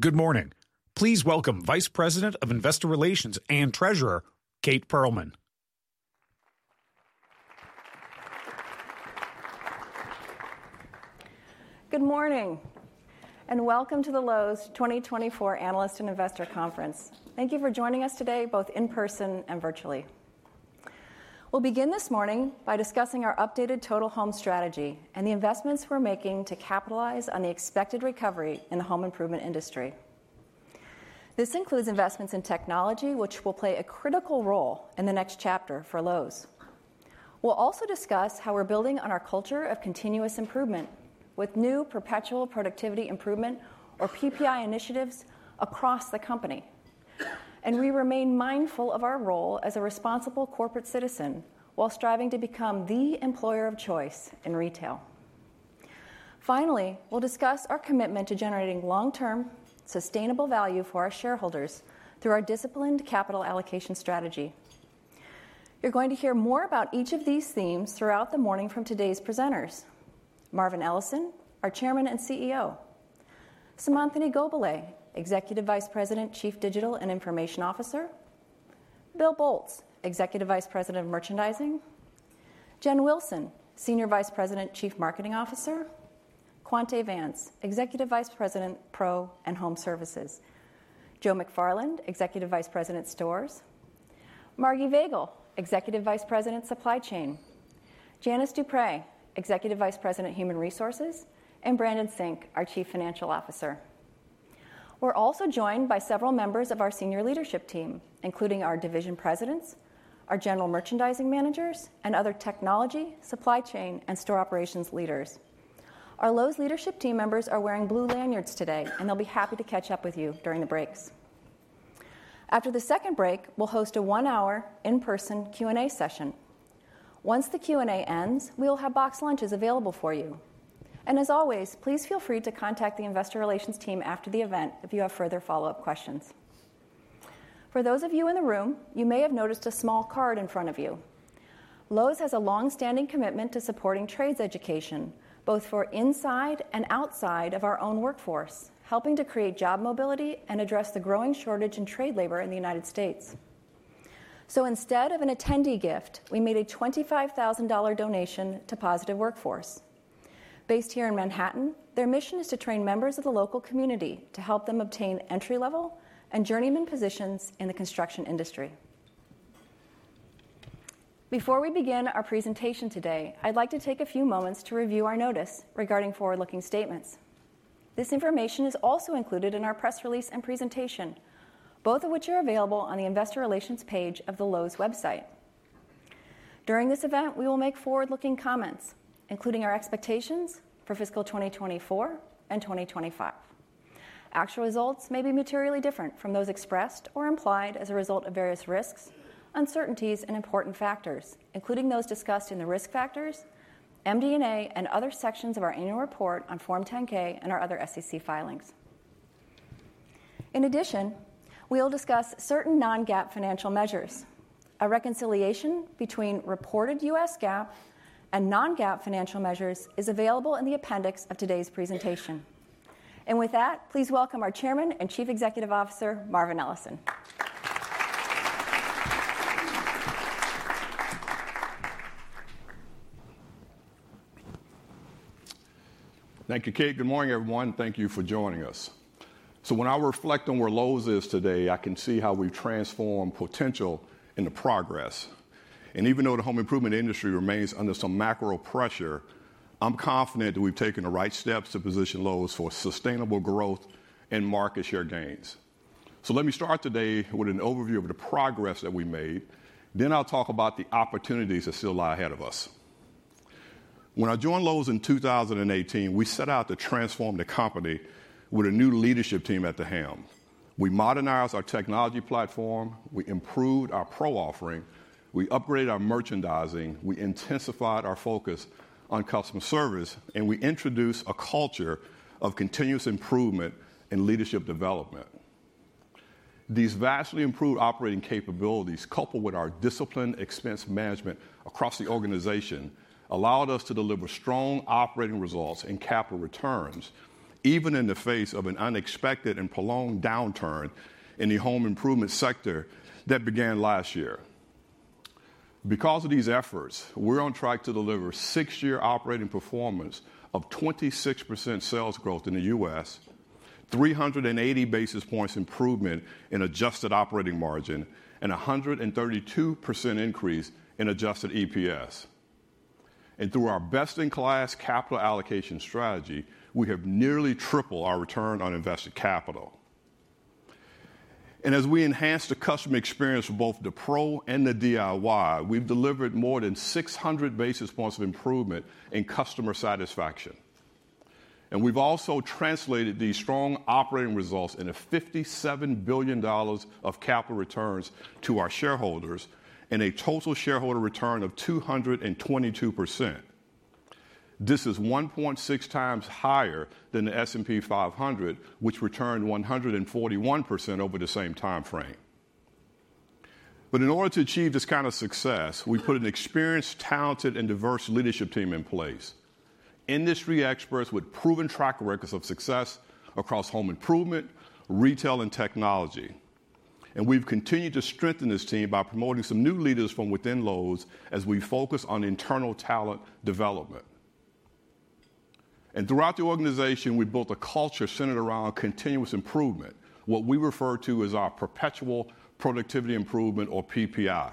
Good morning. Please welcome Vice President of Investor Relations and Treasurer Kate Pearlman. Good morning and welcome to the Lowe's 2024 Analyst and Investor Conference. Thank you for joining us today, both in person and virtually. We'll begin this morning by discussing our updated Total Home Strategy and the investments we're making to capitalize on the expected recovery in the home improvement industry. This includes investments in technology, which will play a critical role in the next chapter for Lowe's. We'll also discuss how we're building on our culture of continuous improvement with new Perpetual Productivity Improvement, or PPI, initiatives across the company. And we remain mindful of our role as a responsible corporate citizen while striving to become the employer of choice in retail. Finally, we'll discuss our commitment to generating long-term sustainable value for our shareholders through our disciplined capital allocation strategy. You're going to hear more about each of these themes throughout the morning from today's presenters: Marvin Ellison, our Chairman and CEO, Seemantini Godbole, Executive Vice President, Chief Digital and Information Officer, Bill Boltz, Executive Vice President of Merchandising, Jen Wilson, Senior Vice President, Chief Marketing Officer, Quonta Vance, Executive Vice President, Pro and Home Services, Joe McFarland, Executive Vice President, Stores, Margrethe Vagell, Executive Vice President, Supply Chain, Janice Dupré, Executive Vice President, Human Resources, and Brandon Sink, our Chief Financial Officer. We're also joined by several members of our senior leadership team, including our division presidents, our general merchandising managers, and other technology, supply chain, and store operations leaders. Our Lowe's leadership team members are wearing blue lanyards today, and they'll be happy to catch up with you during the breaks. After the second break, we'll host a one-hour in-person Q&A session. Once the Q&A ends, we'll have box lunches available for you and as always, please feel free to contact the Investor Relations team after the event if you have further follow-up questions. For those of you in the room, you may have noticed a small card in front of you. Lowe's has a long-standing commitment to supporting trades education, both for inside and outside of our own workforce, helping to create job mobility and address the growing shortage in trade labor in the United States so instead of an attendee gift, we made a $25,000 donation to Positive Workforce based here in Manhattan, their mission is to train members of the local community to help them obtain entry-level and journeyman positions in the construction industry. Before we begin our presentation today, I'd like to take a few moments to review our notice regarding forward-looking statements. This information is also included in our press release and presentation, both of which are available on the Investor Relations page of the Lowe's website. During this event, we will make forward-looking comments, including our expectations for fiscal 2024 and 2025. Actual results may be materially different from those expressed or implied as a result of various risks, uncertainties, and important factors, including those discussed in the risk factors, MD&A, and other sections of our annual report on Form 10-K and our other SEC filings. In addition, we'll discuss certain non-GAAP financial measures. A reconciliation between reported U.S. GAAP and non-GAAP financial measures is available in the appendix of today's presentation, and with that, please welcome our Chairman and Chief Executive Officer, Marvin Ellison. Thank you, Kate. Good morning, everyone. Thank you for joining us. So when I reflect on where Lowe's is today, I can see how we've transformed potential into progress. And even though the home improvement industry remains under some macro pressure, I'm confident that we've taken the right steps to position Lowe's for sustainable growth and market share gains. So let me start today with an overview of the progress that we made. Then I'll talk about the opportunities that still lie ahead of us. When I joined Lowe's in 2018, we set out to transform the company with a new leadership team at the helm, we modernized our technology platform, we improved our Pro offering, we upgraded our merchandising, we intensified our focus on customer service, and we introduced a culture of continuous improvement and leadership development. These vastly improved operating capabilities, coupled with our disciplined expense management across the organization, allowed us to deliver strong operating results and capital returns, even in the face of an unexpected and prolonged downturn in the home improvement sector that began last year. Because of these efforts, we're on track to deliver six-year operating performance of 26% sales growth in the U.S., 380 basis points improvement in adjusted operating margin, and a 132% increase in adjusted EPS. And through our best-in-class capital allocation strategy, we have nearly tripled our return on invested capital. And as we enhance the customer experience for both the Pro and the DIY, we've delivered more than 600 basis points of improvement in customer satisfaction. And we've also translated these strong operating results into $57 billion of capital returns to our shareholders and a total shareholder return of 222%. This is 1.6 times higher than the S&P 500, which returned 141% over the same timeframe, but in order to achieve this kind of success, we put an experienced, talented, and diverse leadership team in place: industry experts with proven track records of success across home improvement, retail, and technology, and we've continued to strengthen this team by promoting some new leaders from within Lowe's as we focus on internal talent development, and throughout the organization, we built a culture centered around continuous improvement, what we refer to as our perpetual productivity improvement, or PPI,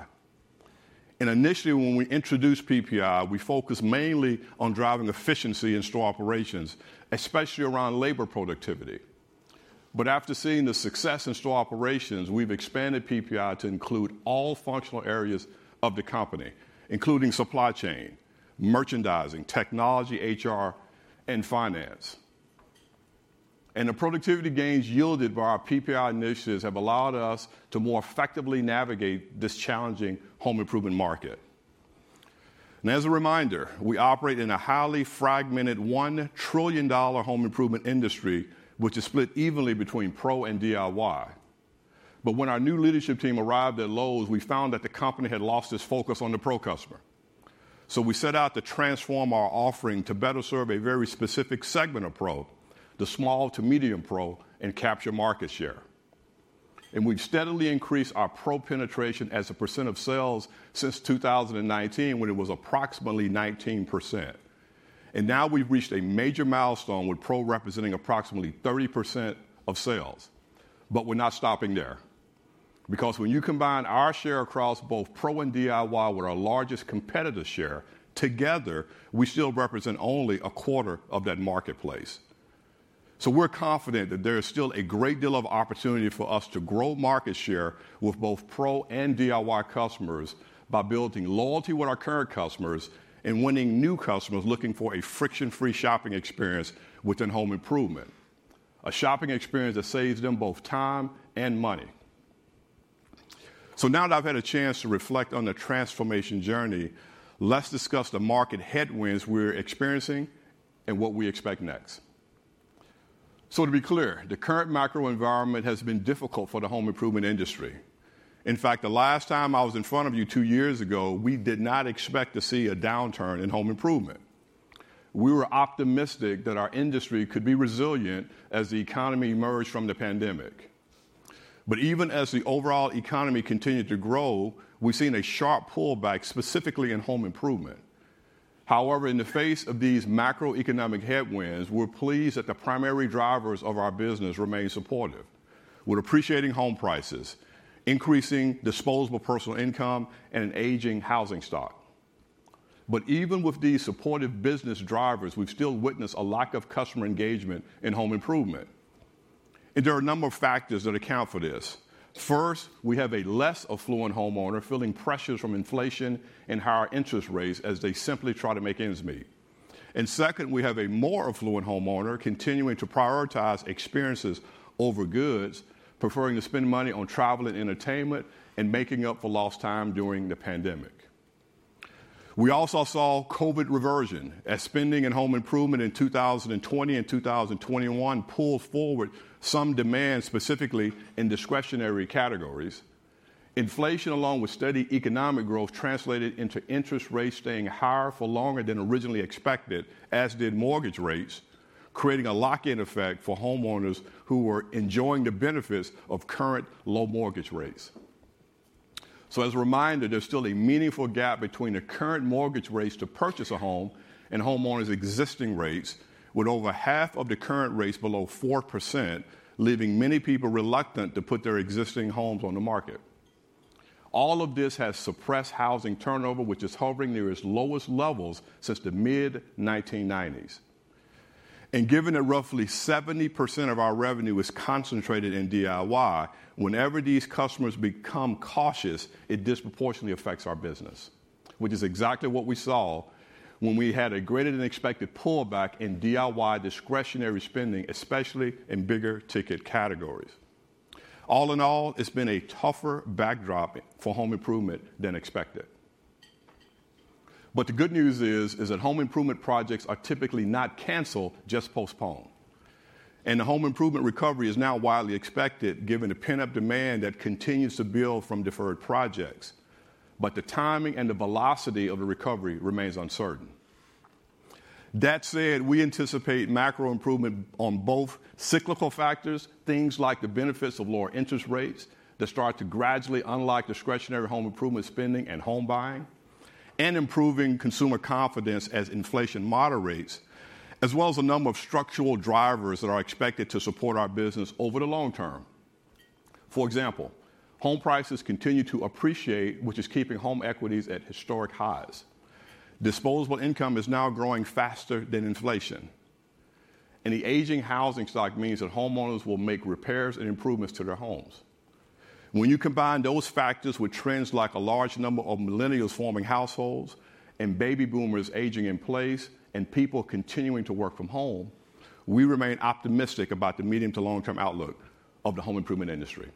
and initially, when we introduced PPI, we focused mainly on driving efficiency in store operations, especially around labor productivity, but after seeing the success in store operations, we've expanded PPI to include all functional areas of the company, including supply chain, merchandising, technology, HR, and finance. The productivity gains yielded by our PPI initiatives have allowed us to more effectively navigate this challenging home improvement market. As a reminder, we operate in a highly fragmented $1 trillion home improvement industry, which is split evenly between Pro and DIY. But when our new leadership team arrived at Lowe's, we found that the company had lost its focus on the Pro customer. So we set out to transform our offering to better serve a very specific segment of Pro, the small to medium Pro, and capture market share. And we've steadily increased our Pro penetration as a % of sales since 2019, when it was approximately 19%. And now we've reached a major milestone with Pro representing approximately 30% of sales. But we're not stopping there. Because when you combine our share across both Pro and DIY with our largest competitor's share together, we still represent only a quarter of that marketplace. So we're confident that there is still a great deal of opportunity for us to grow market share with both Pro and DIY customers by building loyalty with our current customers and winning new customers looking for a friction-free shopping experience within home improvement, a shopping experience that saves them both time and money. So now that I've had a chance to reflect on the transformation journey, let's discuss the market headwinds we're experiencing and what we expect next. So to be clear, the current macro environment has been difficult for the home improvement industry. In fact, the last time I was in front of you two years ago, we did not expect to see a downturn in home improvement. We were optimistic that our industry could be resilient as the economy emerged from the pandemic. But even as the overall economy continued to grow, we've seen a sharp pullback specifically in home improvement. However, in the face of these macroeconomic headwinds, we're pleased that the primary drivers of our business remain supportive, with appreciating home prices, increasing disposable personal income, and an aging housing stock. But even with these supportive business drivers, we've still witnessed a lack of customer engagement in home improvement. And there are a number of factors that account for this. First, we have a less affluent homeowner feeling pressures from inflation and higher interest rates as they simply try to make ends meet. And second, we have a more affluent homeowner continuing to prioritize experiences over goods, preferring to spend money on travel and entertainment and making up for lost time during the pandemic. We also saw COVID reversion as spending in home improvement in 2020 and 2021 pulled forward some demand specifically in discretionary categories. Inflation, along with steady economic growth, translated into interest rates staying higher for longer than originally expected, as did mortgage rates, creating a lock-in effect for homeowners who were enjoying the benefits of current low mortgage rates. So as a reminder, there's still a meaningful gap between the current mortgage rates to purchase a home and homeowners' existing rates, with over half of the current rates below 4%, leaving many people reluctant to put their existing homes on the market. All of this has suppressed housing turnover, which is hovering near its lowest levels since the mid-1990s. Given that roughly 70% of our revenue is concentrated in DIY, whenever these customers become cautious, it disproportionately affects our business, which is exactly what we saw when we had a greater-than-expected pullback in DIY discretionary spending, especially in bigger-ticket categories. All in all, it's been a tougher backdrop for home improvement than expected. The good news is that home improvement projects are typically not canceled, just postponed. The home improvement recovery is now widely expected, given the pent-up demand that continues to build from deferred projects. The timing and the velocity of the recovery remains uncertain. That said, we anticipate macro improvement on both cyclical factors, things like the benefits of lower interest rates that start to gradually unlock discretionary home improvement spending and home buying, and improving consumer confidence as inflation moderates, as well as a number of structural drivers that are expected to support our business over the long term. For example, home prices continue to appreciate, which is keeping home equities at historic highs. Disposable income is now growing faster than inflation. And the aging housing stock means that homeowners will make repairs and improvements to their homes. When you combine those factors with trends like a large number of millennials forming households and baby boomers aging in place and people continuing to work from home, we remain optimistic about the medium to long-term outlook of the home improvement industry.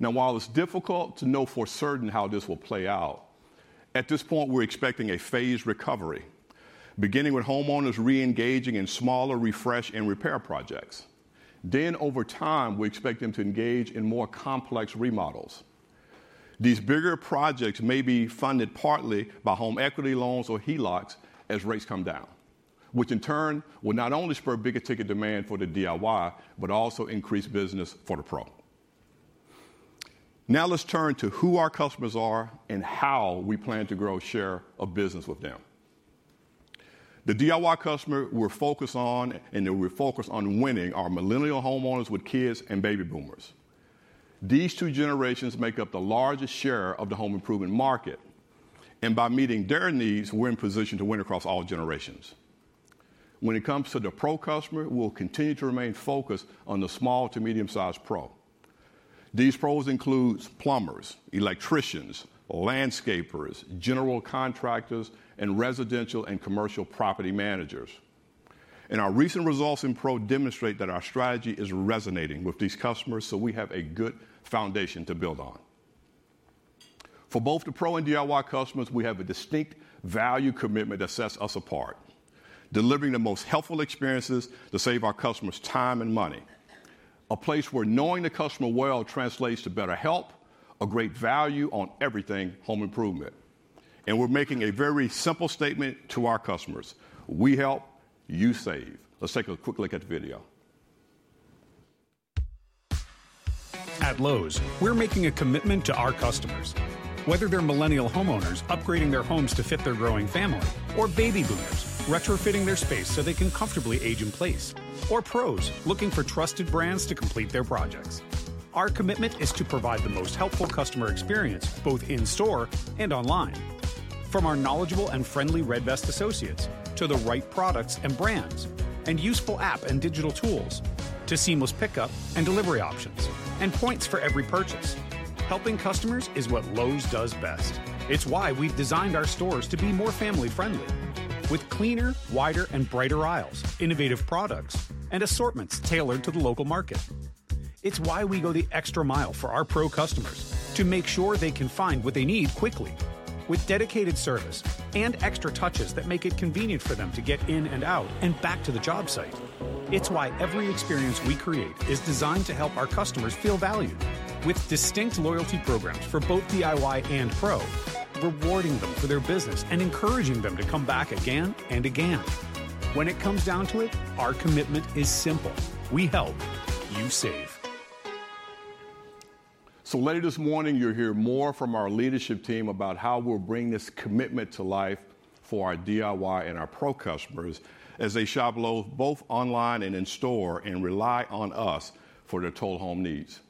Now, while it's difficult to know for certain how this will play out, at this point, we're expecting a phased recovery, beginning with homeowners re-engaging in smaller refresh and repair projects, then over time, we expect them to engage in more complex remodels. These bigger projects may be funded partly by home equity loans or HELOCs as rates come down, which in turn will not only spur bigger-ticket demand for the DIY, but also increase business for the pro. Now let's turn to who our customers are and how we plan to grow share of business with them. The DIY customer we're focused on, and we're focused on winning, are millennial homeowners with kids and baby boomers. These two generations make up the largest share of the home improvement market, and by meeting their needs, we're in position to win across all generations. When it comes to the Pro customer, we'll continue to remain focused on the small to medium-sized pro. These pros include plumbers, electricians, landscapers, general contractors, and residential and commercial property managers. And our recent results in Pro demonstrate that our strategy is resonating with these customers, so we have a good foundation to build on. For both the Pro and DIY customers, we have a distinct value commitment that sets us apart, delivering the most helpful experiences to save our customers time and money, a place where knowing the customer well translates to better help, a great value on everything home improvement. And we're making a very simple statement to our customers: we help, you save. Let's take a quick look at the video. At Lowe's, we're making a commitment to our customers. Whether they're millennial homeowners upgrading their homes to fit their growing family, or baby boomers retrofitting their space so they can comfortably age in place, or pros looking for trusted brands to complete their projects, our commitment is to provide the most helpful customer experience both in store and online. From our knowledgeable and friendly Red Vest associates to the right products and brands, and useful app and digital tools to seamless pickup and delivery options, and points for every purchase, helping customers is what Lowe's does best. It's why we've designed our stores to be more family-friendly, with cleaner, wider, and brighter aisles, innovative products, and assortments tailored to the local market. It's why we go the extra mile for our Pro customers to make sure they can find what they need quickly, with dedicated service and extra touches that make it convenient for them to get in and out and back to the job site. It's why every experience we create is designed to help our customers feel valued, with distinct loyalty programs for both DIY and Pro, rewarding them for their business and encouraging them to come back again and again. When it comes down to it, our commitment is simple: we help, you save. So later this morning, you'll hear more from our leadership team about how we'll bring this commitment to life for our DIY and our Pro customers as they shop Lowe's both online and in store and rely on us for their total home needs.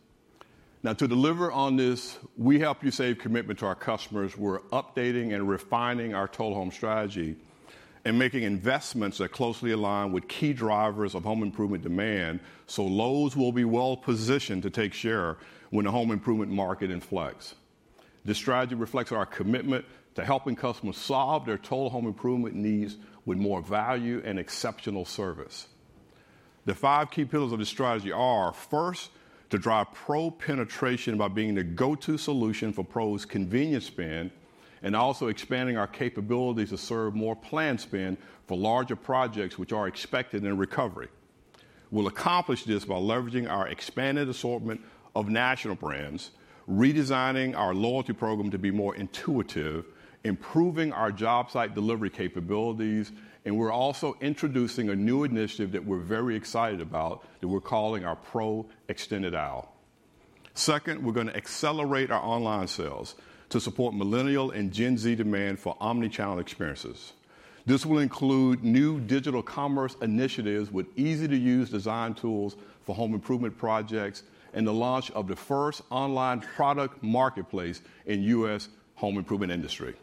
Now, to deliver on this, we have a steadfast commitment to our customers. We're updating and refining our Total Home Strategy and making investments that closely align with key drivers of home improvement demand so Lowe's will be well-positioned to take share when the home improvement market inflects. This strategy reflects our commitment to helping customers solve their total home improvement needs with more value and exceptional service. The five key pillars of this strategy are, first, to drive Pro penetration by being the go-to solution for pros' convenience spend and also expanding our capabilities to serve more planned spend for larger projects which are expected in recovery. We'll accomplish this by leveraging our expanded assortment of national brands, redesigning our loyalty program to be more intuitive, improving our job site delivery capabilities, and we're also introducing a new initiative that we're very excited about that we're calling our Pro Extended Aisle. Second, we're going to accelerate our online sales to support millennial and Gen Z demand for omnichannel experiences. This will include new digital commerce initiatives with easy-to-use design tools for home improvement projects and the launch of the first online product marketplace in the U.S. home improvement industry.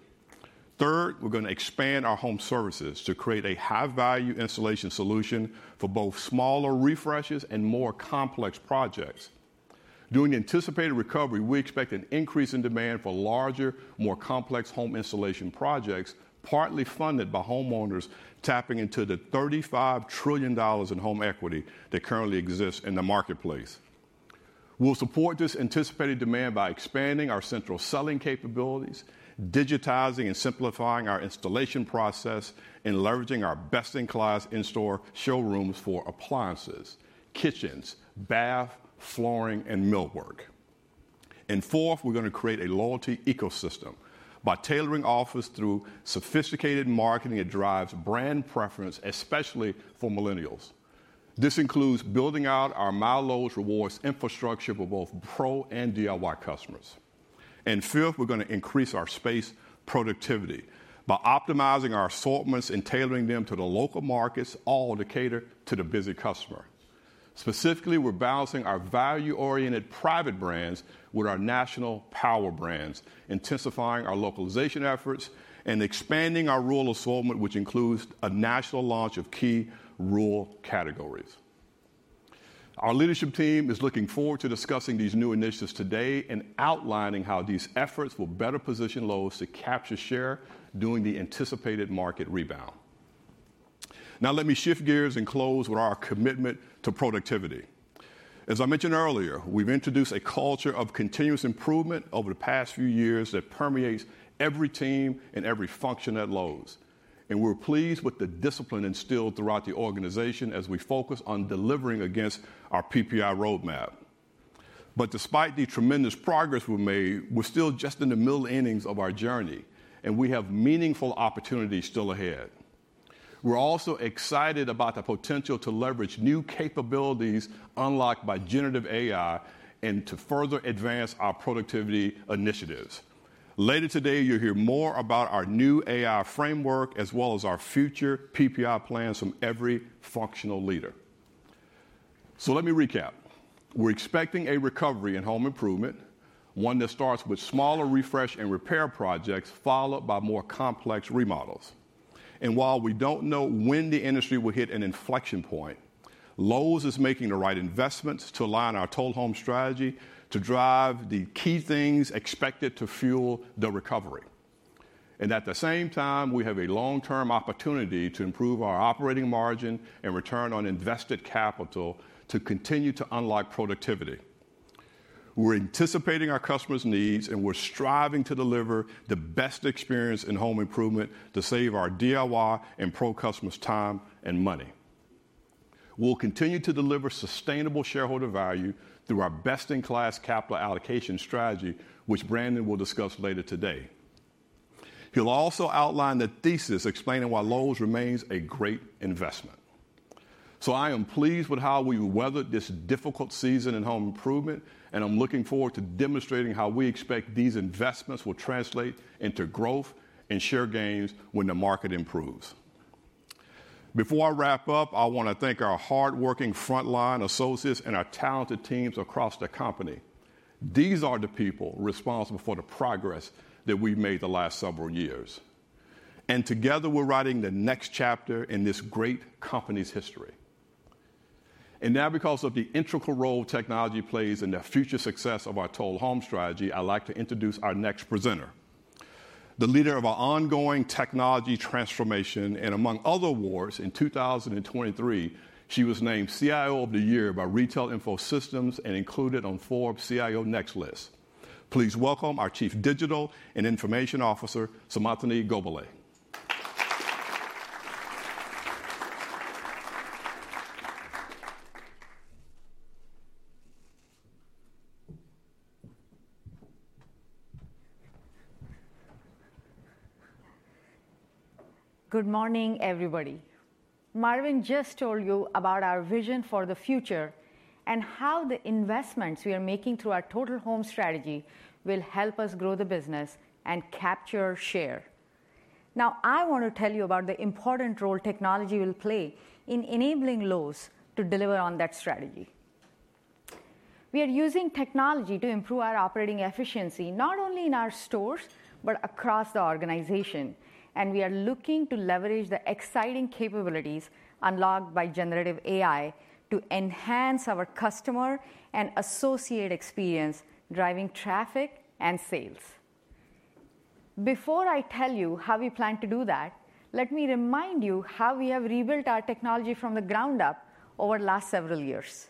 Third, we're going to expand our home services to create a high-value installation solution for both smaller refreshes and more complex projects. During the anticipated recovery, we expect an increase in demand for larger, more complex home installation projects, partly funded by homeowners tapping into the $35 trillion in home equity that currently exists in the marketplace. We'll support this anticipated demand by expanding our central selling capabilities, digitizing and simplifying our installation process, and leveraging our best-in-class in-store showrooms for appliances, kitchens, bath, flooring, and millwork. And fourth, we're going to create a loyalty ecosystem by tailoring offers through sophisticated marketing that drives brand preference, especially for millennials. This includes building out our MyLowe's Rewards infrastructure for both Pro and DIY customers. And fifth, we're going to increase our space productivity by optimizing our assortments and tailoring them to the local markets all to cater to the busy customer. Specifically, we're balancing our value-oriented private brands with our national power brands, intensifying our localization efforts, and expanding our rural assortment, which includes a national launch of key rural categories. Our leadership team is looking forward to discussing these new initiatives today and outlining how these efforts will better position Lowe's to capture share during the anticipated market rebound. Now, let me shift gears and close with our commitment to productivity. As I mentioned earlier, we've introduced a culture of continuous improvement over the past few years that permeates every team and every function at Lowe's, and we're pleased with the discipline instilled throughout the organization as we focus on delivering against our PPI roadmap, but despite the tremendous progress we've made, we're still just in the middle innings of our journey, and we have meaningful opportunities still ahead. We're also excited about the potential to leverage new capabilities unlocked by generative AI and to further advance our productivity initiatives. Later today, you'll hear more about our new AI framework as well as our future PPI plans from every functional leader. So let me recap. We're expecting a recovery in home improvement, one that starts with smaller refresh and repair projects followed by more complex remodels. And while we don't know when the industry will hit an inflection point, Lowe's is making the right investments to align our Total Home Strategy to drive the key things expected to fuel the recovery. And at the same time, we have a long-term opportunity to improve our operating margin and return on invested capital to continue to unlock productivity. We're anticipating our customers' needs, and we're striving to deliver the best experience in home improvement to save our DIY and Pro customers' time and money. We'll continue to deliver sustainable shareholder value through our best-in-class capital allocation strategy, which Brandon will discuss later today. He'll also outline the thesis explaining why Lowe's remains a great investment, so I am pleased with how we've weathered this difficult season in home improvement, and I'm looking forward to demonstrating how we expect these investments will translate into growth and share gains when the market improves. Before I wrap up, I want to thank our hardworking frontline associates and our talented teams across the company. These are the people responsible for the progress that we've made the last several years, and together, we're writing the next chapter in this great company's history, and now, because of the integral role technology plays in the future success of our Total Home Strategy, I'd like to introduce our next presenter, the leader of our ongoing technology transformation. Among other awards, in 2023, she was named CIO of the Year by Retail Info Systems and included on Forbes' CIO Next list. Please welcome our Chief Digital and Information Officer, Seemantini Godbole. Good morning, everybody. Marvin just told you about our vision for the future and how the investments we are making through our Total Home Strategy will help us grow the business and capture share. Now, I want to tell you about the important role technology will play in enabling Lowe's to deliver on that strategy. We are using technology to improve our operating efficiency not only in our stores but across the organization. And we are looking to leverage the exciting capabilities unlocked by generative AI to enhance our customer and associate experience, driving traffic and sales. Before I tell you how we plan to do that, let me remind you how we have rebuilt our technology from the ground up over the last several years.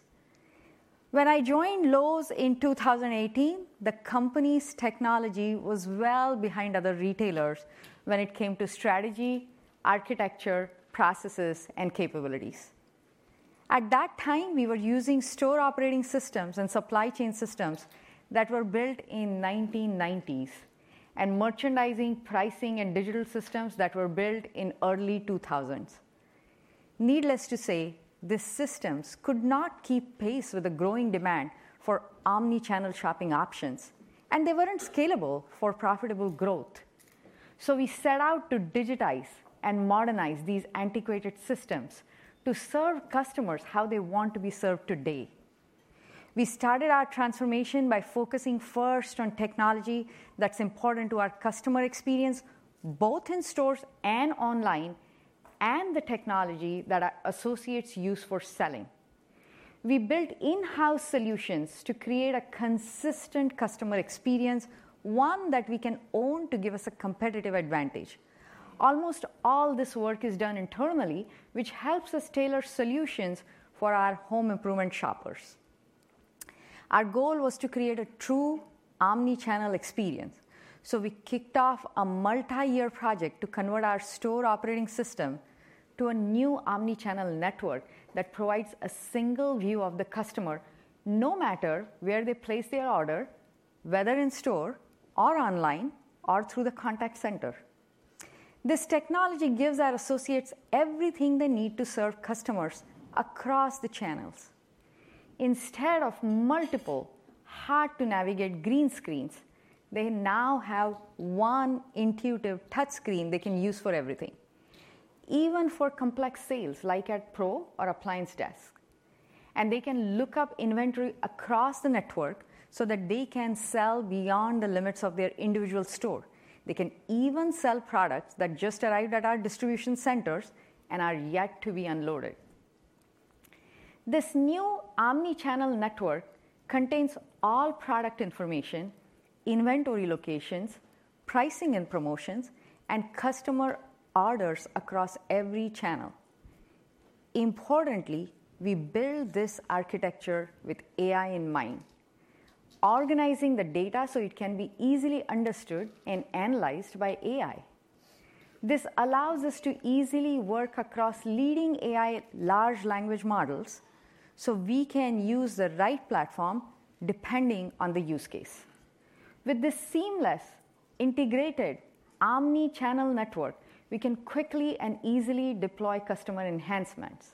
When I joined Lowe's in 2018, the company's technology was well behind other retailers when it came to strategy, architecture, processes, and capabilities. At that time, we were using store operating systems and supply chain systems that were built in the 1990s and merchandising, pricing, and digital systems that were built in the early 2000s. Needless to say, these systems could not keep pace with the growing demand for omnichannel shopping options, and they weren't scalable for profitable growth. So we set out to digitize and modernize these antiquated systems to serve customers how they want to be served today. We started our transformation by focusing first on technology that's important to our customer experience, both in stores and online, and the technology that associates use for selling. We built in-house solutions to create a consistent customer experience, one that we can own to give us a competitive advantage. Almost all this work is done internally, which helps us tailor solutions for our home improvement shoppers. Our goal was to create a true omnichannel experience, so we kicked off a multi-year project to convert our store operating system to a new omnichannel network that provides a single view of the customer no matter where they place their order, whether in store or online or through the contact center. This technology gives our associates everything they need to serve customers across the channels. Instead of multiple hard-to-navigate green screens, they now have one intuitive touchscreen they can use for everything, even for complex sales like at Pro or Appliance Desk. They can look up inventory across the network so that they can sell beyond the limits of their individual store. They can even sell products that just arrived at our distribution centers and are yet to be unloaded. This new omnichannel network contains all product information, inventory locations, pricing and promotions, and customer orders across every channel. Importantly, we build this architecture with AI in mind, organizing the data so it can be easily understood and analyzed by AI. This allows us to easily work across leading AI large language models so we can use the right platform depending on the use case. With this seamless integrated omnichannel network, we can quickly and easily deploy customer enhancements.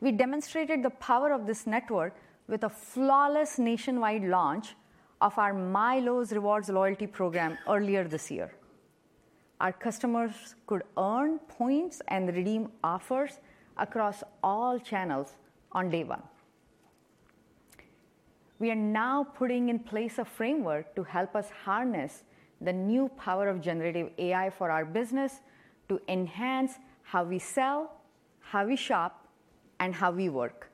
We demonstrated the power of this network with a flawless nationwide launch of our MyLowe's Rewards loyalty program earlier this year. Our customers could earn points and redeem offers across all channels on day one. We are now putting in place a framework to help us harness the new power of generative AI for our business to enhance how we sell, how we shop, and how we work.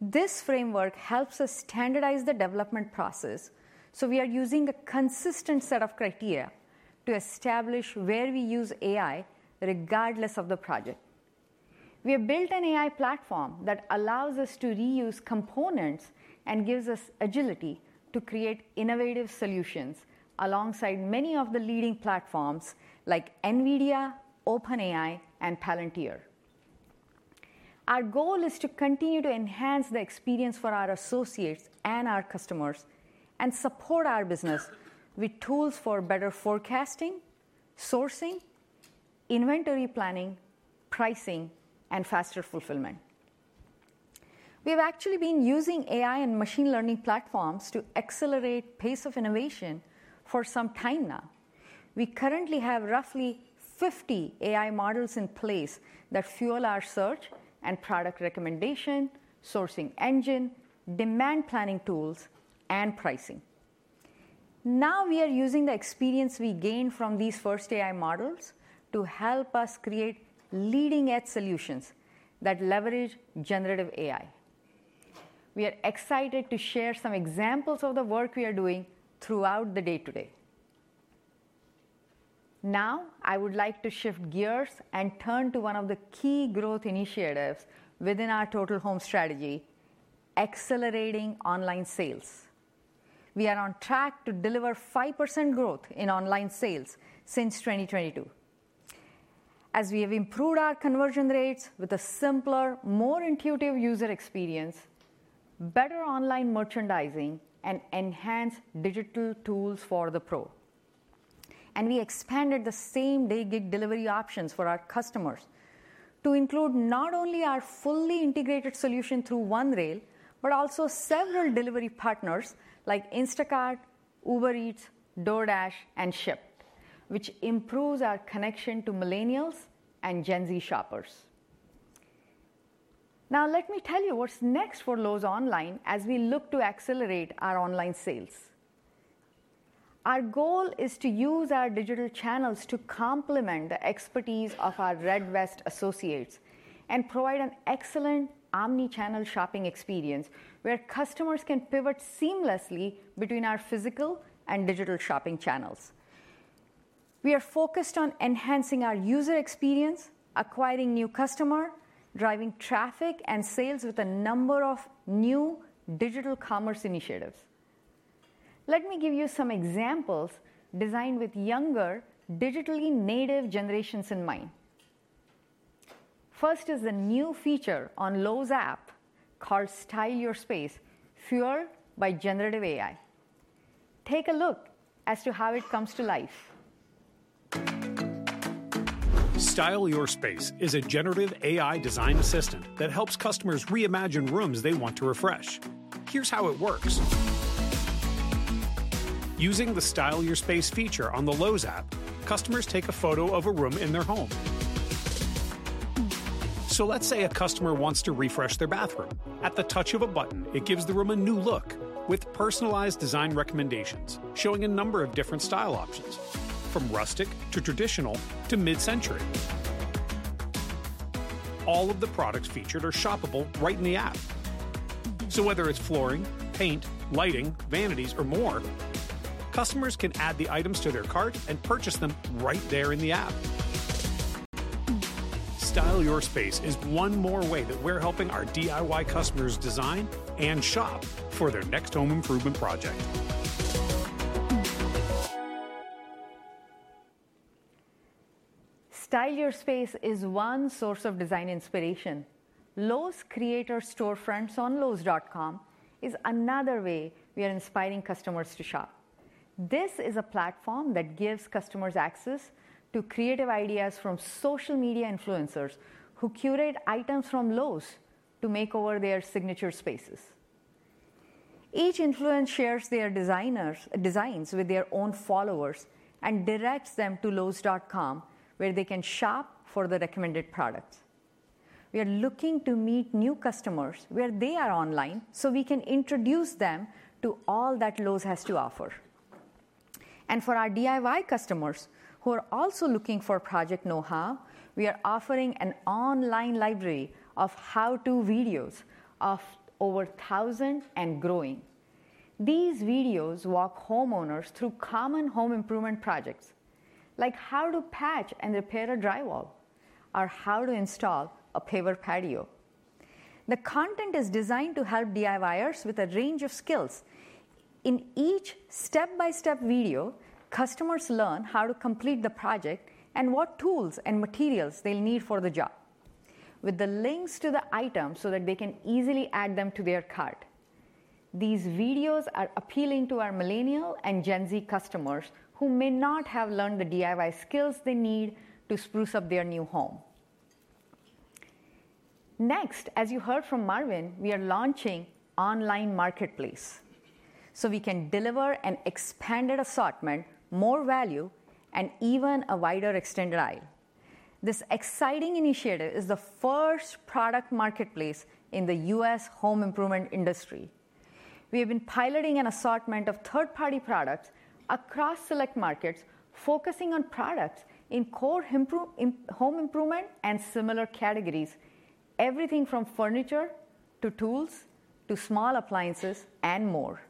This framework helps us standardize the development process, so we are using a consistent set of criteria to establish where we use AI regardless of the project. We have built an AI platform that allows us to reuse components and gives us agility to create innovative solutions alongside many of the leading platforms like NVIDIA, OpenAI, and Palantir. Our goal is to continue to enhance the experience for our associates and our customers and support our business with tools for better forecasting, sourcing, inventory planning, pricing, and faster fulfillment. We have actually been using AI and machine learning platforms to accelerate the pace of innovation for some time now. We currently have roughly 50 AI models in place that fuel our search and product recommendation, sourcing engine, demand planning tools, and pricing. Now we are using the experience we gained from these first AI models to help us create leading-edge solutions that leverage generative AI. We are excited to share some examples of the work we are doing throughout the day today. Now, I would like to shift gears and turn to one of the key growth initiatives within our Total Home Strategy, accelerating online sales. We are on track to deliver 5% growth in online sales since 2022. As we have improved our conversion rates with a simpler, more intuitive user experience, better online merchandising, and enhanced digital tools for the pro, and we expanded the same-day gig delivery options for our customers to include not only our fully integrated solution through OneRail, but also several delivery partners like Instacart, Uber Eats, DoorDash, and Shipt, which improves our connection to millennials and Gen Z shoppers. Now, let me tell you what's next for Lowe's Online as we look to accelerate our online sales. Our goal is to use our digital channels to complement the expertise of our Red Vest associates and provide an excellent omnichannel shopping experience where customers can pivot seamlessly between our physical and digital shopping channels. We are focused on enhancing our user experience, acquiring new customers, driving traffic, and sales with a number of new digital commerce initiatives. Let me give you some examples designed with younger digitally native generations in mind. First is a new feature on Lowe's app called Style Your Space, fueled by generative AI. Take a look at how it comes to life. Style Your Space is a generative AI design assistant that helps customers reimagine rooms they want to refresh. Here's how it works. Using the Style Your Space feature on the Lowe's app, customers take a photo of a room in their home. So let's say a customer wants to refresh their bathroom. At the touch of a button, it gives the room a new look with personalized design recommendations showing a number of different style options, from rustic to traditional to mid-century. All of the products featured are shoppable right in the app. So whether it's flooring, paint, lighting, vanities, or more, customers can add the items to their cart and purchase them right there in the app. Style Your Space is one more way that we're helping our DIY customers design and shop for their next home improvement project. Style Your Space is one source of design inspiration. Lowe's Creator Storefronts on lowes.com is another way we are inspiring customers to shop. This is a platform that gives customers access to creative ideas from social media influencers who curate items from Lowe's to make over their signature spaces. Each influencer shares their designs with their own followers and directs them to lowes.com, where they can shop for the recommended products. We are looking to meet new customers where they are online so we can introduce them to all that Lowe's has to offer, and for our DIY customers who are also looking for project know-how, we are offering an online library of how-to videos of over 1,000 and growing. These videos walk homeowners through common home improvement projects, like how to patch and repair a drywall or how to install a paver patio. The content is designed to help DIYers with a range of skills. In each step-by-step video, customers learn how to complete the project and what tools and materials they'll need for the job, with the links to the items so that they can easily add them to their cart. These videos are appealing to our millennial and Gen Z customers who may not have learned the DIY skills they need to spruce up their new home. Next, as you heard from Marvin, we are launching an online marketplace so we can deliver an expanded assortment, more value, and even a wider extended aisle. This exciting initiative is the first product marketplace in the U.S. home improvement industry. We have been piloting an assortment of third-party products across select markets, focusing on products in core home improvement and similar categories, everything from furniture to tools to small appliances and more.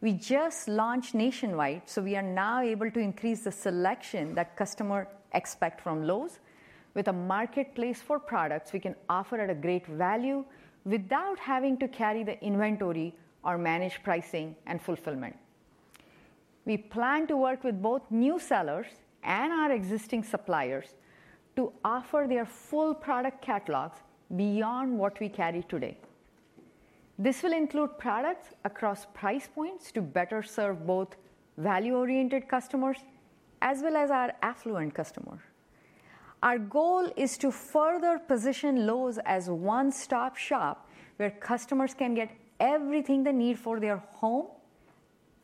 We just launched nationwide, so we are now able to increase the selection that customers expect from Lowe's. With a marketplace for products, we can offer at a great value without having to carry the inventory or manage pricing and fulfillment. We plan to work with both new sellers and our existing suppliers to offer their full product catalogs beyond what we carry today. This will include products across price points to better serve both value-oriented customers as well as our affluent customers. Our goal is to further position Lowe's as a one-stop shop where customers can get everything they need for their home,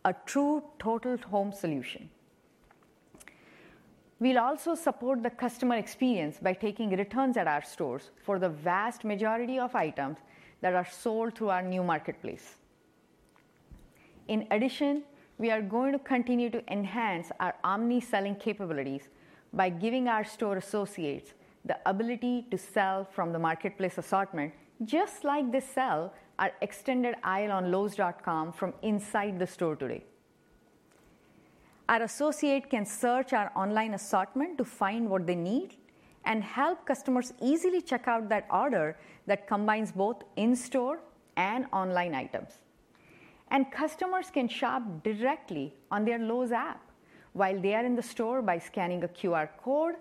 a true total home solution. We'll also support the customer experience by taking returns at our stores for the vast majority of items that are sold through our new marketplace. In addition, we are going to continue to enhance our omni-selling capabilities by giving our store associates the ability to sell from the marketplace assortment, just like they sell at extended aisle on lowes.com from inside the store today. Our associate can search our online assortment to find what they need and help customers easily check out that order that combines both in-store and online items. Customers can shop directly on their Lowe's app while they are in the store by scanning a QR code.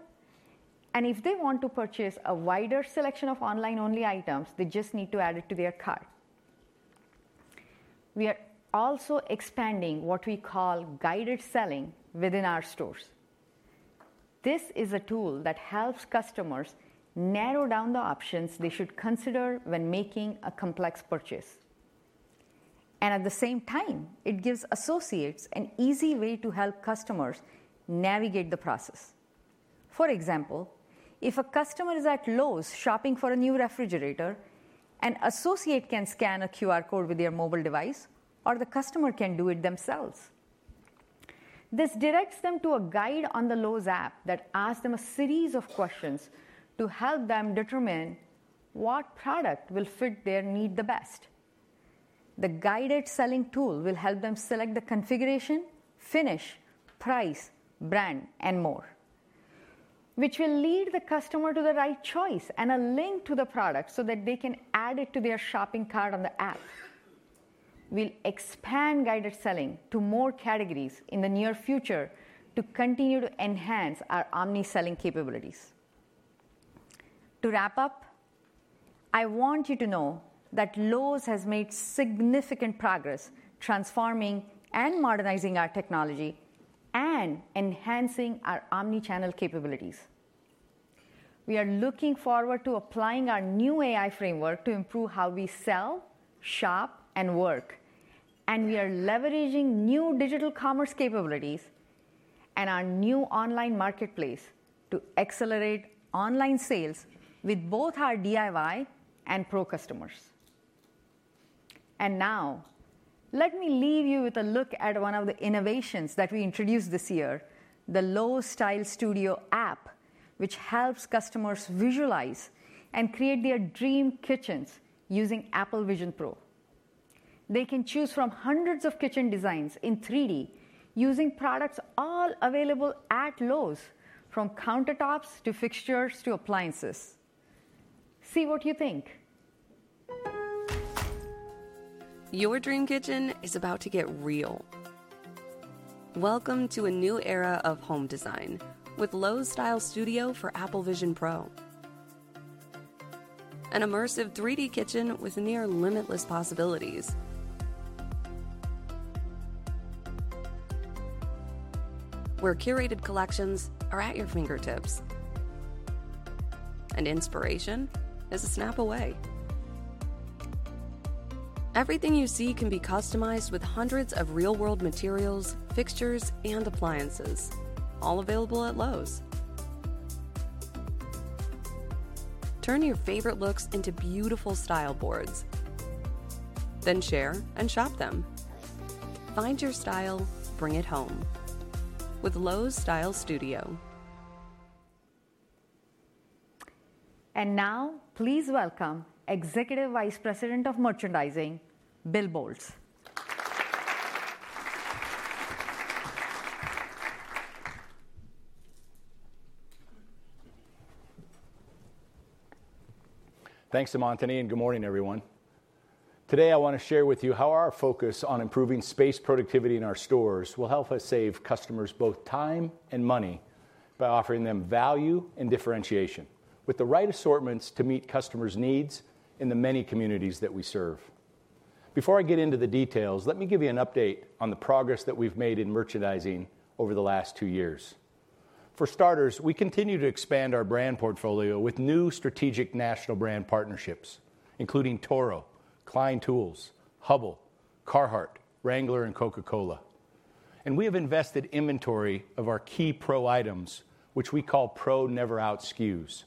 If they want to purchase a wider selection of online-only items, they just need to add it to their cart. We are also expanding what we call guided selling within our stores. This is a tool that helps customers narrow down the options they should consider when making a complex purchase. At the same time, it gives associates an easy way to help customers navigate the process. For example, if a customer is at Lowe's shopping for a new refrigerator, an associate can scan a QR code with their mobile device, or the customer can do it themselves. This directs them to a guide on the Lowe's app that asks them a series of questions to help them determine what product will fit their need the best. The guided selling tool will help them select the configuration, finish, price, brand, and more, which will lead the customer to the right choice and a link to the product so that they can add it to their shopping cart on the app. We'll expand guided selling to more categories in the near future to continue to enhance our omni-selling capabilities. To wrap up, I want you to know that Lowe's has made significant progress transforming and modernizing our technology and enhancing our omnichannel capabilities. We are looking forward to applying our new AI framework to improve how we sell, shop, and work. And we are leveraging new digital commerce capabilities and our new online marketplace to accelerate online sales with both our DIY and Pro customers. And now, let me leave you with a look at one of the innovations that we introduced this year, the Lowe's Style Studio app, which helps customers visualize and create their dream kitchens using Apple Vision Pro. They can choose from hundreds of kitchen designs in 3D using products all available at Lowe's, from countertops to fixtures to appliances. See what you think. Your dream kitchen is about to get real. Welcome to a new era of home design with Lowe's Style Studio for Apple Vision Pro, an immersive 3D kitchen with near limitless possibilities, where curated collections are at your fingertips and inspiration is a snap away. Everything you see can be customized with hundreds of real-world materials, fixtures, and appliances, all available at Lowe's. Turn your favorite looks into beautiful style boards, then share and shop them. Find your style, bring it home with Lowe's Style Studio. Now, please welcome Executive Vice President of Merchandising, Bill Boltz. Thanks, Seemantini. Good morning, everyone. Today, I want to share with you how our focus on improving space productivity in our stores will help us save customers both time and money by offering them value and differentiation with the right assortments to meet customers' needs in the many communities that we serve. Before I get into the details, let me give you an update on the progress that we've made in merchandising over the last two years. For starters, we continue to expand our brand portfolio with new strategic national brand partnerships, including Toro, Klein Tools, Hubbell, Carhartt, Wrangler, and Coca-Cola. We have invested inventory of our key Pro items, which we call Pro Never Out SKUs.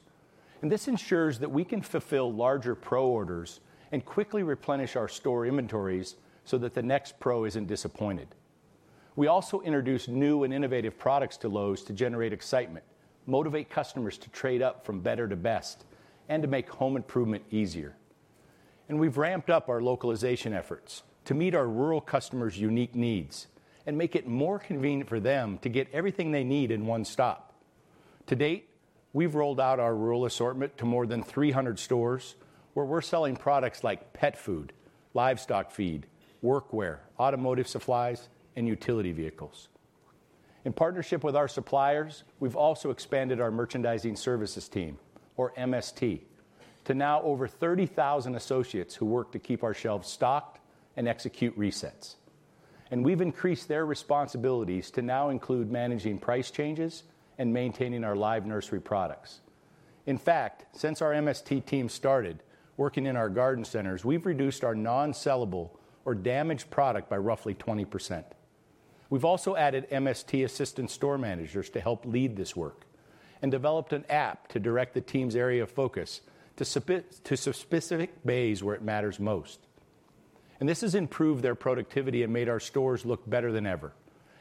This ensures that we can fulfill larger Pro orders and quickly replenish our store inventories so that the next Pro isn't disappointed. We also introduced new and innovative products to Lowe's to generate excitement, motivate customers to trade up from better to best, and to make home improvement easier. We've ramped up our localization efforts to meet our rural customers' unique needs and make it more convenient for them to get everything they need in one stop. To date, we've rolled out our rural assortment to more than 300 stores where we're selling products like pet food, livestock feed, workwear, automotive supplies, and utility vehicles. In partnership with our suppliers, we've also expanded our Merchandising Services Team, or MST, to now over 30,000 associates who work to keep our shelves stocked and execute resets. We've increased their responsibilities to now include managing price changes and maintaining our live nursery products. In fact, since our MST team started working in our garden centers, we've reduced our non-sellable or damaged product by roughly 20%. We've also added MST assistant store managers to help lead this work and developed an app to direct the team's area of focus to specific bays where it matters most. And this has improved their productivity and made our stores look better than ever.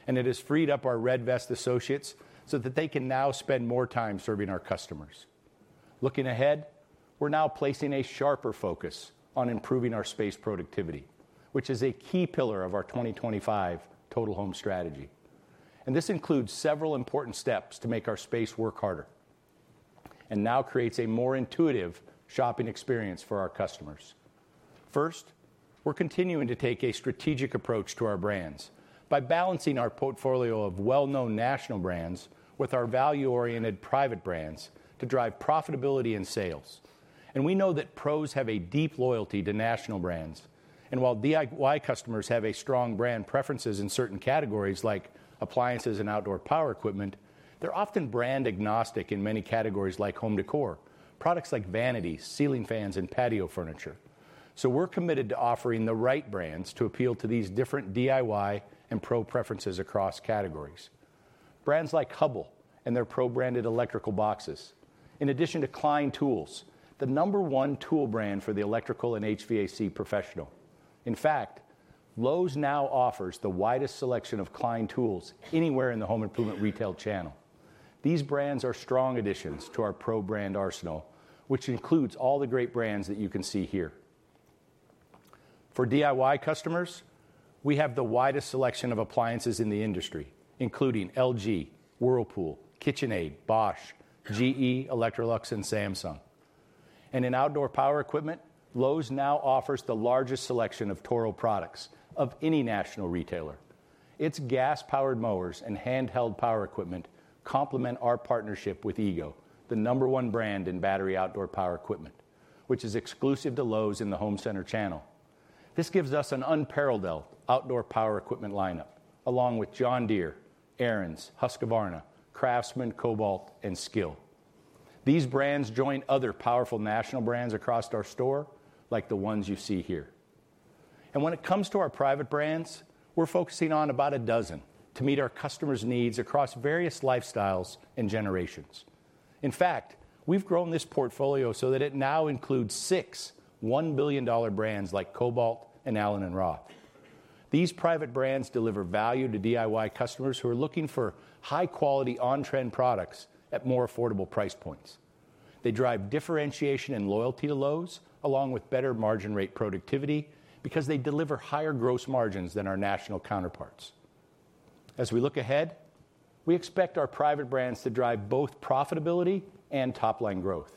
And it has freed up our Red Vest associates so that they can now spend more time serving our customers. Looking ahead, we're now placing a sharper focus on improving our space productivity, which is a key pillar of our 2025 Total Home Strategy. And this includes several important steps to make our space work harder and now creates a more intuitive shopping experience for our customers. First, we're continuing to take a strategic approach to our brands by balancing our portfolio of well-known national brands with our value-oriented private brands to drive profitability and sales. And we know that pros have a deep loyalty to national brands. And while DIY customers have strong brand preferences in certain categories like appliances and outdoor power equipment, they're often brand-agnostic in many categories like home decor, products like vanities, ceiling fans, and patio furniture. So we're committed to offering the right brands to appeal to these different DIY and Pro preferences across categories. Brands like Hubbell and their Pro branded electrical boxes, in addition to Klein Tools, the number one tool brand for the electrical and HVAC professional. In fact, Lowe's now offers the widest selection of Klein Tools anywhere in the home improvement retail channel. These brands are strong additions to our Pro brand arsenal, which includes all the great brands that you can see here. For DIY customers, we have the widest selection of appliances in the industry, including LG, Whirlpool, KitchenAid, Bosch, GE, Electrolux, and Samsung. And in outdoor power equipment, Lowe's now offers the largest selection of Toro products of any national retailer. Its gas-powered mowers and handheld power equipment complement our partnership with EGO, the number one brand in battery outdoor power equipment, which is exclusive to Lowe's in the home center channel. This gives us an unparalleled outdoor power equipment lineup, along with John Deere, Ariens, Husqvarna, Craftsman, Kobalt, and Skil. These brands join other powerful national brands across our store, like the ones you see here. And when it comes to our private brands, we're focusing on about a dozen to meet our customers' needs across various lifestyles and generations. In fact, we've grown this portfolio so that it now includes six $1 billion brands like Kobalt and Allen + Roth. These private brands deliver value to DIY customers who are looking for high-quality, on-trend products at more affordable price points. They drive differentiation and loyalty to Lowe's, along with better margin rate productivity because they deliver higher gross margins than our national counterparts. As we look ahead, we expect our private brands to drive both profitability and top-line growth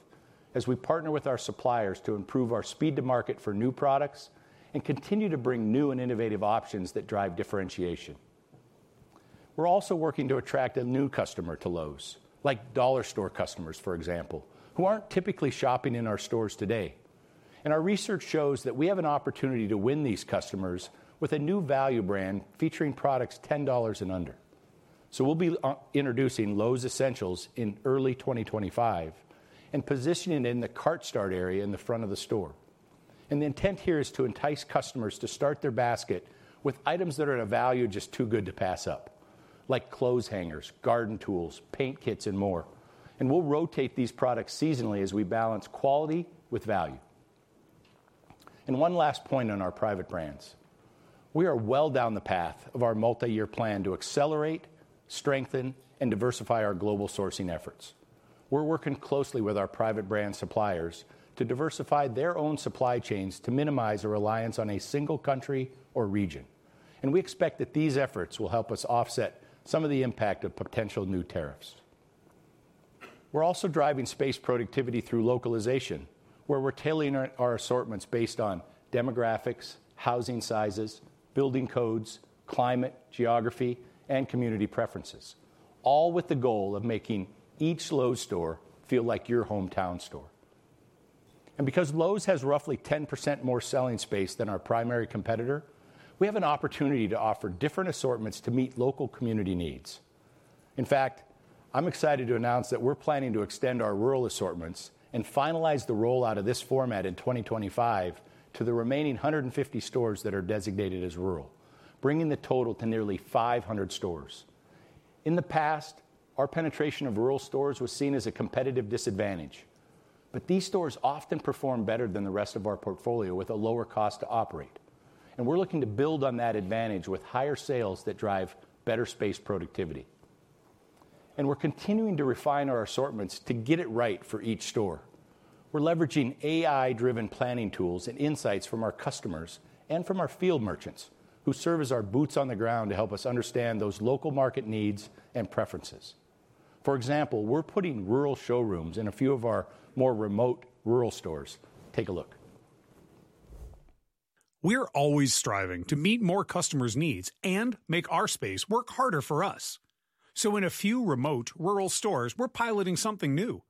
as we partner with our suppliers to improve our speed to market for new products and continue to bring new and innovative options that drive differentiation. We're also working to attract a new customer to Lowe's, like dollar store customers, for example, who aren't typically shopping in our stores today. Our research shows that we have an opportunity to win these customers with a new value brand featuring products $10 and under. We'll be introducing Lowe's Essentials in early 2025 and positioning it in the cart start area in the front of the store. The intent here is to entice customers to start their basket with items that are at a value just too good to pass up, like clothes hangers, garden tools, paint kits, and more. We'll rotate these products seasonally as we balance quality with value. One last point on our private brands. We are well down the path of our multi-year plan to accelerate, strengthen, and diversify our global sourcing efforts. We're working closely with our private brand suppliers to diversify their own supply chains to minimize a reliance on a single country or region. And we expect that these efforts will help us offset some of the impact of potential new tariffs. We're also driving space productivity through localization, where we're tailoring our assortments based on demographics, housing sizes, building codes, climate, geography, and community preferences, all with the goal of making each Lowe's store feel like your hometown store. And because Lowe's has roughly 10% more selling space than our primary competitor, we have an opportunity to offer different assortments to meet local community needs. In fact, I'm excited to announce that we're planning to extend our rural assortments and finalize the rollout of this format in 2025 to the remaining 150 stores that are designated as rural, bringing the total to nearly 500 stores. In the past, our penetration of rural stores was seen as a competitive disadvantage. But these stores often perform better than the rest of our portfolio with a lower cost to operate. And we're looking to build on that advantage with higher sales that drive better space productivity. And we're continuing to refine our assortments to get it right for each store. We're leveraging AI-driven planning tools and insights from our customers and from our field merchants who serve as our boots on the ground to help us understand those local market needs and preferences. For example, we're putting rural showrooms in a few of our more remote rural stores. Take a look. We're always striving to meet more customers' needs and make our space work harder for us. So in a few remote rural stores, we're piloting something new: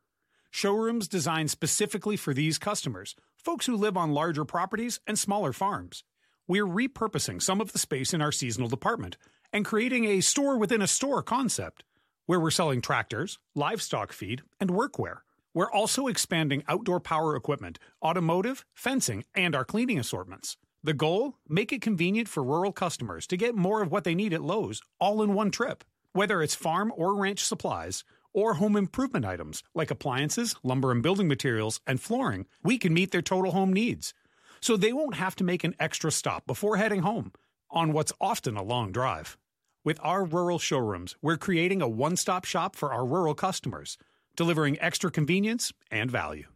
showrooms designed specifically for these customers, folks who live on larger properties and smaller farms. We're repurposing some of the space in our seasonal department and creating a store-within-a-store concept where we're selling tractors, livestock feed, and workwear. We're also expanding outdoor power equipment, automotive, fencing, and our cleaning assortments. The goal: make it convenient for rural customers to get more of what they need at Lowe's all in one trip. Whether it's farm or ranch supplies or home improvement items like appliances, lumber and building materials, and flooring, we can meet their total home needs so they won't have to make an extra stop before heading home on what's often a long drive. With our rural showrooms, we're creating a one-stop shop for our rural customers, delivering extra convenience and value.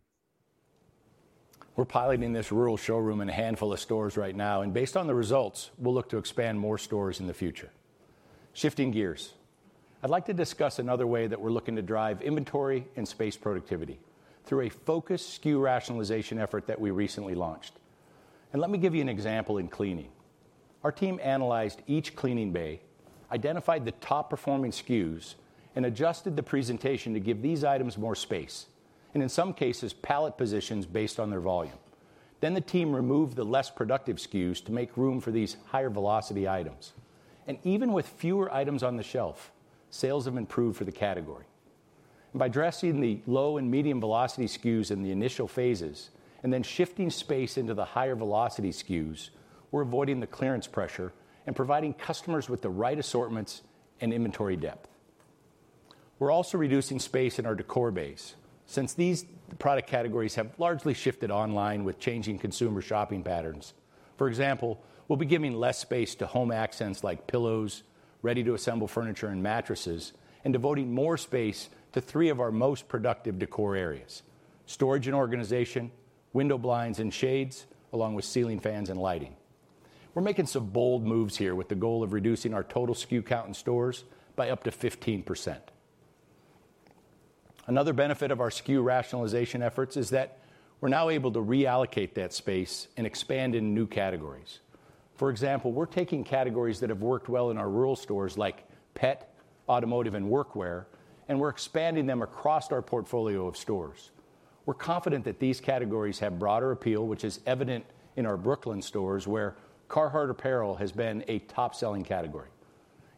We're piloting this rural showroom in a handful of stores right now. And based on the results, we'll look to expand more stores in the future. Shifting gears, I'd like to discuss another way that we're looking to drive inventory and space productivity through a focused SKU rationalization effort that we recently launched. And let me give you an example in cleaning. Our team analyzed each cleaning bay, identified the top-performing SKUs, and adjusted the presentation to give these items more space and, in some cases, pallet positions based on their volume. Then the team removed the less productive SKUs to make room for these higher velocity items. And even with fewer items on the shelf, sales have improved for the category. And by dressing the low and medium velocity SKUs in the initial phases and then shifting space into the higher velocity SKUs, we're avoiding the clearance pressure and providing customers with the right assortments and inventory depth. We're also reducing space in our decor bays since these product categories have largely shifted online with changing consumer shopping patterns. For example, we'll be giving less space to home accents like pillows, ready-to-assemble furniture, and mattresses, and devoting more space to three of our most productive decor areas: storage and organization, window blinds and shades, along with ceiling fans and lighting. We're making some bold moves here with the goal of reducing our total SKU count in stores by up to 15%. Another benefit of our SKU rationalization efforts is that we're now able to reallocate that space and expand in new categories. For example, we're taking categories that have worked well in our rural stores like pet, automotive, and workwear, and we're expanding them across our portfolio of stores. We're confident that these categories have broader appeal, which is evident in our Brooklyn stores where Carhartt apparel has been a top-selling category.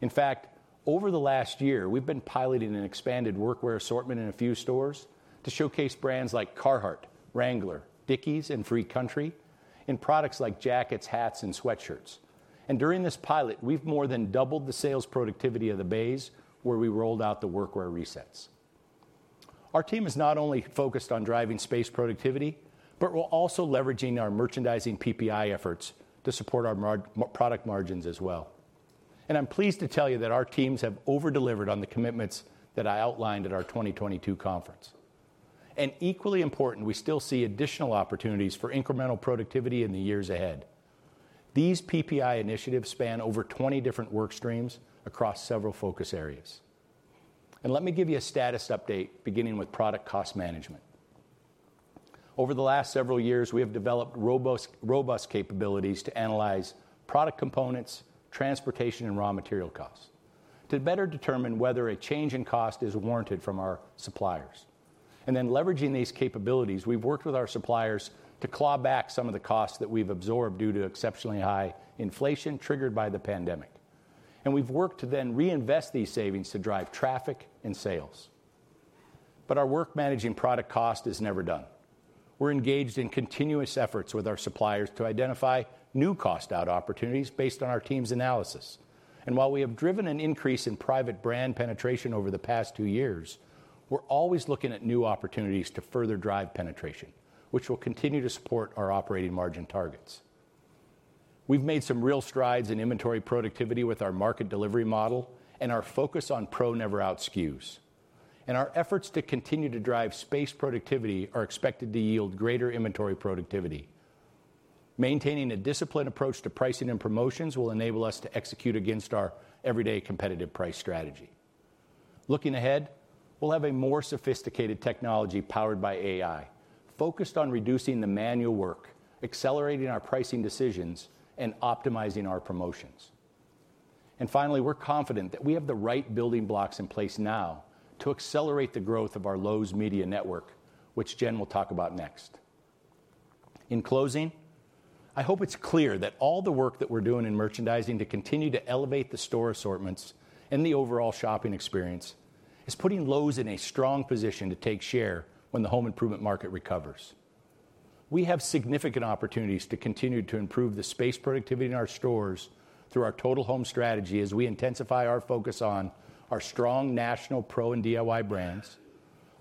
In fact, over the last year, we've been piloting an expanded workwear assortment in a few stores to showcase brands like Carhartt, Wrangler, Dickies, and Free Country in products like jackets, hats, and sweatshirts, and during this pilot, we've more than doubled the sales productivity of the bays where we rolled out the workwear resets. Our team is not only focused on driving space productivity, but we're also leveraging our merchandising PPI efforts to support our product margins as well. I'm pleased to tell you that our teams have overdelivered on the commitments that I outlined at our 2022 conference. Equally important, we still see additional opportunities for incremental productivity in the years ahead. These PPI initiatives span over 20 different work streams across several focus areas. Let me give you a status update beginning with product cost management. Over the last several years, we have developed robust capabilities to analyze product components, transportation, and raw material costs to better determine whether a change in cost is warranted from our suppliers. Then leveraging these capabilities, we've worked with our suppliers to claw back some of the costs that we've absorbed due to exceptionally high inflation triggered by the pandemic. We've worked to then reinvest these savings to drive traffic and sales. Our work managing product cost is never done. We're engaged in continuous efforts with our suppliers to identify new cost-out opportunities based on our team's analysis. And while we have driven an increase in private brand penetration over the past two years, we're always looking at new opportunities to further drive penetration, which will continue to support our operating margin targets. We've made some real strides in inventory productivity with our market delivery model and our focus on Pro Never Out SKUs. And our efforts to continue to drive space productivity are expected to yield greater inventory productivity. Maintaining a disciplined approach to pricing and promotions will enable us to execute against our everyday competitive price strategy. Looking ahead, we'll have a more sophisticated technology powered by AI focused on reducing the manual work, accelerating our pricing decisions, and optimizing our promotions. Finally, we're confident that we have the right building blocks in place now to accelerate the growth of our Lowe's Media Network, which Jen will talk about next. In closing, I hope it's clear that all the work that we're doing in merchandising to continue to elevate the store assortments and the overall shopping experience is putting Lowe's in a strong position to take share when the home improvement market recovers. We have significant opportunities to continue to improve the space productivity in our stores through our Total Home Strategy as we intensify our focus on our strong national Pro and DIY brands,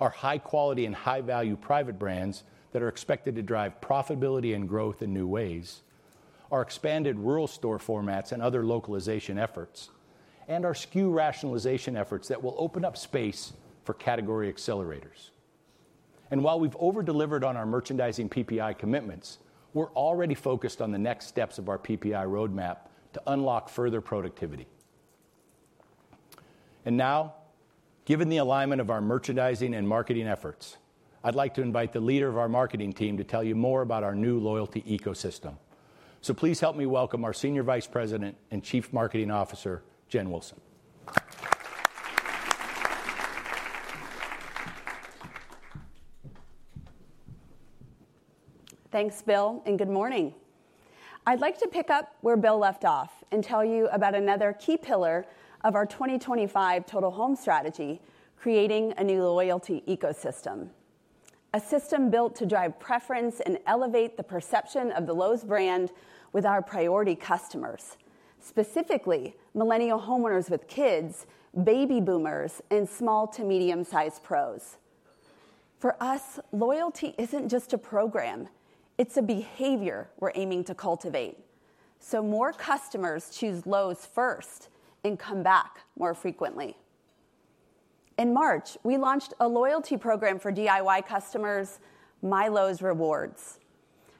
our high-quality and high-value private brands that are expected to drive profitability and growth in new ways, our expanded rural store formats and other localization efforts, and our SKU rationalization efforts that will open up space for category accelerators. While we've overdelivered on our merchandising PPI commitments, we're already focused on the next steps of our PPI roadmap to unlock further productivity. Now, given the alignment of our merchandising and marketing efforts, I'd like to invite the leader of our marketing team to tell you more about our new loyalty ecosystem. Please help me welcome our Senior Vice President and Chief Marketing Officer, Jen Wilson. Thanks, Bill, and good morning. I'd like to pick up where Bill left off and tell you about another key pillar of our 2025 Total Home Strategy, creating a new loyalty ecosystem, a system built to drive preference and elevate the perception of the Lowe's brand with our priority customers, specifically Millennial homeowners with kids, baby boomers, and small to medium-sized pros. For us, loyalty isn't just a program. It's a behavior we're aiming to cultivate so more customers choose Lowe's first and come back more frequently. In March, we launched a loyalty program for DIY customers, MyLowe's Rewards.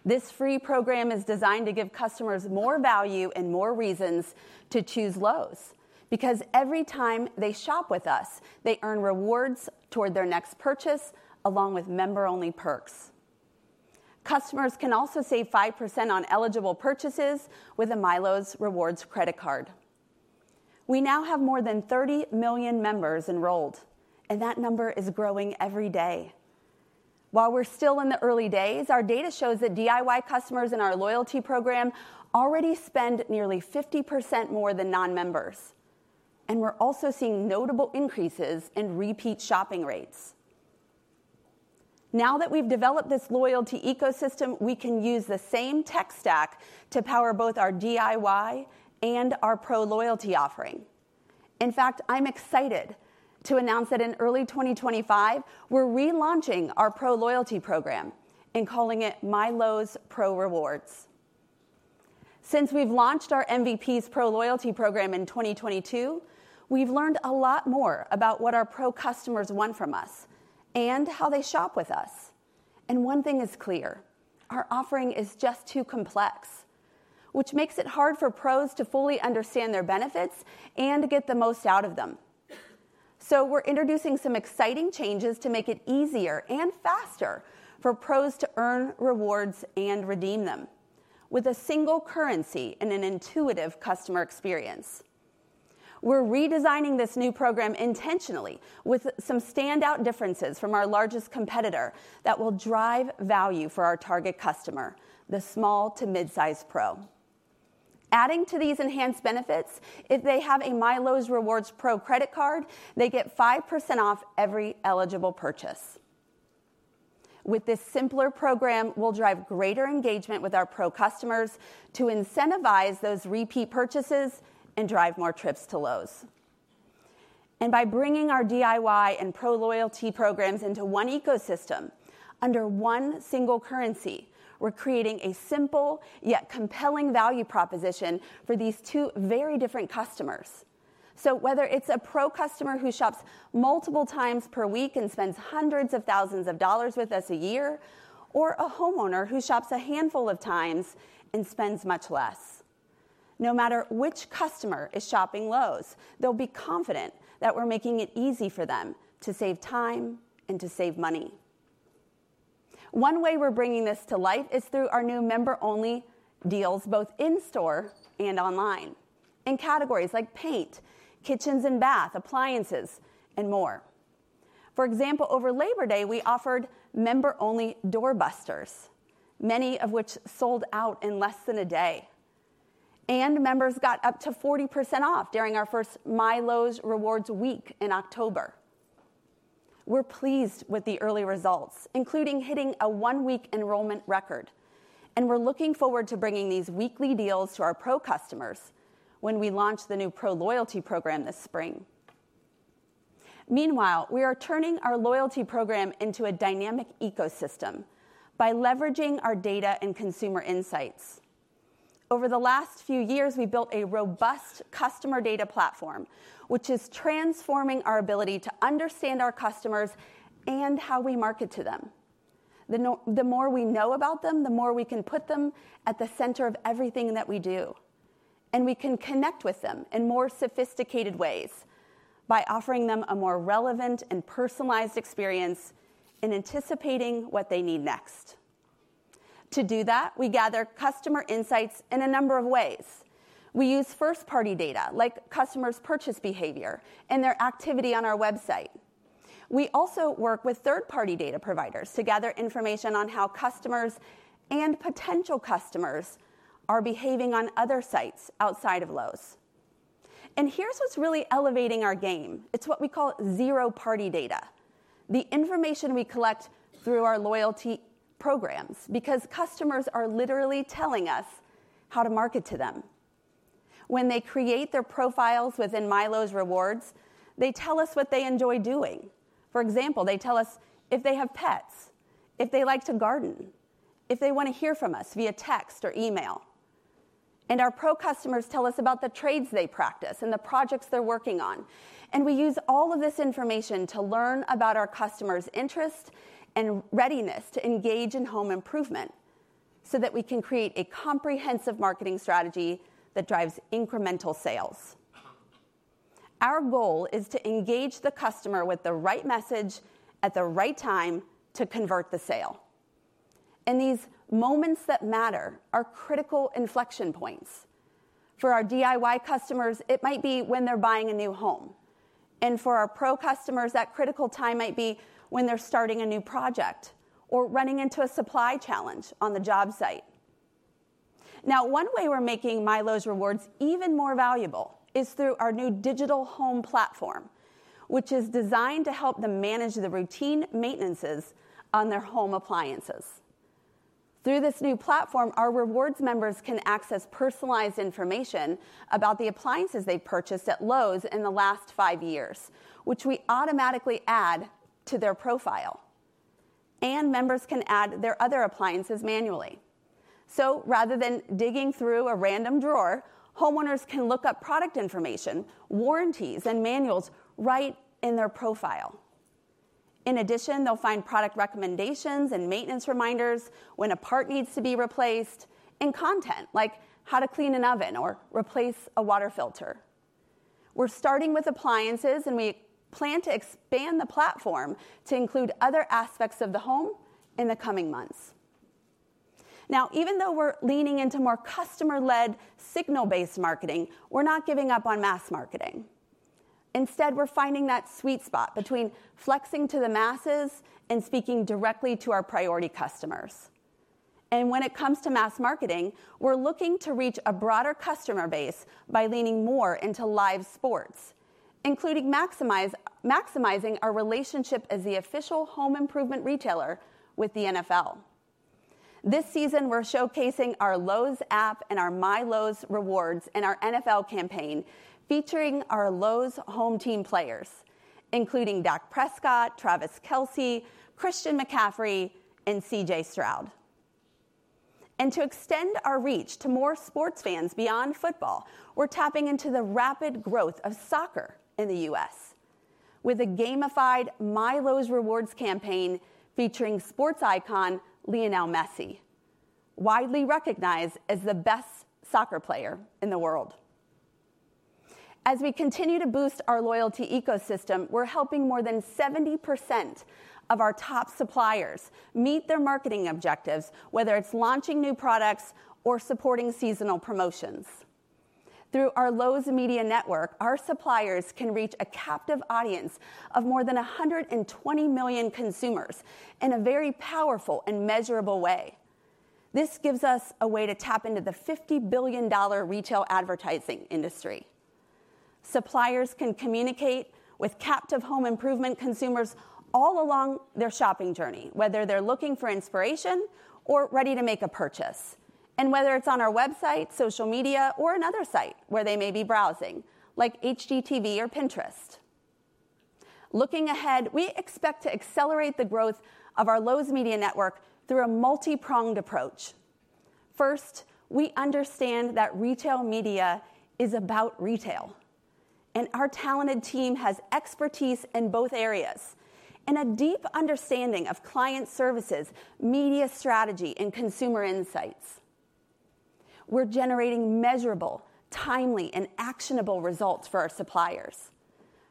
This free program is designed to give customers more value and more reasons to choose Lowe's because every time they shop with us, they earn rewards toward their next purchase along with member-only perks. Customers can also save 5% on eligible purchases with a MyLowe's Rewards Credit Card. We now have more than 30 million members enrolled, and that number is growing every day. While we're still in the early days, our data shows that DIY customers in our loyalty program already spend nearly 50% more than non-members, and we're also seeing notable increases in repeat shopping rates. Now that we've developed this loyalty ecosystem, we can use the same tech stack to power both our DIY and our Pro loyalty offering. In fact, I'm excited to announce that in early 2025, we're relaunching our Pro loyalty program and calling it MyLowe's Pro Rewards. Since we've launched our MVPs Pro Loyalty Program in 2022, we've learned a lot more about what our Pro customers want from us and how they shop with us. And one thing is clear: our offering is just too complex, which makes it hard for pros to fully understand their benefits and get the most out of them. So we're introducing some exciting changes to make it easier and faster for pros to earn rewards and redeem them with a single currency and an intuitive customer experience. We're redesigning this new program intentionally with some standout differences from our largest competitor that will drive value for our target customer, the small to mid-sized pro. Adding to these enhanced benefits, if they have a MyLowe's Rewards Pro Credit Card, they get 5% off every eligible purchase. With this simpler program, we'll drive greater engagement with our Pro customers to incentivize those repeat purchases and drive more trips to Lowe's. And by bringing our DIY and Pro loyalty programs into one ecosystem under one single currency, we're creating a simple yet compelling value proposition for these two very different customers. So whether it's a Pro customer who shops multiple times per week and spends hundreds of thousands of dollars with us a year, or a homeowner who shops a handful of times and spends much less, no matter which customer is shopping Lowe's, they'll be confident that we're making it easy for them to save time and to save money. One way we're bringing this to light is through our new member-only deals, both in store and online, in categories like paint, kitchens and bath, appliances, and more. For example, over Labor Day, we offered member-only doorbusters, many of which sold out in less than a day. And members got up to 40% off during our first MyLowe's Rewards Week in October. We're pleased with the early results, including hitting a one-week enrollment record. And we're looking forward to bringing these weekly deals to our Pro customers when we launch the new Pro loyalty program this spring. Meanwhile, we are turning our loyalty program into a dynamic ecosystem by leveraging our data and consumer insights. Over the last few years, we built a robust customer data platform, which is transforming our ability to understand our customers and how we market to them. The more we know about them, the more we can put them at the center of everything that we do. And we can connect with them in more sophisticated ways by offering them a more relevant and personalized experience in anticipating what they need next. To do that, we gather customer insights in a number of ways. We use first-party data like customers' purchase behavior and their activity on our website. We also work with third-party data providers to gather information on how customers and potential customers are behaving on other sites outside of Lowe's, and here's what's really elevating our game. It's what we call zero-party data, the information we collect through our loyalty programs because customers are literally telling us how to market to them. When they create their profiles within MyLowe's Rewards, they tell us what they enjoy doing. For example, they tell us if they have pets, if they like to garden, if they want to hear from us via text or email, and our Pro customers tell us about the trades they practice and the projects they're working on, and we use all of this information to learn about our customers' interest and readiness to engage in home improvement so that we can create a comprehensive marketing strategy that drives incremental sales. Our goal is to engage the customer with the right message at the right time to convert the sale, and these moments that matter are critical inflection points. For our DIY customers, it might be when they're buying a new home, and for our Pro customers, that critical time might be when they're starting a new project or running into a supply challenge on the job site. Now, one way we're making MyLowe's Rewards even more valuable is through our new digital home platform, which is designed to help them manage the routine maintenances on their home appliances. Through this new platform, our rewards members can access personalized information about the appliances they've purchased at Lowe's in the last five years, which we automatically add to their profile, and members can add their other appliances manually. So rather than digging through a random drawer, homeowners can look up product information, warranties, and manuals right in their profile. In addition, they'll find product recommendations and maintenance reminders when a part needs to be replaced and content like how to clean an oven or replace a water filter. We're starting with appliances, and we plan to expand the platform to include other aspects of the home in the coming months. Now, even though we're leaning into more customer-led signal-based marketing, we're not giving up on mass marketing. Instead, we're finding that sweet spot between flexing to the masses and speaking directly to our priority customers. And when it comes to mass marketing, we're looking to reach a broader customer base by leaning more into live sports, including maximizing our relationship as the official home improvement retailer with the NFL. This season, we're showcasing our Lowe's app and our MyLowe's Rewards and our NFL campaign featuring our Lowe's Home Team players, including Dak Prescott, Travis Kelce, Christian McCaffrey, and C.J. Stroud. And to extend our reach to more sports fans beyond football, we're tapping into the rapid growth of soccer in the U.S. with a gamified MyLowe's Rewards campaign featuring sports icon Lionel Messi, widely recognized as the best soccer player in the world. As we continue to boost our loyalty ecosystem, we're helping more than 70% of our top suppliers meet their marketing objectives, whether it's launching new products or supporting seasonal promotions. Through our Lowe's Media Network, our suppliers can reach a captive audience of more than 120 million consumers in a very powerful and measurable way. This gives us a way to tap into the $50 billion retail advertising industry. Suppliers can communicate with captive home improvement consumers all along their shopping journey, whether they're looking for inspiration or ready to make a purchase, and whether it's on our website, social media, or another site where they may be browsing, like HGTV or Pinterest. Looking ahead, we expect to accelerate the growth of our Lowe's Media Network through a multi-pronged approach. First, we understand that retail media is about retail, and our talented team has expertise in both areas and a deep understanding of client services, media strategy, and consumer insights. We're generating measurable, timely, and actionable results for our suppliers.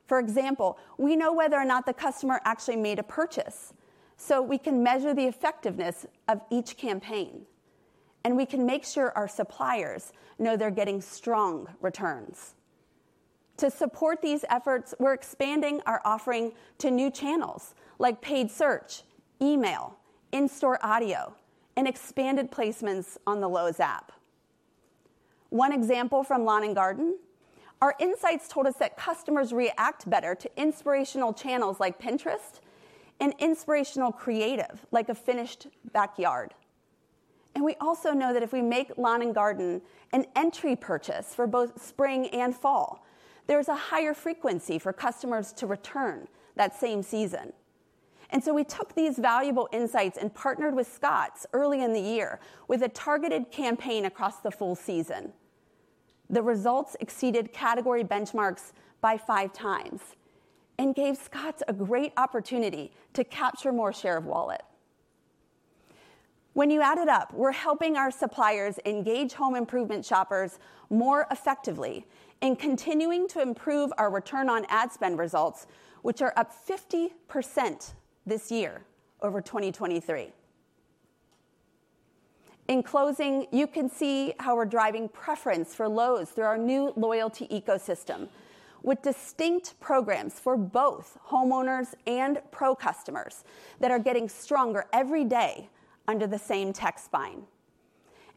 For example, we know whether or not the customer actually made a purchase, so we can measure the effectiveness of each campaign, and we can make sure our suppliers know they're getting strong returns. To support these efforts, we're expanding our offering to new channels like paid search, email, in-store audio, and expanded placements on the Lowe's app. One example from Lawn and Garden, our insights told us that customers react better to inspirational channels like Pinterest and inspirational creative like a finished backyard. We also know that if we make Lawn and Garden an entry purchase for both spring and fall, there's a higher frequency for customers to return that same season. We took these valuable insights and partnered with Scotts early in the year with a targeted campaign across the full season. The results exceeded category benchmarks by five times and gave Scotts a great opportunity to capture more share of wallet. When you add it up, we're helping our suppliers engage home improvement shoppers more effectively and continuing to improve our return on ad spend results, which are up 50% this year over 2023. In closing, you can see how we're driving preference for Lowe's through our new loyalty ecosystem with distinct programs for both homeowners and Pro customers that are getting stronger every day under the same tech spine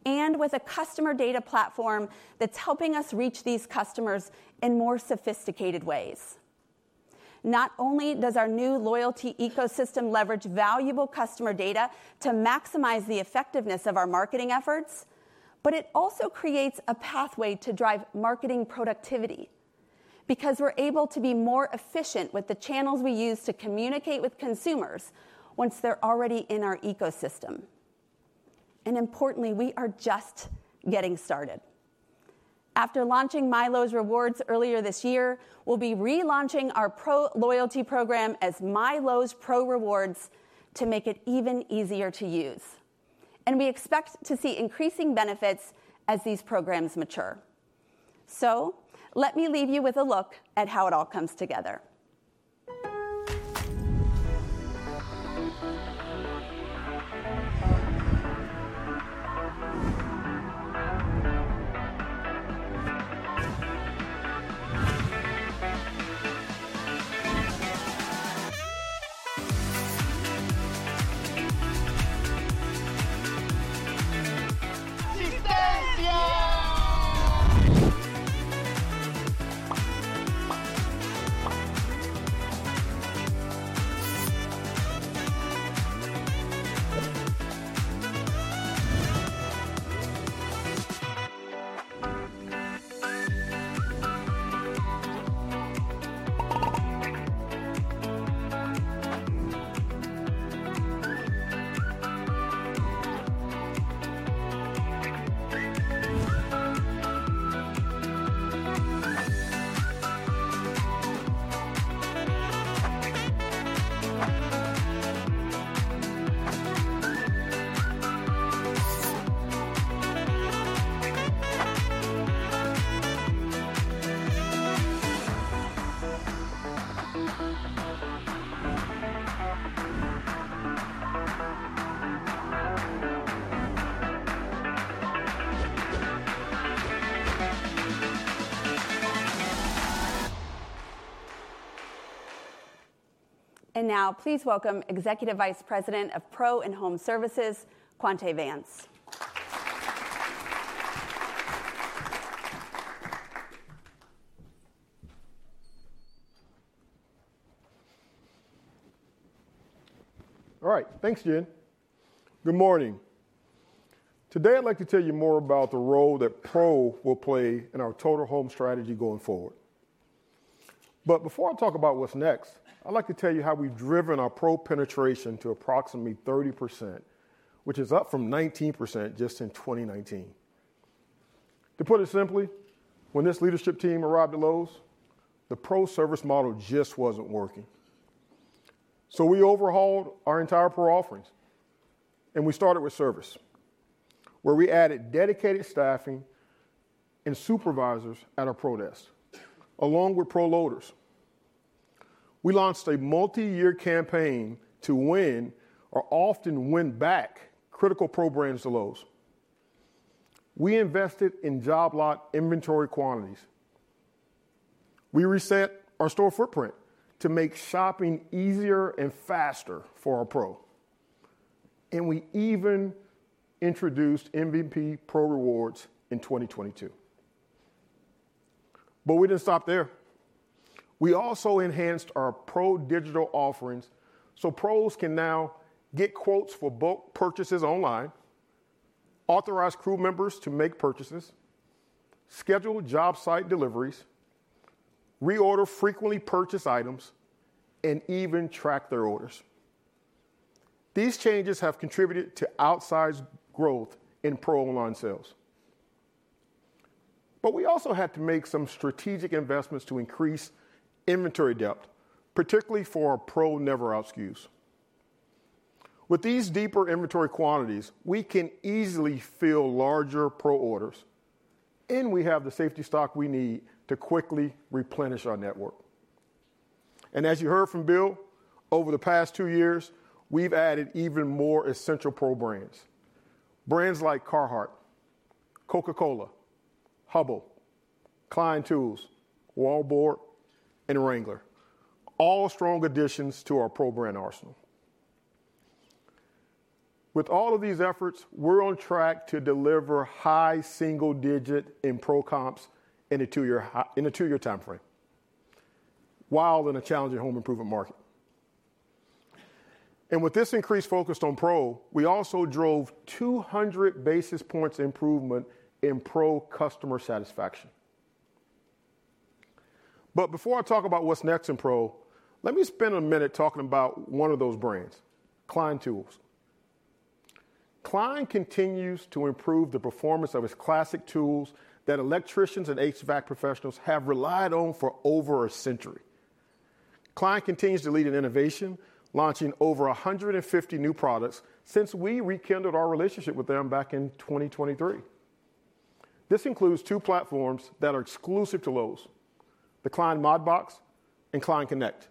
and with a customer data platform that's helping us reach these customers in more sophisticated ways. Not only does our new loyalty ecosystem leverage valuable customer data to maximize the effectiveness of our marketing efforts, but it also creates a pathway to drive marketing productivity because we're able to be more efficient with the channels we use to communicate with consumers once they're already in our ecosystem. Importantly, we are just getting started. After launching MyLowe's Rewards earlier this year, we'll be relaunching our Pro loyalty program as MyLowe's Pro Rewards to make it even easier to use. And we expect to see increasing benefits as these programs mature. So let me leave you with a look at how it all comes together. And now, please welcome Executive Vice President of Pro and Home Services, Quonta Vance. All right, thanks, Jen. Good morning. Today, I'd like to tell you more about the role that Pro will play in our Total Home Strategy going forward. But before I talk about what's next, I'd like to tell you how we've driven our Pro penetration to approximately 30%, which is up from 19% just in 2019. To put it simply, when this leadership team arrived at Lowe's, the Pro service model just wasn't working. We overhauled our entire Pro offerings, and we started with service, where we added dedicated staffing and supervisors at our Pro desk, along with Pro loaders. We launched a multi-year campaign to win or often win back critical Pro brands to Lowe's. We invested in job lot inventory quantities. We reset our store footprint to make shopping easier and faster for our Pro, and we even introduced MVPs Pro Rewards in 2022, but we didn't stop there. We also enhanced our Pro digital offerings so Pros can now get quotes for bulk purchases online, authorize crew members to make purchases, schedule job site deliveries, reorder frequently purchased items, and even track their orders. These changes have contributed to outsized growth in Pro online sales, but we also had to make some strategic investments to increase inventory depth, particularly for our Pro Never Out SKUs. With these deeper inventory quantities, we can easily fill larger Pro orders, and we have the safety stock we need to quickly replenish our network. And as you heard from Bill, over the past two years, we've added even more essential Pro brands, brands like Carhartt, Coca-Cola, Hubbell, Klein Tools, Voltec, and Wrangler, all strong additions to our Pro brand arsenal. With all of these efforts, we're on track to deliver high single-digit in Pro comps in a two-year time frame while in a challenging home improvement market. And with this increase focused on Pro, we also drove 200 basis points improvement in Pro customer satisfaction. But before I talk about what's next in Pro, let me spend a minute talking about one of those brands, Klein Tools. Klein continues to improve the performance of its classic tools that electricians and HVAC professionals have relied on for over a century. Klein continues to lead in innovation, launching over 150 new products since we rekindled our relationship with them back in 2023. This includes two platforms that are exclusive to Lowe's, the Klein MODbox and Klein Connect.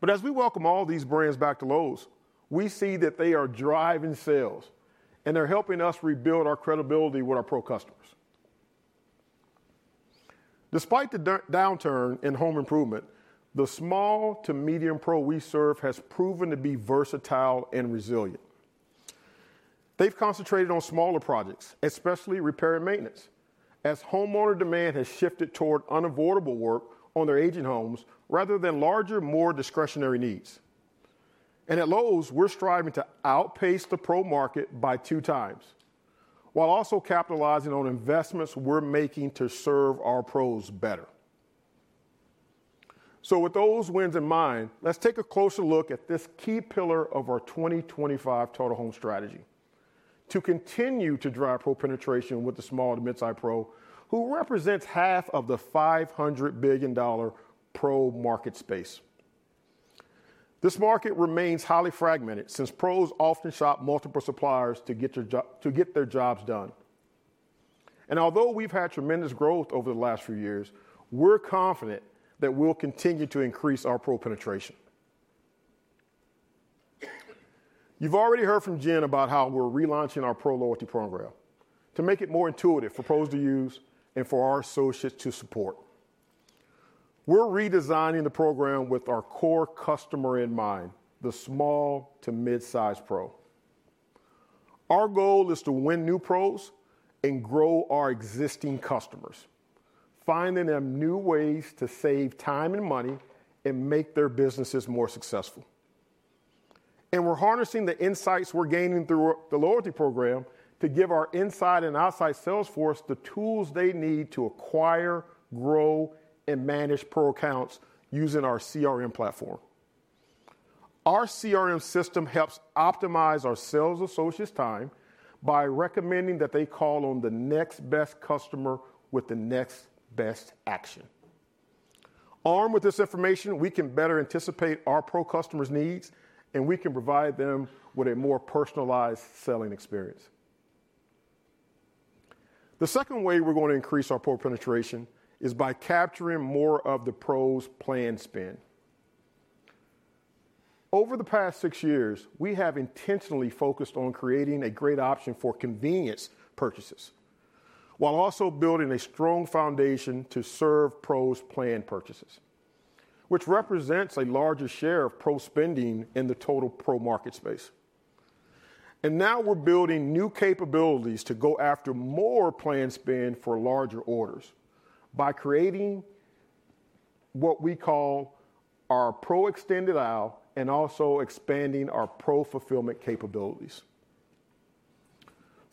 But as we welcome all these brands back to Lowe's, we see that they are driving sales, and they're helping us rebuild our credibility with our Pro customers. Despite the downturn in home improvement, the small to medium Pro we serve has proven to be versatile and resilient. They've concentrated on smaller projects, especially repair and maintenance, as homeowner demand has shifted toward unavoidable work on their aging homes rather than larger, more discretionary needs. And at Lowe's, we're striving to outpace the Pro market by two times while also capitalizing on investments we're making to serve our Pros better. So with those wins in mind, let's take a closer look at this key pillar of our 2025 Total Home Strategy to continue to drive Pro penetration with the small to mid-size Pro, who represents half of the $500 billion Pro market space. This market remains highly fragmented since Pros often shop multiple suppliers to get their jobs done. And although we've had tremendous growth over the last few years, we're confident that we'll continue to increase our Pro penetration. You've already heard from Jen about how we're relaunching our Pro loyalty program to make it more intuitive for Pros to use and for our associates to support. We're redesigning the program with our core customer in mind, the small to mid-size Pro. Our goal is to win new Pros and grow our existing customers, finding them new ways to save time and money and make their businesses more successful. And we're harnessing the insights we're gaining through the loyalty program to give our inside and outside sales force the tools they need to acquire, grow, and manage Pro accounts using our CRM platform. Our CRM system helps optimize our sales associates' time by recommending that they call on the next best customer with the next best action. Armed with this information, we can better anticipate our Pro customers' needs, and we can provide them with a more personalized selling experience. The second way we're going to increase our Pro penetration is by capturing more of the Pro's planned spend. Over the past six years, we have intentionally focused on creating a great option for convenience purchases while also building a strong foundation to serve Pro's planned purchases, which represents a larger share of Pro spending in the total Pro market space. And now we're building new capabilities to go after more planned spend for larger orders by creating what we call our Pro Extended Aisle and also expanding our Pro fulfillment capabilities.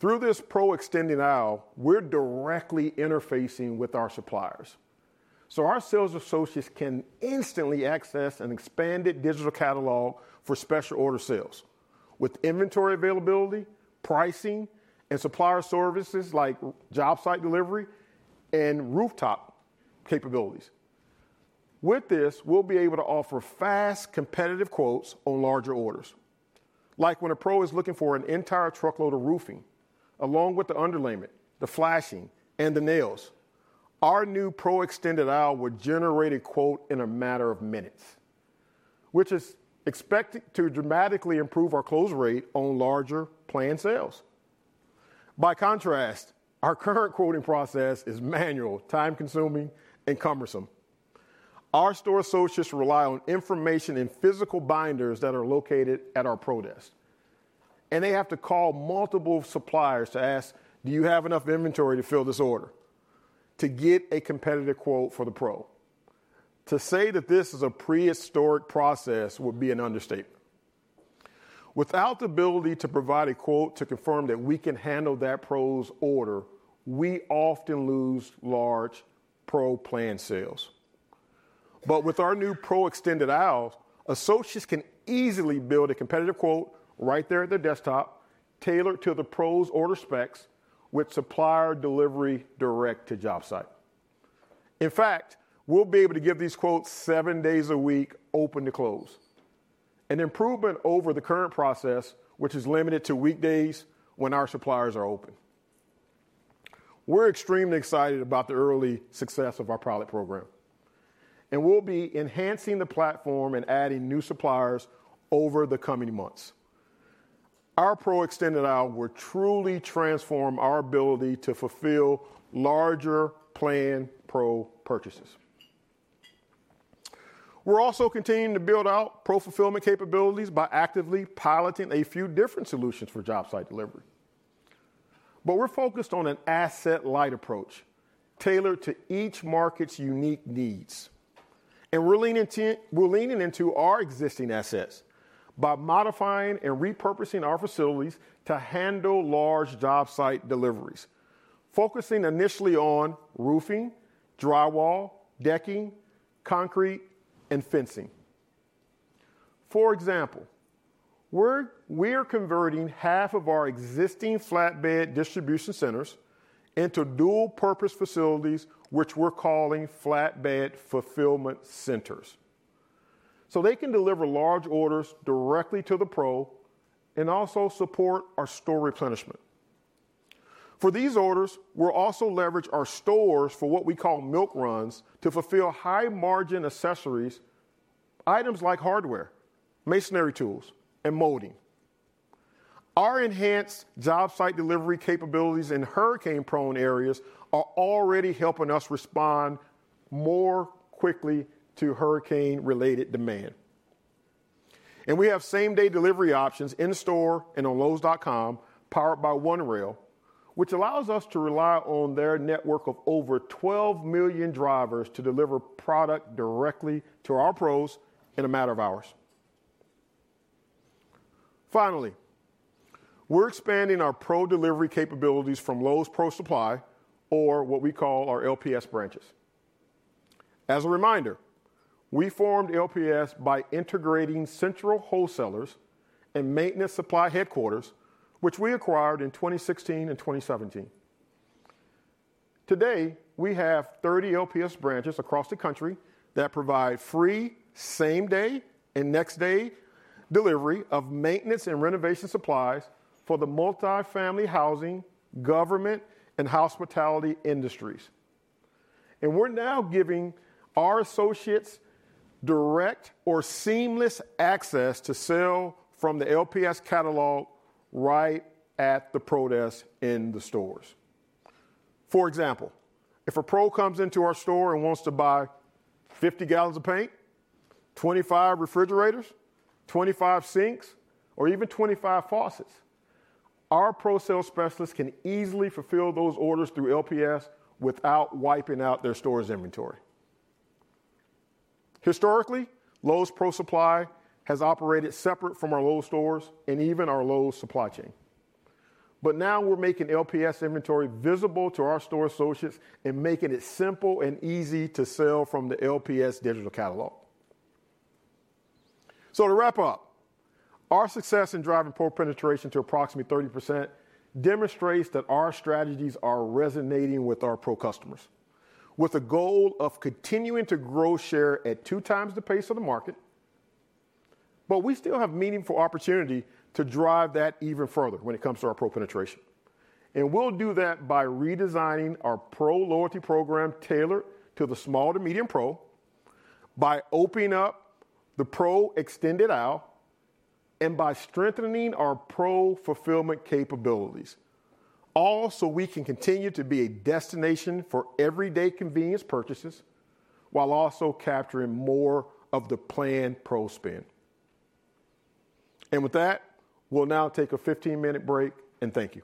Through this Pro Extended Aisle, we're directly interfacing with our suppliers so our sales associates can instantly access an expanded digital catalog for special order sales with inventory availability, pricing, and supplier services like job site delivery and rooftop capabilities. With this, we'll be able to offer fast, competitive quotes on larger orders. Like when a Pro is looking for an entire truckload of roofing along with the underlayment, the flashing, and the nails, our new Pro Extended Aisle will generate a quote in a matter of minutes, which is expected to dramatically improve our close rate on larger planned sales. By contrast, our current quoting process is manual, time-consuming, and cumbersome. Our store associates rely on information and physical binders that are located at our Pro desk, and they have to call multiple suppliers to ask, "Do you have enough inventory to fill this order?" to get a competitive quote for the Pro. To say that this is a prehistoric process would be an understatement. Without the ability to provide a quote to confirm that we can handle that Pro's order, we often lose large Pro planned sales. But with our new Pro Extended Aisle, associates can easily build a competitive quote right there at their desktop, tailored to the Pro's order specs with supplier delivery direct to job site. In fact, we'll be able to give these quotes seven days a week open to close, an improvement over the current process, which is limited to weekdays when our suppliers are open. We're extremely excited about the early success of our pilot program, and we'll be enhancing the platform and adding new suppliers over the coming months. Our Pro Extended Aisle will truly transform our ability to fulfill larger planned Pro purchases. We're also continuing to build out Pro fulfillment capabilities by actively piloting a few different solutions for job site delivery. But we're focused on an asset-light approach tailored to each market's unique needs. And we're leaning into our existing assets by modifying and repurposing our facilities to handle large job site deliveries, focusing initially on roofing, drywall, decking, concrete, and fencing. For example, we're converting half of our existing Flatbed Distribution Centers into dual-purpose facilities, which we're calling Flatbed Fulfillment Centers, so they can deliver large orders directly to the Pro and also support our store replenishment. For these orders, we'll also leverage our stores for what we call milk runs to fulfill high-margin accessories, items like hardware, masonry tools, and molding. Our enhanced job site delivery capabilities in hurricane-prone areas are already helping us respond more quickly to hurricane-related demand. And we have same-day delivery options in store and on lowes.com powered by OneRail, which allows us to rely on their network of over 12 million drivers to deliver product directly to our Pros in a matter of hours. Finally, we're expanding our Pro delivery capabilities from Lowe's Pro Supply or what we call our LPS branches. As a reminder, we formed LPS by integrating Central Wholesalers and Maintenance Supply Headquarters, which we acquired in 2016 and 2017. Today, we have 30 LPS branches across the country that provide free, same-day and next-day delivery of maintenance and renovation supplies for the multifamily housing, government, and hospitality industries, and we're now giving our associates direct or seamless access to sell from the LPS catalog right at the Pro desk in the stores. For example, if a Pro comes into our store and wants to buy 50 gallons of paint, 25 refrigerators, 25 sinks, or even 25 faucets, our Pro sales specialists can easily fulfill those orders through LPS without wiping out their store's inventory. Historically, Lowe's Pro Supply has operated separate from our Lowe's stores and even our Lowe's supply chain, but now we're making LPS inventory visible to our store associates and making it simple and easy to sell from the LPS digital catalog. So to wrap up, our success in driving Pro penetration to approximately 30% demonstrates that our strategies are resonating with our Pro customers, with a goal of continuing to grow share at two times the pace of the market. But we still have meaningful opportunity to drive that even further when it comes to our Pro penetration. And we'll do that by redesigning our Pro loyalty program tailored to the small to medium Pro, by opening up the Pro Extended Aisle, and by strengthening our Pro fulfillment capabilities, all so we can continue to be a destination for everyday convenience purchases while also capturing more of the planned Pro spend. And with that, we'll now take a 15-minute break and thank you.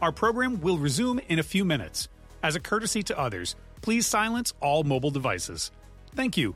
Our program will resume in a few minutes. As a courtesy to others, please silence all mobile devices. Thank you.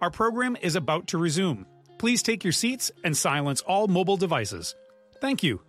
Our program is about to resume. Please take your seats and silence all mobile devices. Thank you.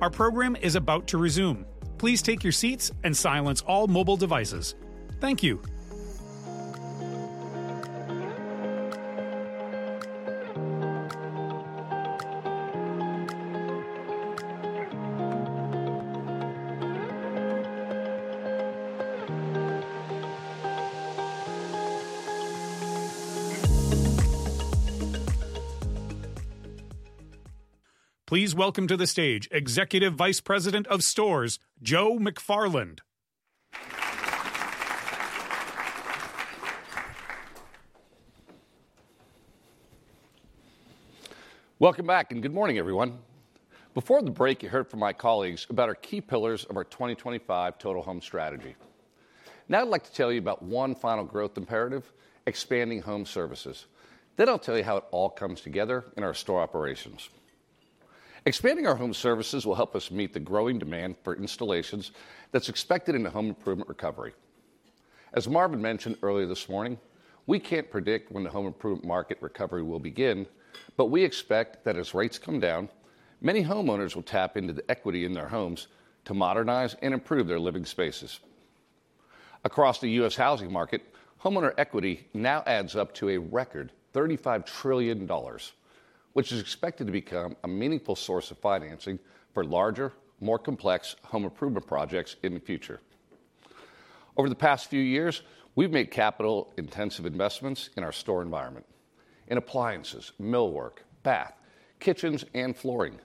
Our program is about to resume. Please welcome to the stage Executive Vice President of Stores, Joe McFarland. Welcome back and good morning, everyone. Before the break, you heard from my colleagues about our key pillars of our 2025 Total Home Strategy. Now I'd like to tell you about one final growth imperative: expanding home services. Then I'll tell you how it all comes together in our store operations. Expanding our home services will help us meet the growing demand for installations that's expected in the home improvement recovery. As Marvin mentioned earlier this morning, we can't predict when the home improvement market recovery will begin, but we expect that as rates come down, many homeowners will tap into the equity in their homes to modernize and improve their living spaces. Across the U.S. housing market, homeowner equity now adds up to a record $35 trillion, which is expected to become a meaningful source of financing for larger, more complex home improvement projects in the future. Over the past few years, we've made capital-intensive investments in our store environment, in appliances, millwork, bath, kitchens, and flooring,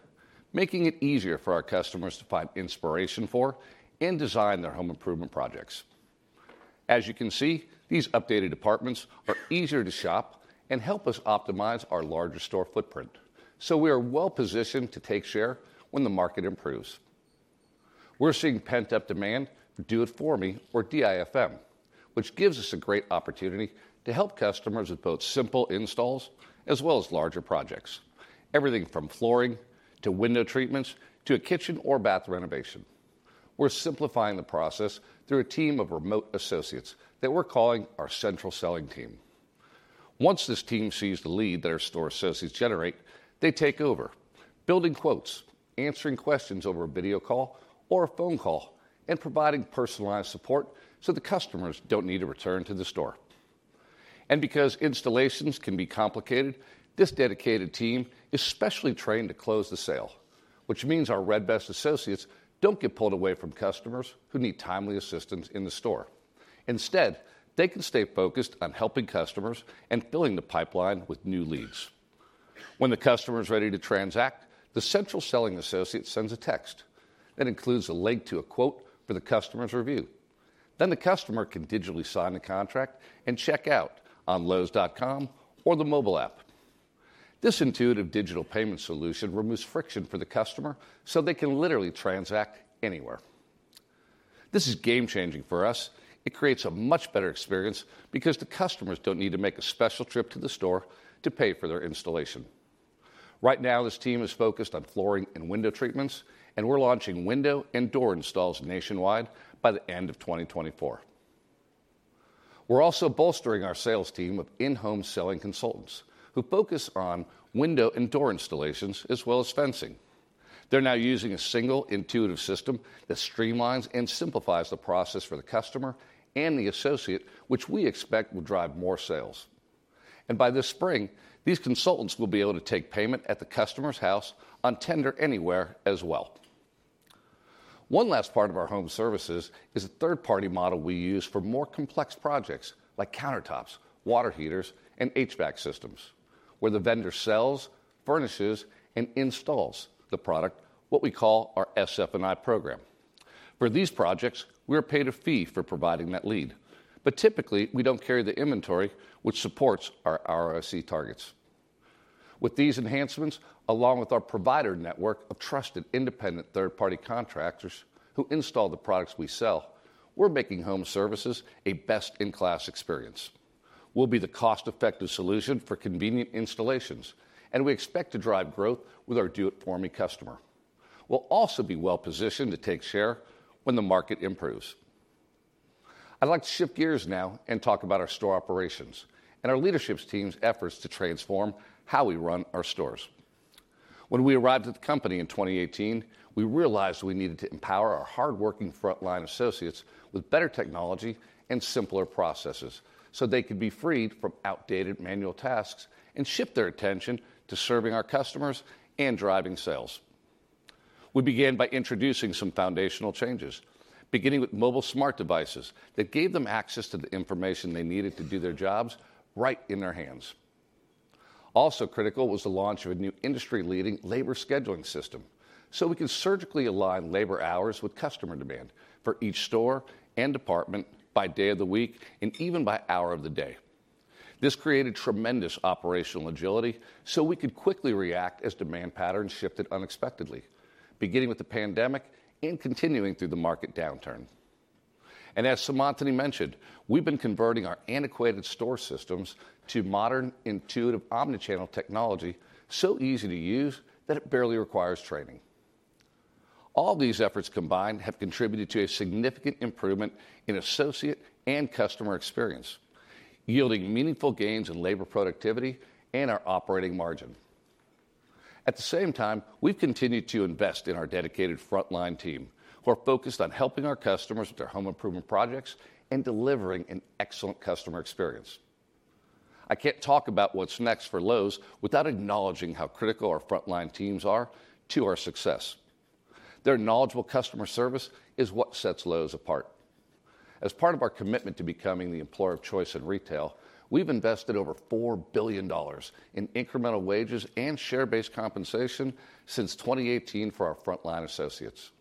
making it easier for our customers to find inspiration for and design their home improvement projects. As you can see, these updated departments are easier to shop and help us optimize our larger store footprint, so we are well-positioned to take share when the market improves. We're seeing pent-up demand for Do It For Me or DIFM, which gives us a great opportunity to help customers with both simple installs as well as larger projects, everything from flooring to window treatments to a kitchen or bath renovation. We're simplifying the process through a team of remote associates that we're calling our Central Selling Team. Once this team sees the lead that our store associates generate, they take over, building quotes, answering questions over a video call or a phone call, and providing personalized support so the customers don't need to return to the store, and because installations can be complicated, this dedicated team is specially trained to close the sale, which means our Red Vest associates don't get pulled away from customers who need timely assistance in the store. Instead, they can stay focused on helping customers and filling the pipeline with new leads. When the customer is ready to transact, the central selling associate sends a text that includes a link to a quote for the customer's review. Then the customer can digitally sign the contract and check out on lowes.com or the mobile app. This intuitive digital payment solution removes friction for the customer so they can literally transact anywhere. This is game-changing for us. It creates a much better experience because the customers don't need to make a special trip to the store to pay for their installation. Right now, this team is focused on flooring and window treatments, and we're launching window and door installs nationwide by the end of 2024. We're also bolstering our sales team with in-home selling consultants who focus on window and door installations as well as fencing. They're now using a single intuitive system that streamlines and simplifies the process for the customer and the associate, which we expect will drive more sales. And by this spring, these consultants will be able to take payment at the customer's house on Tender Anywhere as well. One last part of our home services is a third-party model we use for more complex projects like countertops, water heaters, and HVAC systems, where the vendor sells, furnishes, and installs the product, what we call our SF&I program. For these projects, we are paid a fee for providing that lead, but typically we don't carry the inventory which supports our ROIC targets. With these enhancements, along with our provider network of trusted independent third-party contractors who install the products we sell, we're making home services a best-in-class experience. We'll be the cost-effective solution for convenient installations, and we expect to drive growth with our Do It For Me customer. We'll also be well-positioned to take share when the market improves. I'd like to shift gears now and talk about our store operations and our leadership team's efforts to transform how we run our stores. When we arrived at the company in 2018, we realized we needed to empower our hardworking frontline associates with better technology and simpler processes so they could be freed from outdated manual tasks and shift their attention to serving our customers and driving sales. We began by introducing some foundational changes, beginning with mobile smart devices that gave them access to the information they needed to do their jobs right in their hands. Also critical was the launch of a new industry-leading labor scheduling system so we could surgically align labor hours with customer demand for each store and department by day of the week and even by hour of the day. This created tremendous operational agility so we could quickly react as demand patterns shifted unexpectedly, beginning with the pandemic and continuing through the market downturn, and as Seemantini mentioned, we've been converting our antiquated store systems to modern, intuitive omnichannel technology so easy to use that it barely requires training. All these efforts combined have contributed to a significant improvement in associate and customer experience, yielding meaningful gains in labor productivity and our operating margin. At the same time, we've continued to invest in our dedicated frontline team who are focused on helping our customers with their home improvement projects and delivering an excellent customer experience. I can't talk about what's next for Lowe's without acknowledging how critical our frontline teams are to our success. Their knowledgeable customer service is what sets Lowe's apart. As part of our commitment to becoming the employer of choice in retail, we've invested over $4 billion in incremental wages and share-based compensation since 2018 for our frontline associates.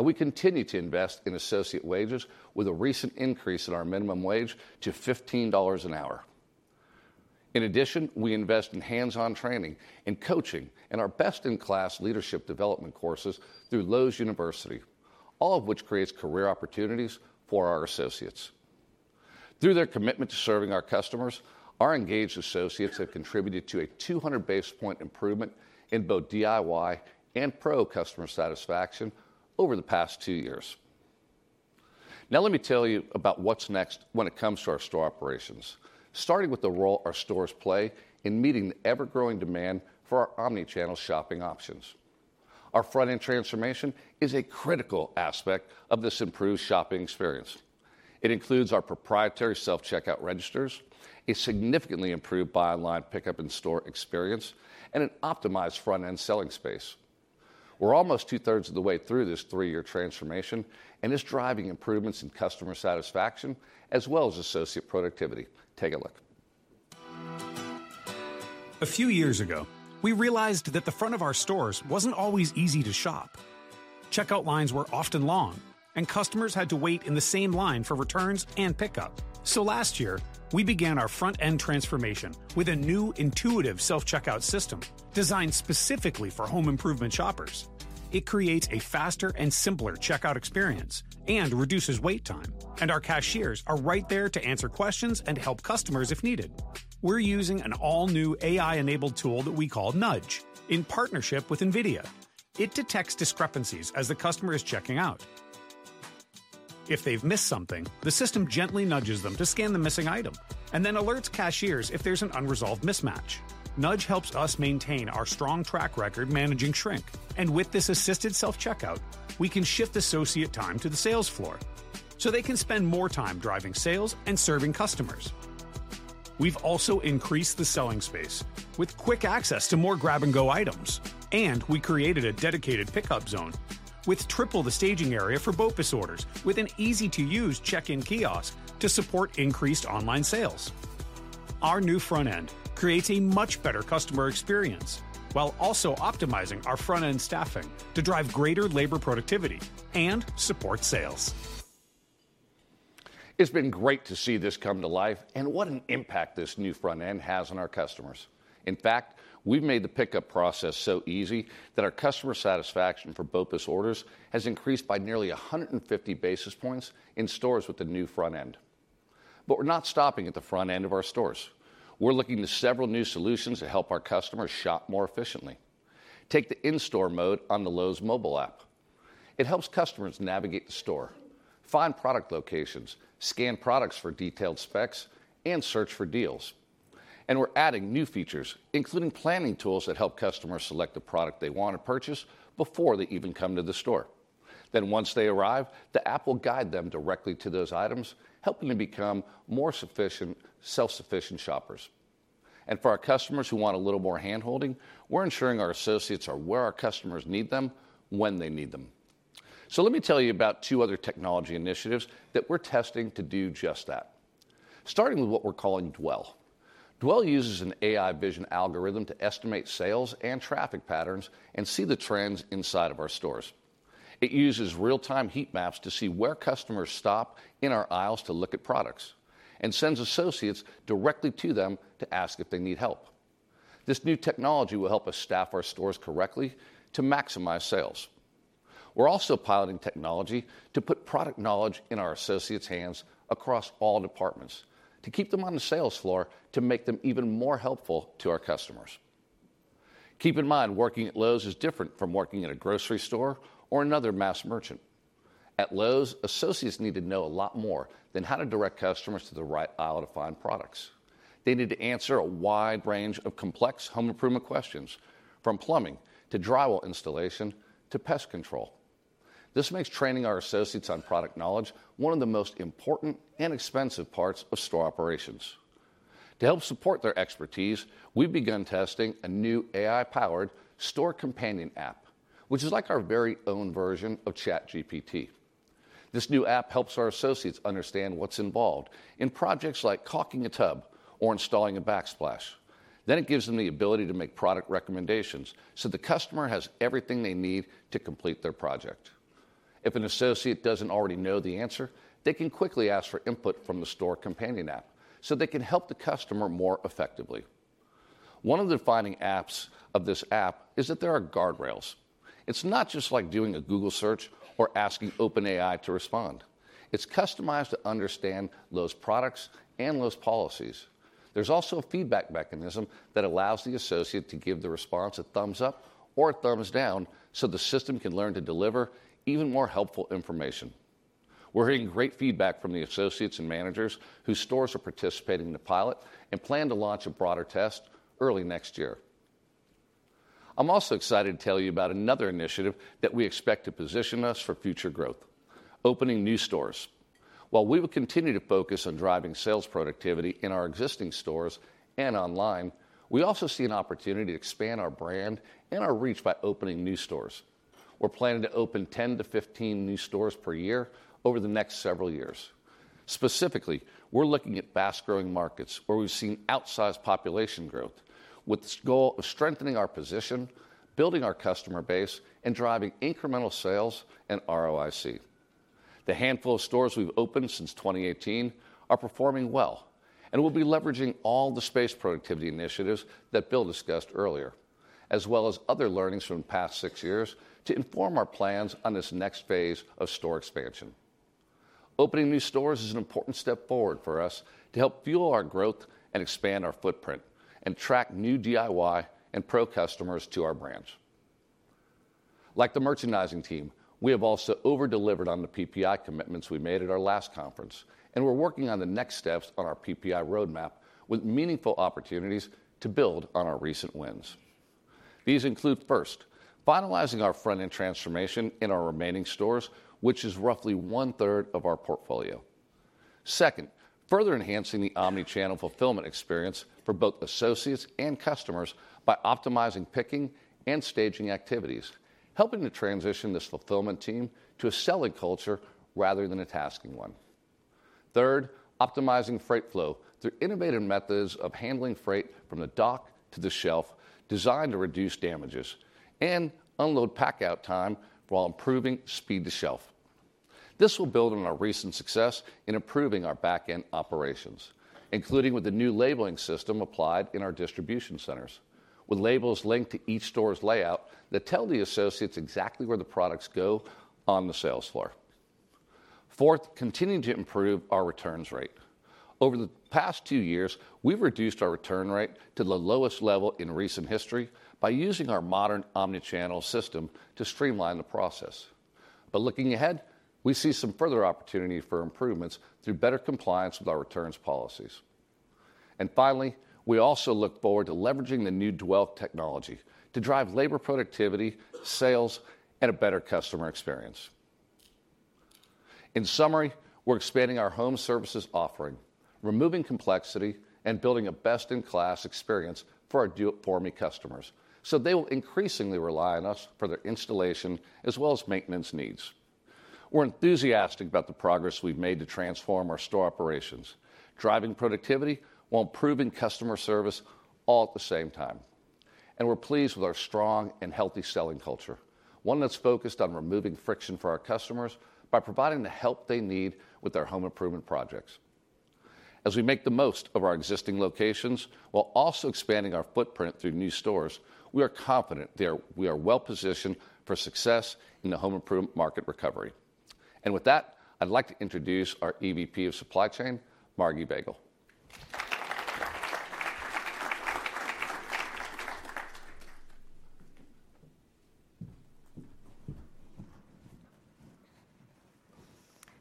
We continue to invest in associate wages with a recent increase in our minimum wage to $15 an hour. In addition, we invest in hands-on training and coaching and our best-in-class leadership development courses through Lowe's University, all of which creates career opportunities for our associates. Through their commitment to serving our customers, our engaged associates have contributed to a 200-basis-point improvement in both DIY and Pro customer satisfaction over the past two years. Now let me tell you about what's next when it comes to our store operations, starting with the role our stores play in meeting the ever-growing demand for our omnichannel shopping options. Our front-end transformation is a critical aspect of this improved shopping experience. It includes our proprietary self-checkout registers, a significantly improved buy online, pick up in store experience, and an optimized front-end selling space. We're almost two-thirds of the way through this three-year transformation, and it's driving improvements in customer satisfaction as well as associate productivity. Take a look. A few years ago, we realized that the front of our stores wasn't always easy to shop. Checkout lines were often long, and customers had to wait in the same line for returns and pickup. So last year, we began our front-end transformation with a new intuitive self-checkout system designed specifically for home improvement shoppers. It creates a faster and simpler checkout experience and reduces wait time, and our cashiers are right there to answer questions and help customers if needed. We're using an all-new AI-enabled tool that we call Nudge in partnership with NVIDIA. It detects discrepancies as the customer is checking out. If they've missed something, the system gently nudges them to scan the missing item and then alerts cashiers if there's an unresolved mismatch. Nudge helps us maintain our strong track record managing shrink, and with this assisted self-checkout, we can shift associate time to the sales floor so they can spend more time driving sales and serving customers. We've also increased the selling space with quick access to more grab-and-go items, and we created a dedicated pickup zone with triple the staging area for BOPIS orders with an easy-to-use check-in kiosk to support increased online sales. Our new front-end creates a much better customer experience while also optimizing our front-end staffing to drive greater labor productivity and support sales. It's been great to see this come to life, and what an impact this new front-end has on our customers. In fact, we've made the pickup process so easy that our customer satisfaction for BOPIS orders has increased by nearly 150 basis points in stores with the new front-end, but we're not stopping at the front-end of our stores. We're looking to several new solutions to help our customers shop more efficiently. Take the In-Store Mode on the Lowe's mobile app. It helps customers navigate the store, find product locations, scan products for detailed specs, and search for deals, and we're adding new features, including planning tools that help customers select the product they want to purchase before they even come to the store. Then once they arrive, the app will guide them directly to those items, helping them become more self-sufficient shoppers. And for our customers who want a little more hand-holding, we're ensuring our associates are where our customers need them when they need them. So let me tell you about two other technology initiatives that we're testing to do just that, starting with what we're calling Dwell. Dwell uses an AI vision algorithm to estimate sales and traffic patterns and see the trends inside of our stores. It uses real-time heat maps to see where customers stop in our aisles to look at products and sends associates directly to them to ask if they need help. This new technology will help us staff our stores correctly to maximize sales. We're also piloting technology to put product knowledge in our associates' hands across all departments to keep them on the sales floor to make them even more helpful to our customers. Keep in mind, working at Lowe's is different from working at a grocery store or another mass merchant. At Lowe's, associates need to know a lot more than how to direct customers to the right aisle to find products. They need to answer a wide range of complex home improvement questions, from plumbing to drywall installation to pest control. This makes training our associates on product knowledge one of the most important and expensive parts of store operations. To help support their expertise, we've begun testing a new AI-powered Store Companion app, which is like our very own version of ChatGPT. This new app helps our associates understand what's involved in projects like caulking a tub or installing a backsplash. Then it gives them the ability to make product recommendations so the customer has everything they need to complete their project. If an associate doesn't already know the answer, they can quickly ask for input from the Store Companion app so they can help the customer more effectively. One of the defining aspects of this app is that there are guardrails. It's not just like doing a Google search or asking OpenAI to respond. It's customized to understand Lowe's products and Lowe's policies. There's also a feedback mechanism that allows the associate to give the response a thumbs up or a thumbs down so the system can learn to deliver even more helpful information. We're hearing great feedback from the associates and managers whose stores are participating in the pilot and plan to launch a broader test early next year. I'm also excited to tell you about another initiative that we expect to position us for future growth: opening new stores. While we will continue to focus on driving sales productivity in our existing stores and online, we also see an opportunity to expand our brand and our reach by opening new stores. We're planning to open 10-15 new stores per year over the next several years. Specifically, we're looking at fast-growing markets where we've seen outsized population growth with the goal of strengthening our position, building our customer base, and driving incremental sales and ROIC. The handful of stores we've opened since 2018 are performing well, and we'll be leveraging all the space productivity initiatives that Bill discussed earlier, as well as other learnings from the past six years to inform our plans on this next phase of store expansion. Opening new stores is an important step forward for us to help fuel our growth and expand our footprint and attract new DIY and Pro customers to our brands. Like the merchandising team, we have also over-delivered on the PPI commitments we made at our last conference, and we're working on the next steps on our PPI roadmap with meaningful opportunities to build on our recent wins. These include first, finalizing our front-end transformation in our remaining stores, which is roughly one-third of our portfolio. Second, further enhancing the omnichannel fulfillment experience for both associates and customers by optimizing picking and staging activities, helping to transition this fulfillment team to a selling culture rather than a tasking one. Third, optimizing freight flow through innovative methods of handling freight from the dock to the shelf, designed to reduce damages and unload pack-out time while improving speed to shelf. This will build on our recent success in improving our back-end operations, including with the new labeling system applied in our distribution centers, with labels linked to each store's layout that tell the associates exactly where the products go on the sales floor. Fourth, continuing to improve our returns rate. Over the past two years, we've reduced our return rate to the lowest level in recent history by using our modern omnichannel system to streamline the process. But looking ahead, we see some further opportunity for improvements through better compliance with our returns policies. And finally, we also look forward to leveraging the new Dwell technology to drive labor productivity, sales, and a better customer experience. In summary, we're expanding our home services offering, removing complexity, and building a best-in-class experience for our DIY and Pro customers so they will increasingly rely on us for their installation as well as maintenance needs. We're enthusiastic about the progress we've made to transform our store operations, driving productivity while improving customer service all at the same time. And we're pleased with our strong and healthy selling culture, one that's focused on removing friction for our customers by providing the help they need with their home improvement projects. As we make the most of our existing locations while also expanding our footprint through new stores, we are confident that we are well-positioned for success in the home improvement market recovery. With that, I'd like to introduce our EVP of Supply Chain, Margi Vagell.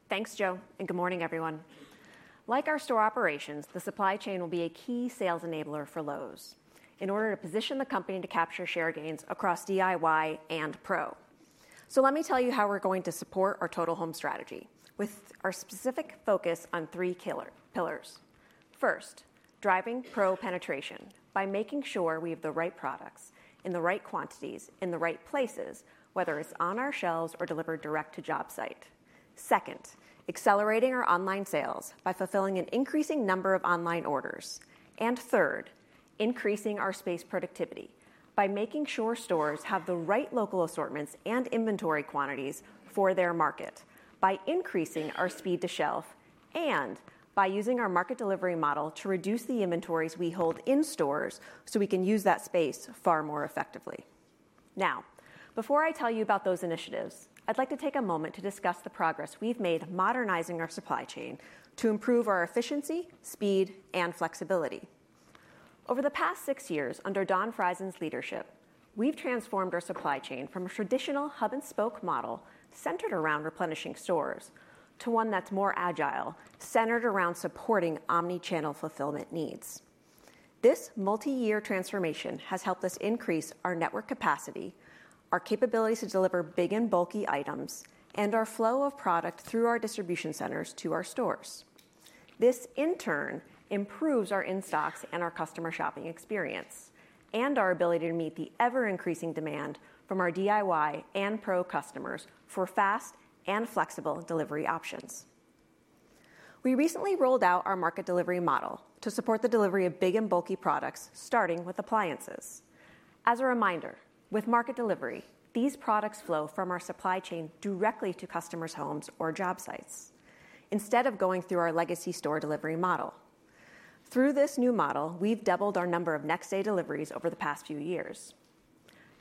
Thanks, Joe, and good morning, everyone. Like our store operations, the supply chain will be a key sales enabler for Lowe's in order to position the company to capture share gains across DIY and Pro. Let me tell you how we're going to support our Total Home Strategy with our specific focus on three pillars. First, driving Pro penetration by making sure we have the right products in the right quantities in the right places, whether it's on our shelves or delivered direct to job site. Second, accelerating our online sales by fulfilling an increasing number of online orders. Third, increasing our space productivity by making sure stores have the right local assortments and inventory quantities for their market by increasing our speed to shelf and by using our market delivery model to reduce the inventories we hold in stores so we can use that space far more effectively. Now, before I tell you about those initiatives, I'd like to take a moment to discuss the progress we've made modernizing our supply chain to improve our efficiency, speed, and flexibility. Over the past six years, under Don Frieson's leadership, we've transformed our supply chain from a traditional hub-and-spoke model centered around replenishing stores to one that's more agile, centered around supporting omnichannel fulfillment needs. This multi-year transformation has helped us increase our network capacity, our capabilities to deliver big and bulky items, and our flow of product through our distribution centers to our stores. This, in turn, improves our in-stocks and our customer shopping experience and our ability to meet the ever-increasing demand from our DIY and Pro customers for fast and flexible delivery options. We recently rolled out our market delivery model to support the delivery of big and bulky products, starting with appliances. As a reminder, with market delivery, these products flow from our supply chain directly to customers' homes or job sites instead of going through our legacy store delivery model. Through this new model, we've doubled our number of next-day deliveries over the past few years.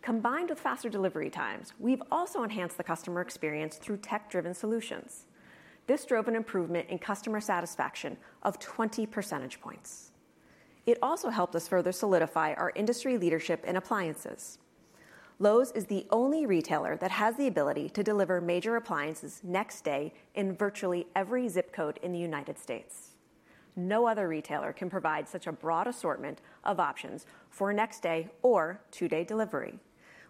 Combined with faster delivery times, we've also enhanced the customer experience through tech-driven solutions. This drove an improvement in customer satisfaction of 20 percentage points. It also helped us further solidify our industry leadership in appliances. Lowe's is the only retailer that has the ability to deliver major appliances next day in virtually every ZIP code in the United States. No other retailer can provide such a broad assortment of options for next-day or two-day delivery,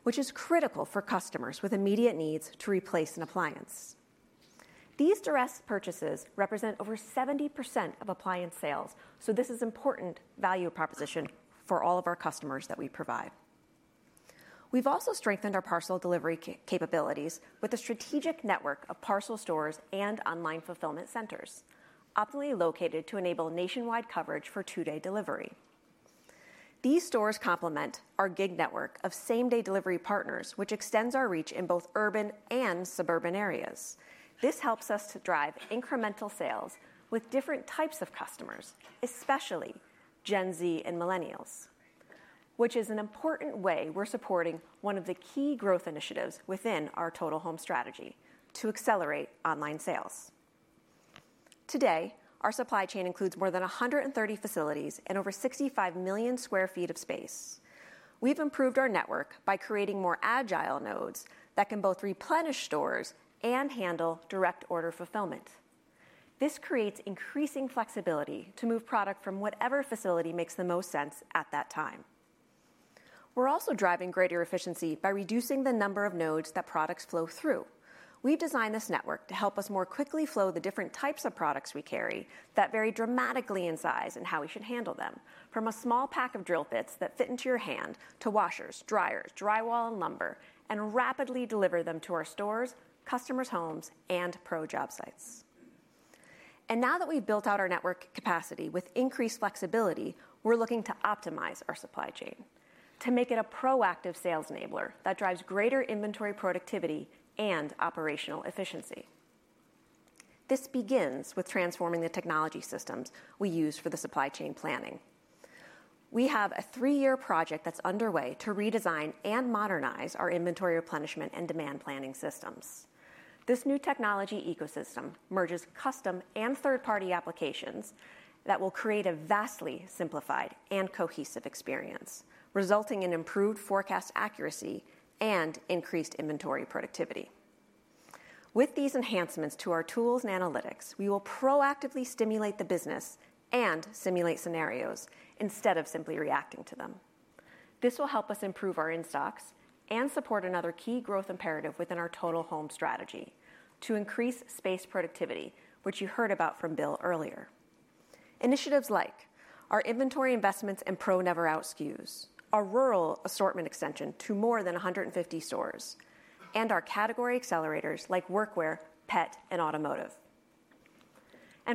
which is critical for customers with immediate needs to replace an appliance. These direct purchases represent over 70% of appliance sales, so this is an important value proposition for all of our customers that we provide. We've also strengthened our parcel delivery capabilities with a strategic network of parcel stores and online fulfillment centers optimally located to enable nationwide coverage for two-day delivery. These stores complement our gig network of same-day delivery partners, which extends our reach in both urban and suburban areas. This helps us to drive incremental sales with different types of customers, especially Gen Z and Millennials, which is an important way we're supporting one of the key growth initiatives within our Total Home Strategy to accelerate online sales. Today, our supply chain includes more than 130 facilities and over 65 million sq ft of space. We've improved our network by creating more agile nodes that can both replenish stores and handle direct order fulfillment. This creates increasing flexibility to move product from whatever facility makes the most sense at that time. We're also driving greater efficiency by reducing the number of nodes that products flow through. We've designed this network to help us more quickly flow the different types of products we carry that vary dramatically in size and how we should handle them, from a small pack of drill bits that fit into your hand to washers, dryers, drywall, and lumber, and rapidly deliver them to our stores, customers' homes, and Pro job sites. And now that we've built out our network capacity with increased flexibility, we're looking to optimize our supply chain to make it a proactive sales enabler that drives greater inventory productivity and operational efficiency. This begins with transforming the technology systems we use for the supply chain planning. We have a three-year project that's underway to redesign and modernize our inventory replenishment and demand planning systems. This new technology ecosystem merges custom and third-party applications that will create a vastly simplified and cohesive experience, resulting in improved forecast accuracy and increased inventory productivity. With these enhancements to our tools and analytics, we will proactively stimulate the business and simulate scenarios instead of simply reacting to them. This will help us improve our in-stocks and support another key growth imperative within our Total Home Strategy to increase space productivity, which you heard about from Bill earlier, initiatives like our inventory investments and Pro Never Out SKUs, our rural assortment extension to more than 150 stores, and our category accelerators like workwear, pet, and automotive.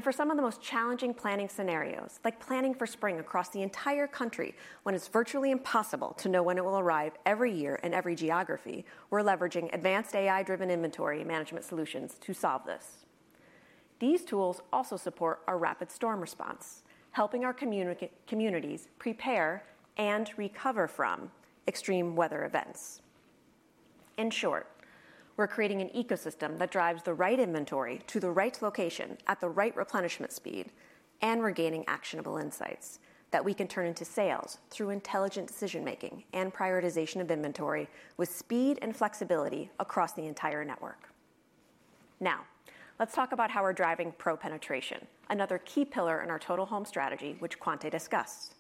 For some of the most challenging planning scenarios, like planning for spring across the entire country when it's virtually impossible to know when it will arrive every year in every geography, we're leveraging advanced AI-driven inventory management solutions to solve this. These tools also support our rapid storm response, helping our communities prepare and recover from extreme weather events. In short, we're creating an ecosystem that drives the right inventory to the right location at the right replenishment speed and we're gaining actionable insights that we can turn into sales through intelligent decision-making and prioritization of inventory with speed and flexibility across the entire network. Now, let's talk about how we're driving Pro penetration, another key pillar in our Total Home Strategy, which Quonta discussed.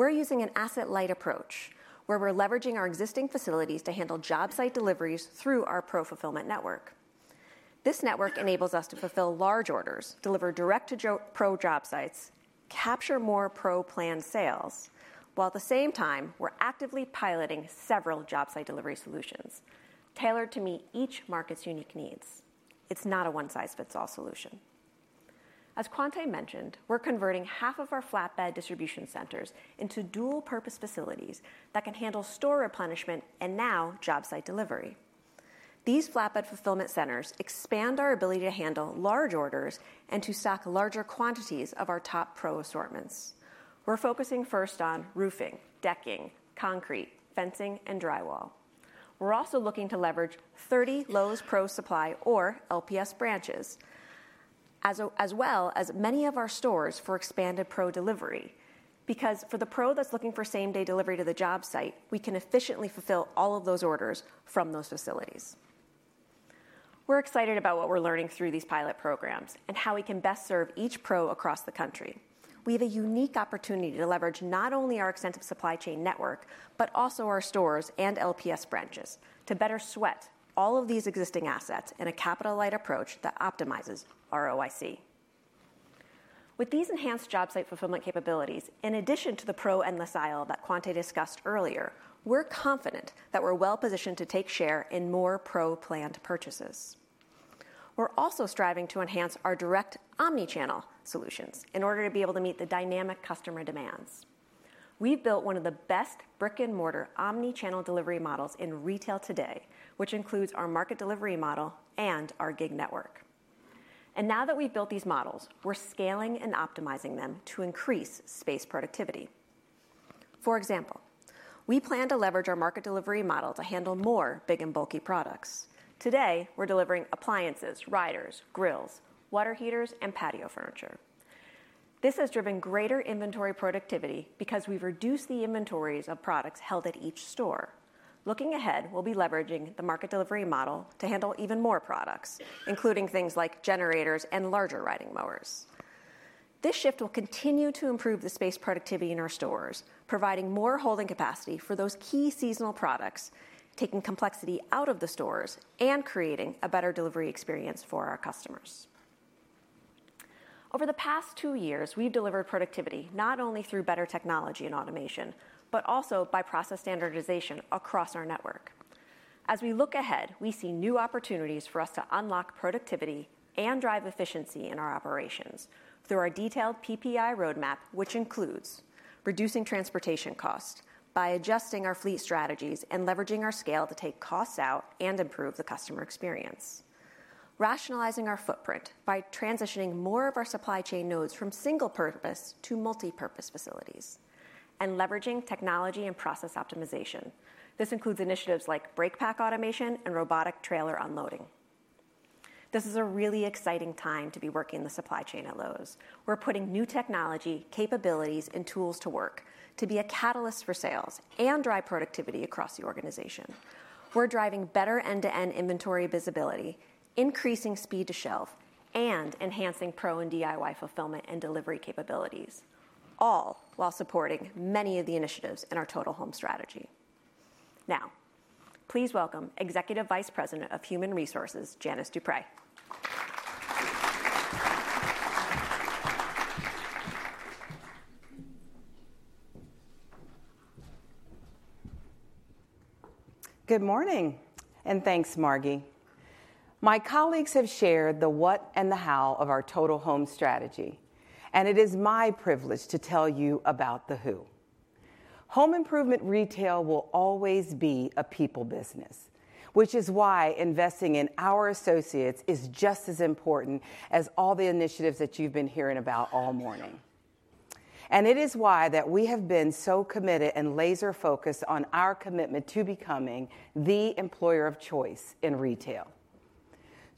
We're using an asset-light approach where we're leveraging our existing facilities to handle job site deliveries through our Pro fulfillment network. This network enables us to fulfill large orders, deliver direct to Pro job sites, capture more Pro planned sales, while at the same time, we're actively piloting several job site delivery solutions tailored to meet each market's unique needs. It's not a one-size-fits-all solution. As Quonta mentioned, we're converting half of our Flatbed Distribution Centers into dual-purpose facilities that can handle store replenishment and now job site delivery. These flatbed fulfillment centers expand our ability to handle large orders and to stock larger quantities of our top Pro assortments. We're focusing first on roofing, decking, concrete, fencing, and drywall. We're also looking to leverage 30 Lowe's Pro Supply or LPS branches, as well as many of our stores for expanded Pro delivery, because for the Pro that's looking for same-day delivery to the job site, we can efficiently fulfill all of those orders from those facilities. We're excited about what we're learning through these pilot programs and how we can best serve each Pro across the country. We have a unique opportunity to leverage not only our extensive supply chain network, but also our stores and LPS branches to better sweat all of these existing assets in a capital-light approach that optimizes ROIC. With these enhanced job site fulfillment capabilities, in addition to the Pro Extended Aisle that Quonta discussed earlier, we're confident that we're well-positioned to take share in more Pro planned purchases. We're also striving to enhance our direct omnichannel solutions in order to be able to meet the dynamic customer demands. We've built one of the best brick-and-mortar omnichannel delivery models in retail today, which includes our market delivery model and our gig network, and now that we've built these models, we're scaling and optimizing them to increase space productivity. For example, we plan to leverage our market delivery model to handle more big and bulky products. Today, we're delivering appliances, riders, grills, water heaters, and patio furniture. This has driven greater inventory productivity because we've reduced the inventories of products held at each store. Looking ahead, we'll be leveraging the market delivery model to handle even more products, including things like generators and larger riding mowers. This shift will continue to improve the space productivity in our stores, providing more holding capacity for those key seasonal products, taking complexity out of the stores, and creating a better delivery experience for our customers. Over the past two years, we've delivered productivity not only through better technology and automation, but also by process standardization across our network. As we look ahead, we see new opportunities for us to unlock productivity and drive efficiency in our operations through our detailed PPI roadmap, which includes reducing transportation costs by adjusting our fleet strategies and leveraging our scale to take costs out and improve the customer experience, rationalizing our footprint by transitioning more of our supply chain nodes from single-purpose to multi-purpose facilities, and leveraging technology and process optimization. This includes initiatives like break pack automation and robotic trailer unloading. This is a really exciting time to be working in the supply chain at Lowe's. We're putting new technology, capabilities, and tools to work to be a catalyst for sales and drive productivity across the organization. We're driving better end-to-end inventory visibility, increasing speed to shelf, and enhancing Pro and DIY fulfillment and delivery capabilities, all while supporting many of the initiatives in our Total Home Strategy. Now, please welcome Executive Vice President of Human Resources, Janice Dupré. Good morning, and thanks, Margi. My colleagues have shared the what and the how of our Total Home Strategy, and it is my privilege to tell you about the who. Home improvement retail will always be a people business, which is why investing in our associates is just as important as all the initiatives that you've been hearing about all morning. And it is why that we have been so committed and laser-focused on our commitment to becoming the employer of choice in retail.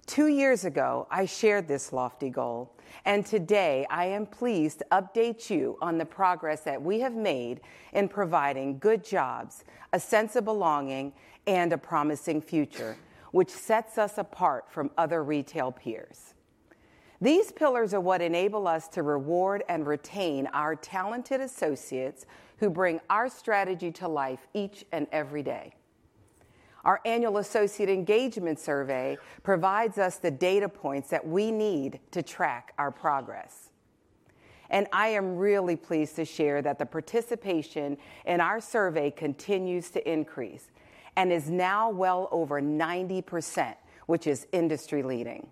Two years ago, I shared this lofty goal, and today I am pleased to update you on the progress that we have made in providing good jobs, a sense of belonging, and a promising future, which sets us apart from other retail peers. These pillars are what enable us to reward and retain our talented associates who bring our strategy to life each and every day. Our annual associate engagement survey provides us the data points that we need to track our progress, and I am really pleased to share that the participation in our survey continues to increase and is now well over 90%, which is industry-leading,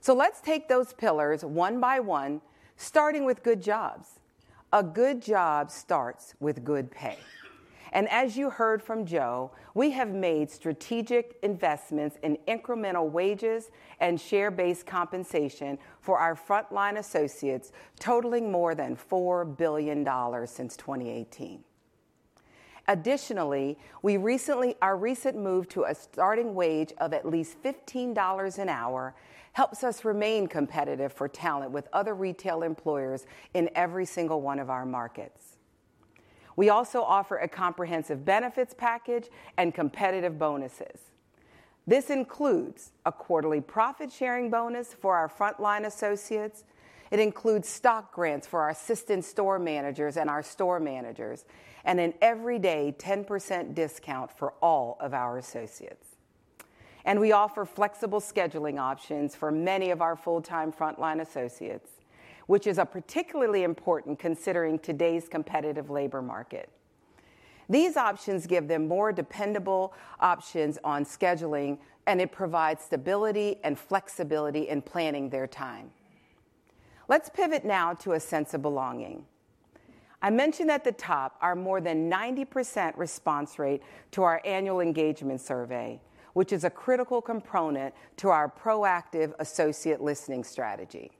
so let's take those pillars one by one, starting with good jobs. A good job starts with good pay, and as you heard from Joe, we have made strategic investments in incremental wages and share-based compensation for our frontline associates, totaling more than $4 billion since 2018. Additionally, our recent move to a starting wage of at least $15 an hour helps us remain competitive for talent with other retail employers in every single one of our markets. We also offer a comprehensive benefits package and competitive bonuses. This includes a quarterly profit-sharing bonus for our frontline associates. It includes stock grants for our assistant store managers and our store managers, and an everyday 10% discount for all of our associates, and we offer flexible scheduling options for many of our full-time frontline associates, which is particularly important considering today's competitive labor market. These options give them more dependable options on scheduling, and it provides stability and flexibility in planning their time. Let's pivot now to a sense of belonging. I mentioned at the top our more than 90% response rate to our annual engagement survey, which is a critical component to our proactive associate listening strategy.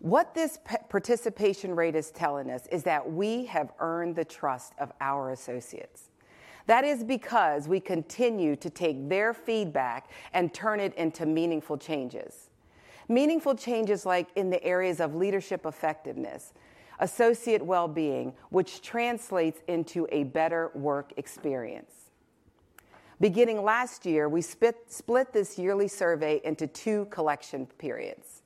What this participation rate is telling us is that we have earned the trust of our associates. That is because we continue to take their feedback and turn it into meaningful changes. Meaningful changes like in the areas of leadership effectiveness, associate well-being, which translates into a better work experience. Beginning last year, we split this yearly survey into two collection periods.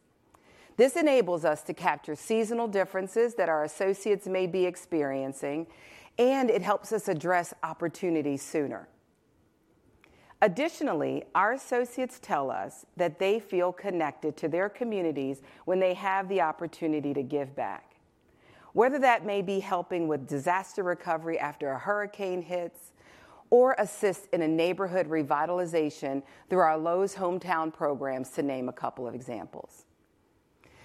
This enables us to capture seasonal differences that our associates may be experiencing, and it helps us address opportunities sooner. Additionally, our associates tell us that they feel connected to their communities when they have the opportunity to give back, whether that may be helping with disaster recovery after a hurricane hits or assist in a neighborhood revitalization through our Lowe's Hometowns programs, to name a couple of examples.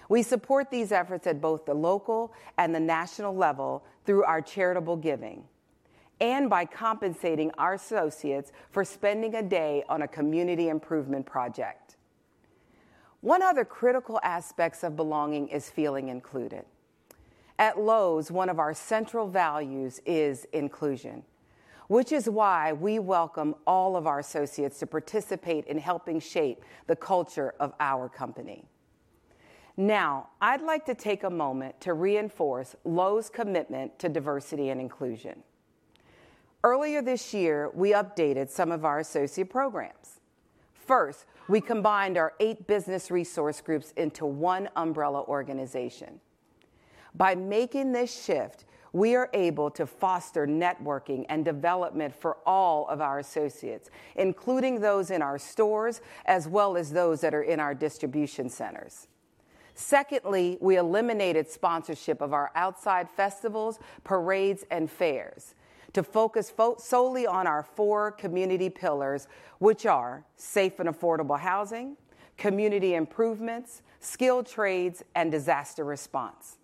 We support these efforts at both the local and the national level through our charitable giving and by compensating our associates for spending a day on a community improvement project. One other critical aspect of belonging is feeling included. At Lowe's, one of our central values is inclusion, which is why we welcome all of our associates to participate in helping shape the culture of our company. Now, I'd like to take a moment to reinforce Lowe's commitment to diversity and inclusion. Earlier this year, we updated some of our associate programs. First, we combined our eight business resource groups into one umbrella organization. By making this shift, we are able to foster networking and development for all of our associates, including those in our stores as well as those that are in our distribution centers. Secondly, we eliminated sponsorship of our outside festivals, parades, and fairs to focus solely on our four community pillars, which are safe and affordable housing, community improvements, skilled trades, and disaster response.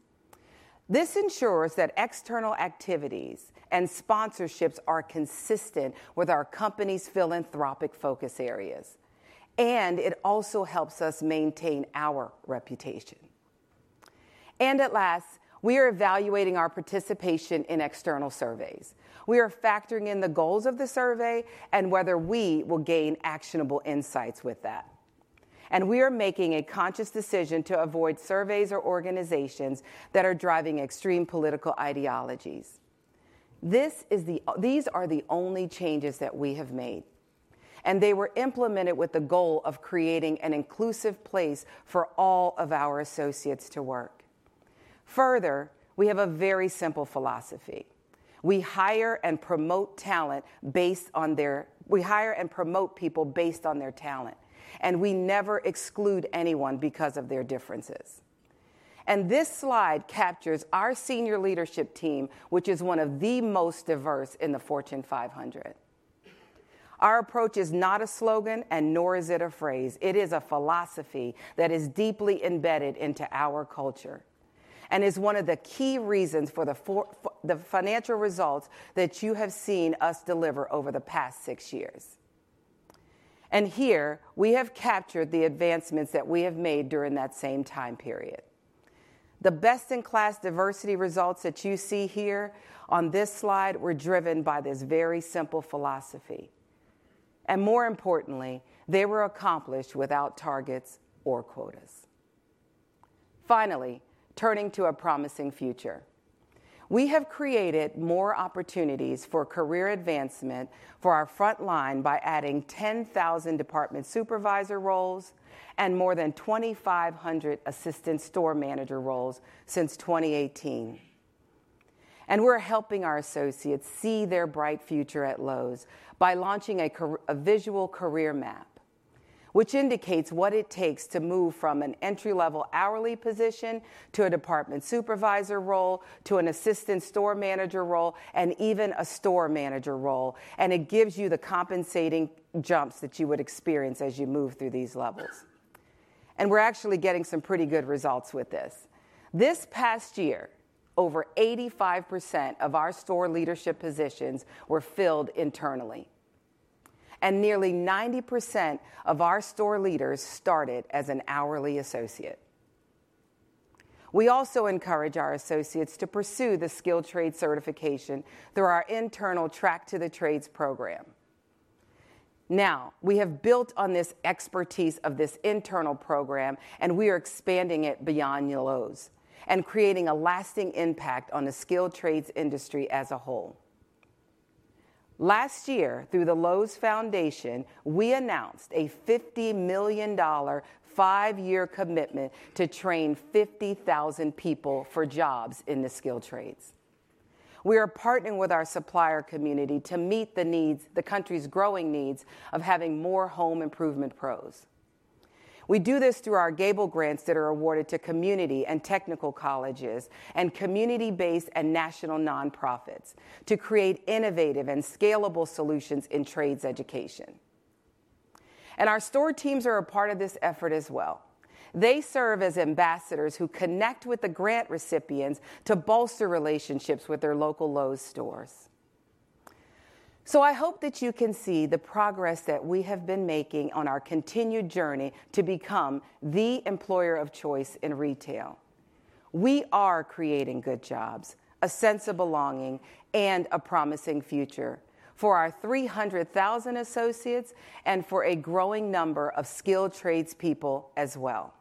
This ensures that external activities and sponsorships are consistent with our company's philanthropic focus areas, and it also helps us maintain our reputation, and at last, we are evaluating our participation in external surveys. We are factoring in the goals of the survey and whether we will gain actionable insights with that, and we are making a conscious decision to avoid surveys or organizations that are driving extreme political ideologies. These are the only changes that we have made, and they were implemented with the goal of creating an inclusive place for all of our associates to work. Further, we have a very simple philosophy. We hire and promote people based on their talent, and we never exclude anyone because of their differences, and this slide captures our senior leadership team, which is one of the most diverse in the Fortune 500. Our approach is not a slogan, and nor is it a phrase. It is a philosophy that is deeply embedded into our culture and is one of the key reasons for the financial results that you have seen us deliver over the past six years. And here, we have captured the advancements that we have made during that same time period. The best-in-class diversity results that you see here on this slide were driven by this very simple philosophy. And more importantly, they were accomplished without targets or quotas. Finally, turning to a promising future, we have created more opportunities for career advancement for our frontline by adding 10,000 department supervisor roles and more than 2,500 assistant store manager roles since 2018. We're helping our associates see their bright future at Lowe's by launching a visual career map, which indicates what it takes to move from an entry-level hourly position to a department supervisor role, to an assistant store manager role, and even a store manager role. It gives you the compensating jumps that you would experience as you move through these levels. We're actually getting some pretty good results with this. This past year, over 85% of our store leadership positions were filled internally, and nearly 90% of our store leaders started as an hourly associate. We also encourage our associates to pursue the skilled trade certification through our internal Track to the Trades program. Now, we have built on this expertise of this internal program, and we are expanding it beyond Lowe's and creating a lasting impact on the skilled trades industry as a whole. Last year, through the Lowe's Foundation, we announced a $50 million five-year commitment to train 50,000 people for jobs in the skilled trades. We are partnering with our supplier community to meet the country's growing needs of having more home improvement pros. We do this through our Gable Grants that are awarded to community and technical colleges and community-based and national nonprofits to create innovative and scalable solutions in trades education. And our store teams are a part of this effort as well. They serve as ambassadors who connect with the grant recipients to bolster relationships with their local Lowe's stores. So I hope that you can see the progress that we have been making on our continued journey to become the employer of choice in retail. We are creating good jobs, a sense of belonging, and a promising future for our 300,000 associates and for a growing number of skilled trades people as well.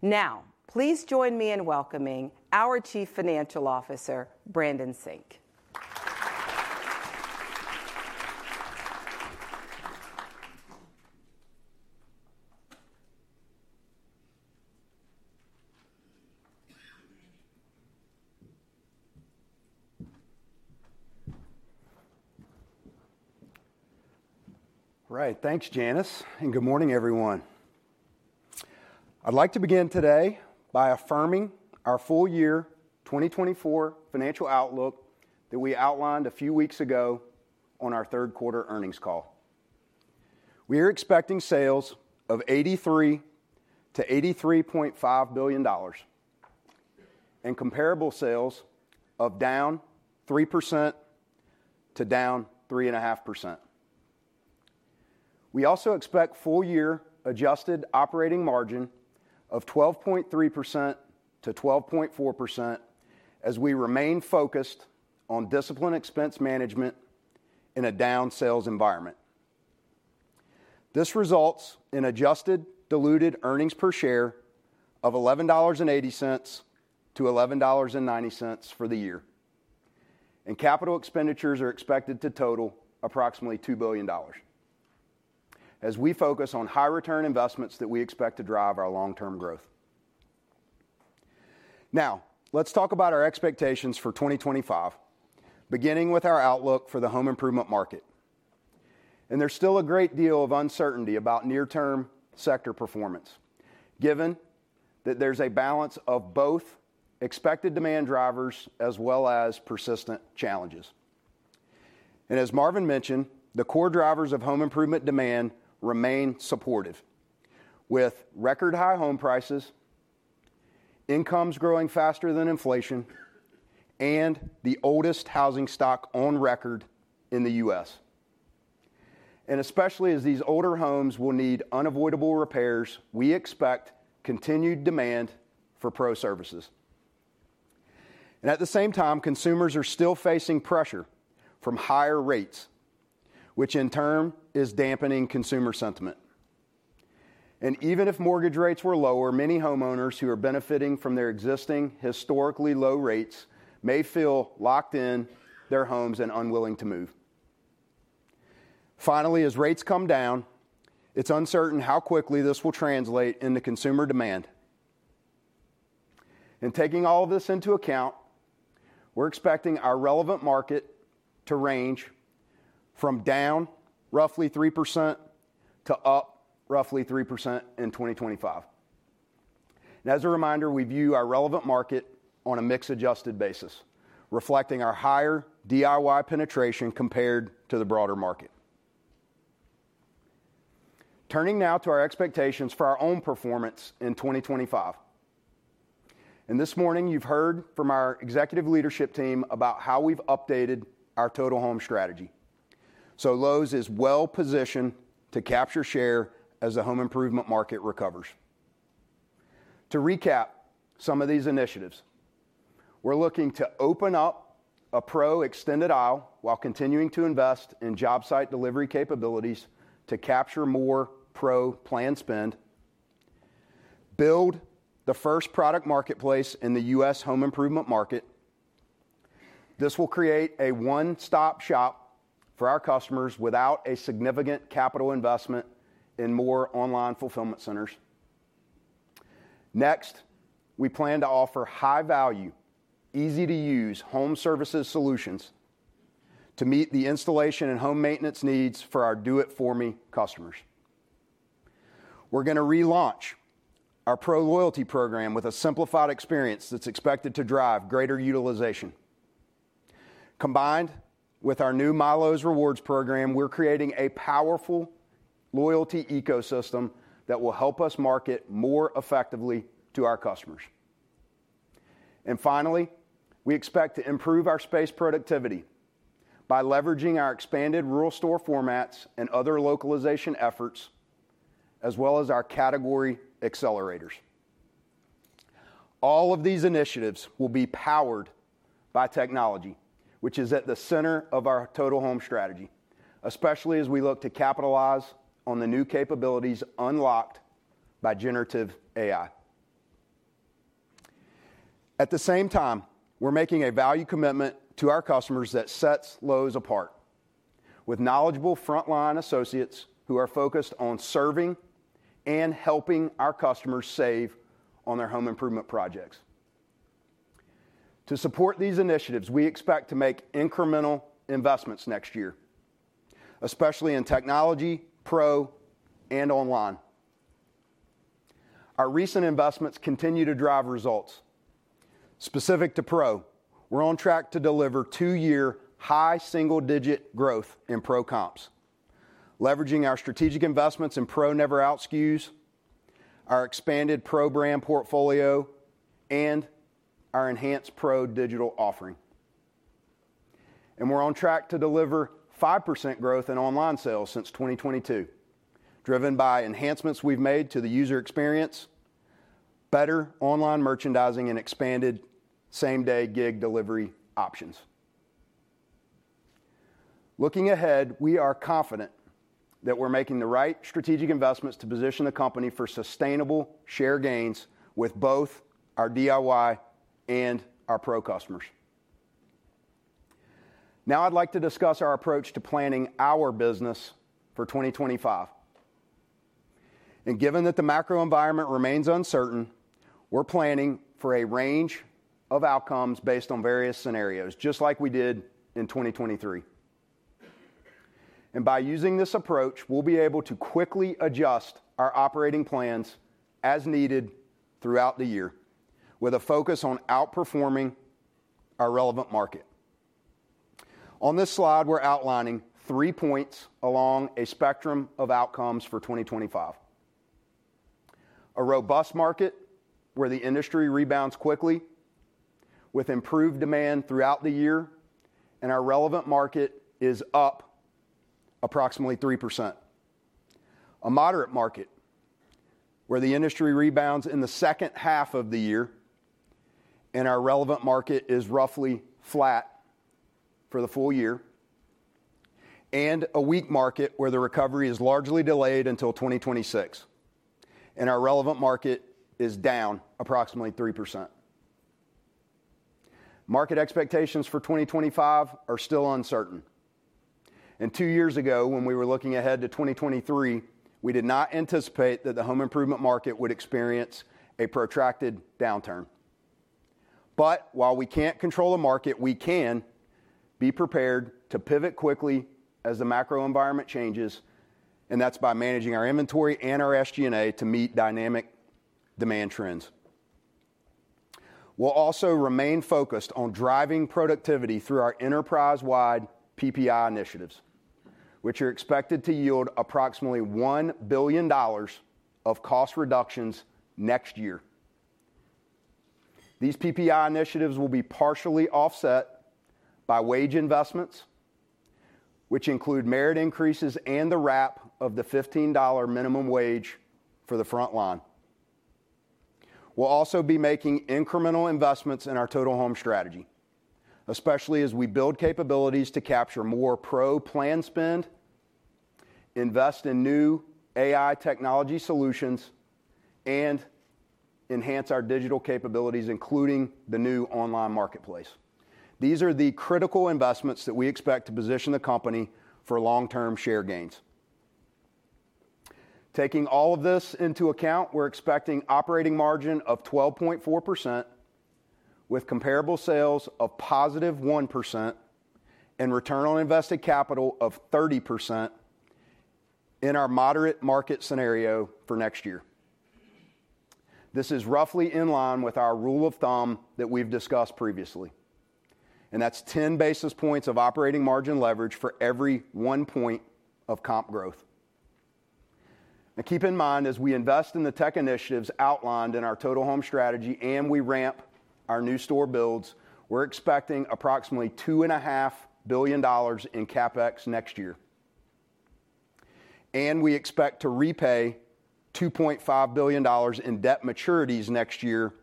Now, please join me in welcoming our Chief Financial Officer, Brandon Sink. All right, thanks, Janice. Good morning, everyone. I'd like to begin today by affirming our full year 2024 financial outlook that we outlined a few weeks ago on our third quarter earnings call. We are expecting sales of $83-$83.5 billion and comparable sales down 3%-3.5%. We also expect full year adjusted operating margin of 12.3%-12.4% as we remain focused on disciplined expense management in a down sales environment. This results in adjusted diluted earnings per share of $11.80-$11.90 for the year. Capital expenditures are expected to total approximately $2 billion as we focus on high return investments that we expect to drive our long-term growth. Now, let's talk about our expectations for 2025, beginning with our outlook for the home improvement market. There's still a great deal of uncertainty about near-term sector performance, given that there's a balance of both expected demand drivers as well as persistent challenges. As Marvin mentioned, the core drivers of home improvement demand remain supportive, with record high home prices, incomes growing faster than inflation, and the oldest housing stock on record in the U.S. Especially as these older homes will need unavoidable repairs, we expect continued demand for Pro services. At the same time, consumers are still facing pressure from higher rates, which in turn is dampening consumer sentiment. Even if mortgage rates were lower, many homeowners who are benefiting from their existing historically low rates may feel locked in their homes and unwilling to move. Finally, as rates come down, it's uncertain how quickly this will translate into consumer demand. Taking all of this into account, we're expecting our relevant market to range from down roughly 3% to up roughly 3% in 2025. As a reminder, we view our relevant market on a mix-adjusted basis, reflecting our higher DIY penetration compared to the broader market. Turning now to our expectations for our own performance in 2025. This morning, you've heard from our executive leadership team about how we've updated our Total Home Strategy. Lowe's is well-positioned to capture share as the home improvement market recovers. To recap some of these initiatives, we're looking to open up a Pro Extended Aisle while continuing to invest in job site delivery capabilities to capture more Pro planned spend, build the first product marketplace in the U.S. home improvement market. This will create a one-stop shop for our customers without a significant capital investment in more online fulfillment centers. Next, we plan to offer high-value, easy-to-use home services solutions to meet the installation and home maintenance needs for our Do It For Me customers. We're going to relaunch our Pro Loyalty program with a simplified experience that's expected to drive greater utilization. Combined with our new MyLowe's Rewards program, we're creating a powerful loyalty ecosystem that will help us market more effectively to our customers. And finally, we expect to improve our space productivity by leveraging our expanded rural store formats and other localization efforts, as well as our category accelerators. All of these initiatives will be powered by technology, which is at the center of our Total Home Strategy, especially as we look to capitalize on the new capabilities unlocked by generative AI. At the same time, we're making a value commitment to our customers that sets Lowe's apart with knowledgeable frontline associates who are focused on serving and helping our customers save on their home improvement projects. To support these initiatives, we expect to make incremental investments next year, especially in technology, pro, and online. Our recent investments continue to drive results. Specific to pro, we're on track to deliver two-year high single-digit growth in Pro comps, leveraging our strategic investments in Pro Never Out SKUs, our expanded Pro brand portfolio, and our enhanced Pro digital offering. And we're on track to deliver 5% growth in online sales since 2022, driven by enhancements we've made to the user experience, better online merchandising, and expanded same-day gig delivery options. Looking ahead, we are confident that we're making the right strategic investments to position the company for sustainable share gains with both our DIY and our Pro customers. Now, I'd like to discuss our approach to planning our business for 2025, and given that the macro environment remains uncertain, we're planning for a range of outcomes based on various scenarios, just like we did in 2023, and by using this approach, we'll be able to quickly adjust our operating plans as needed throughout the year, with a focus on outperforming our relevant market. On this slide, we're outlining three points along a spectrum of outcomes for 2025: a robust market where the industry rebounds quickly with improved demand throughout the year, and our relevant market is up approximately 3%, a moderate market where the industry rebounds in the second half of the year, and our relevant market is roughly flat for the full year, and a weak market where the recovery is largely delayed until 2026, and our relevant market is down approximately 3%. Market expectations for 2025 are still uncertain. And two years ago, when we were looking ahead to 2023, we did not anticipate that the home improvement market would experience a protracted downturn. But while we can't control the market, we can be prepared to pivot quickly as the macro environment changes, and that's by managing our inventory and our SG&A to meet dynamic demand trends. We'll also remain focused on driving productivity through our enterprise-wide PPI initiatives, which are expected to yield approximately $1 billion of cost reductions next year. These PPI initiatives will be partially offset by wage investments, which include merit increases and the wrap of the $15 minimum wage for the frontline. We'll also be making incremental investments in our Total Home Strategy, especially as we build capabilities to capture more Pro planned spend, invest in new AI technology solutions, and enhance our digital capabilities, including the new online marketplace. These are the critical investments that we expect to position the company for long-term share gains. Taking all of this into account, we're expecting an operating margin of 12.4%, with comparable sales of positive 1% and return on invested capital of 30% in our moderate market scenario for next year. This is roughly in line with our rule of thumb that we've discussed previously, and that's 10 basis points of operating margin leverage for every one point of comp growth. Now, keep in mind, as we invest in the tech initiatives outlined in our Total Home Strategy and we ramp our new store builds, we're expecting approximately $2.5 billion in CapEx next year, and we expect to repay $2.5 billion in debt maturities next year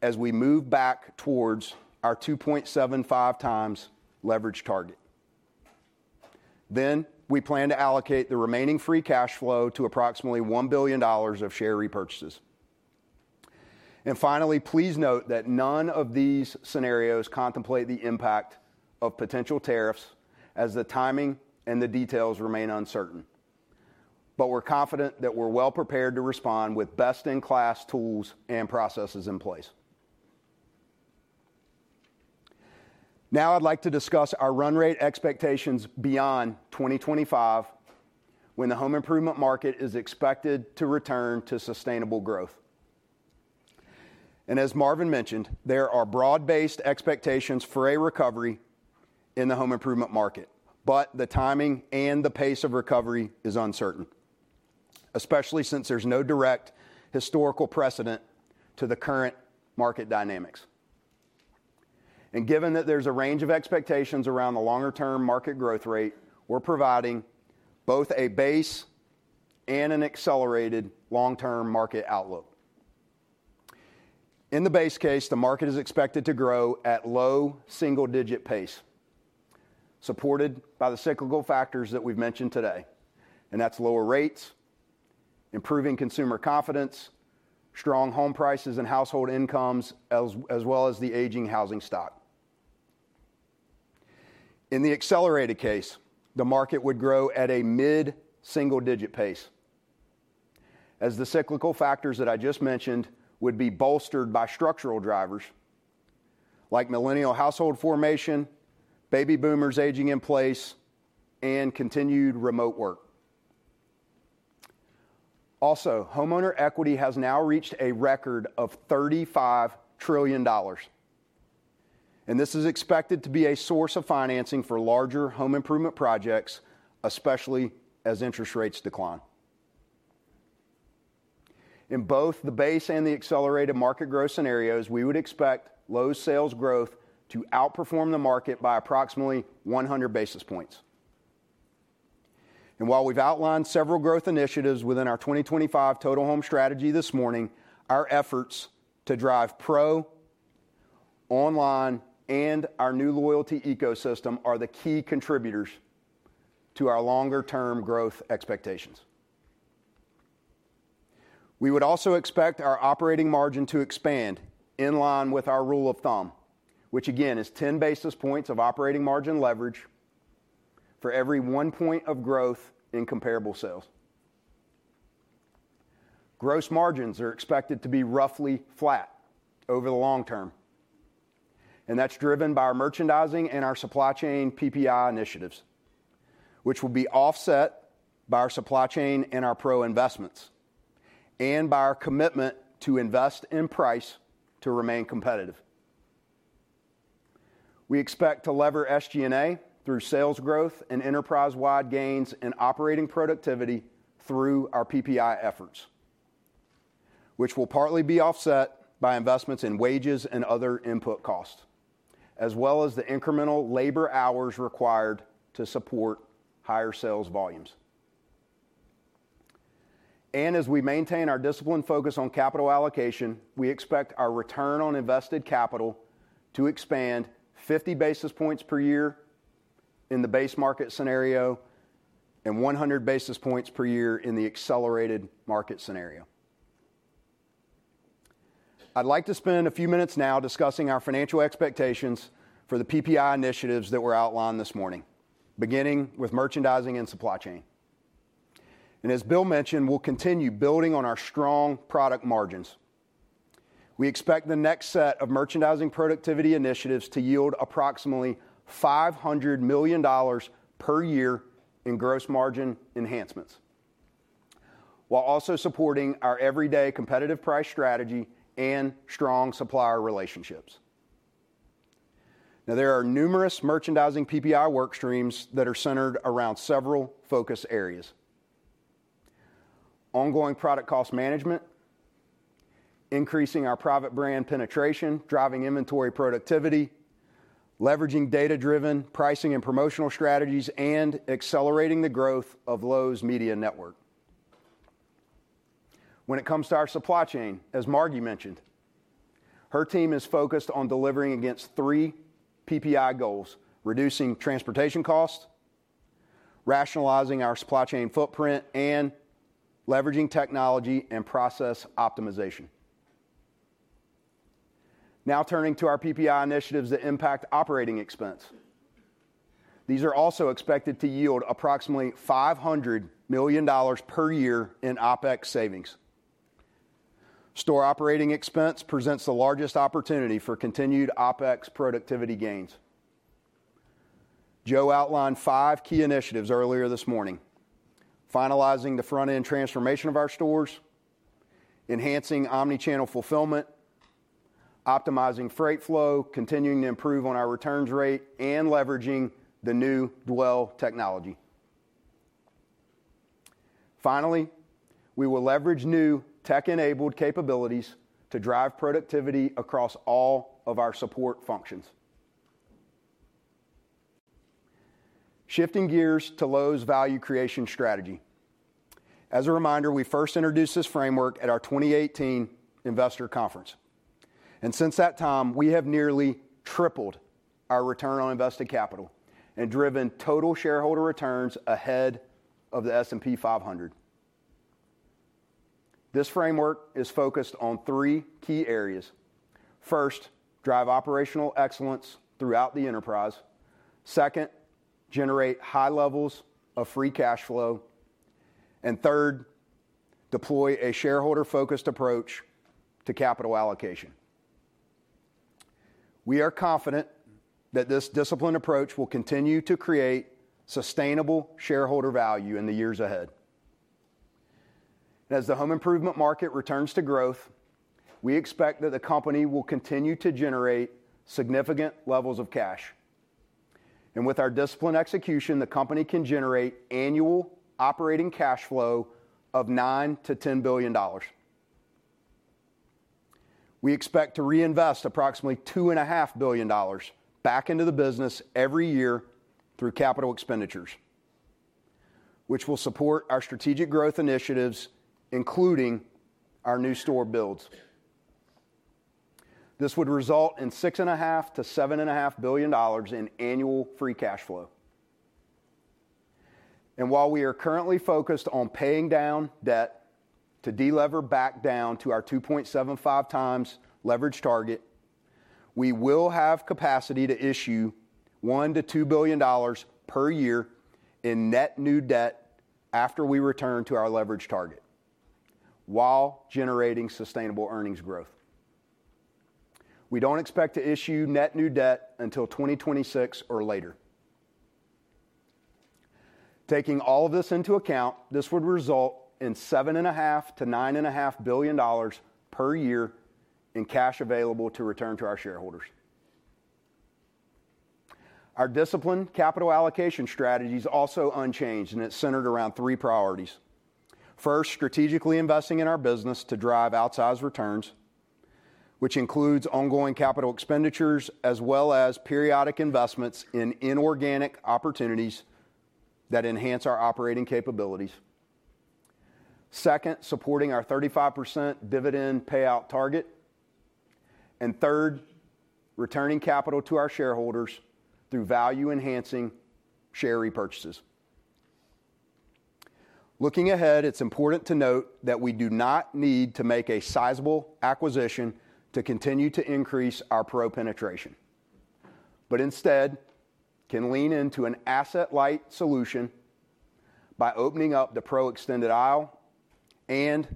as we move back towards our 2.75 times leverage target, then we plan to allocate the remaining free cash flow to approximately $1 billion of share repurchases, and finally, please note that none of these scenarios contemplate the impact of potential tariffs, as the timing and the details remain uncertain, but we're confident that we're well-prepared to respond with best-in-class tools and processes in place. Now, I'd like to discuss our run rate expectations beyond 2025, when the home improvement market is expected to return to sustainable growth. And as Marvin mentioned, there are broad-based expectations for a recovery in the home improvement market, but the timing and the pace of recovery is uncertain, especially since there's no direct historical precedent to the current market dynamics. And given that there's a range of expectations around the longer-term market growth rate, we're providing both a base and an accelerated long-term market outlook. In the base case, the market is expected to grow at low single-digit pace, supported by the cyclical factors that we've mentioned today, and that's lower rates, improving consumer confidence, strong home prices and household incomes, as well as the aging housing stock. In the accelerated case, the market would grow at a mid-single-digit pace, as the cyclical factors that I just mentioned would be bolstered by structural drivers like millennial household formation, baby boomers aging in place, and continued remote work. Also, homeowner equity has now reached a record of $35 trillion, and this is expected to be a source of financing for larger home improvement projects, especially as interest rates decline. In both the base and the accelerated market growth scenarios, we would expect Lowe's sales growth to outperform the market by approximately 100 basis points. And while we've outlined several growth initiatives within our 2025 Total Home Strategy this morning, our efforts to drive Pro, online, and our new loyalty ecosystem are the key contributors to our longer-term growth expectations. We would also expect our operating margin to expand in line with our rule of thumb, which again is 10 basis points of operating margin leverage for every one point of growth in comparable sales. Gross margins are expected to be roughly flat over the long term, and that's driven by our merchandising and our supply chain PPI initiatives, which will be offset by our supply chain and our Pro investments, and by our commitment to invest in price to remain competitive. We expect to lever SG&A through sales growth and enterprise-wide gains and operating productivity through our PPI efforts, which will partly be offset by investments in wages and other input costs, as well as the incremental labor hours required to support higher sales volumes. And as we maintain our disciplined focus on capital allocation, we expect our return on invested capital to expand 50 basis points per year in the base market scenario and 100 basis points per year in the accelerated market scenario. I'd like to spend a few minutes now discussing our financial expectations for the PPI initiatives that were outlined this morning, beginning with merchandising and supply chain. And as Bill mentioned, we'll continue building on our strong product margins. We expect the next set of merchandising productivity initiatives to yield approximately $500 million per year in gross margin enhancements, while also supporting our everyday competitive price strategy and strong supplier relationships. Now, there are numerous merchandising PPI workstreams that are centered around several focus areas: ongoing product cost management, increasing our private brand penetration, driving inventory productivity, leveraging data-driven pricing and promotional strategies, and accelerating the growth of Lowe's Media Network. When it comes to our supply chain, as Margi mentioned, her team is focused on delivering against three PPI goals: reducing transportation costs, rationalizing our supply chain footprint, and leveraging technology and process optimization. Now, turning to our PPI initiatives that impact operating expense, these are also expected to yield approximately $500 million per year in OpEx savings. Store operating expense presents the largest opportunity for continued OpEx productivity gains. Joe outlined five key initiatives earlier this morning: finalizing the front-end transformation of our stores, enhancing omnichannel fulfillment, optimizing freight flow, continuing to improve on our returns rate, and leveraging the new Dwell technology. Finally, we will leverage new tech-enabled capabilities to drive productivity across all of our support functions. Shifting gears to Lowe's value creation strategy. As a reminder, we first introduced this framework at our 2018 Investor Conference, and since that time, we have nearly tripled our return on invested capital and driven total shareholder returns ahead of the S&P 500. This framework is focused on three key areas. First, drive operational excellence throughout the enterprise. Second, generate high levels of free cash flow. And third, deploy a shareholder-focused approach to capital allocation. We are confident that this disciplined approach will continue to create sustainable shareholder value in the years ahead. As the home improvement market returns to growth, we expect that the company will continue to generate significant levels of cash. And with our disciplined execution, the company can generate annual operating cash flow of $9-$10 billion. We expect to reinvest approximately $2.5 billion back into the business every year through capital expenditures, which will support our strategic growth initiatives, including our new store builds. This would result in $6.5-$7.5 billion in annual free cash flow, and while we are currently focused on paying down debt to delever back down to our 2.75 times leverage target, we will have capacity to issue $1-$2 billion per year in net new debt after we return to our leverage target, while generating sustainable earnings growth. We don't expect to issue net new debt until 2026 or later. Taking all of this into account, this would result in $7.5-$9.5 billion per year in cash available to return to our shareholders. Our disciplined capital allocation strategy is also unchanged, and it's centered around three priorities. First, strategically investing in our business to drive outsized returns, which includes ongoing capital expenditures, as well as periodic investments in inorganic opportunities that enhance our operating capabilities. Second, supporting our 35% dividend payout target. And third, returning capital to our shareholders through value-enhancing share repurchases. Looking ahead, it's important to note that we do not need to make a sizable acquisition to continue to increase our Pro penetration, but instead can lean into an asset-light solution by opening up the Pro Extended Aisle and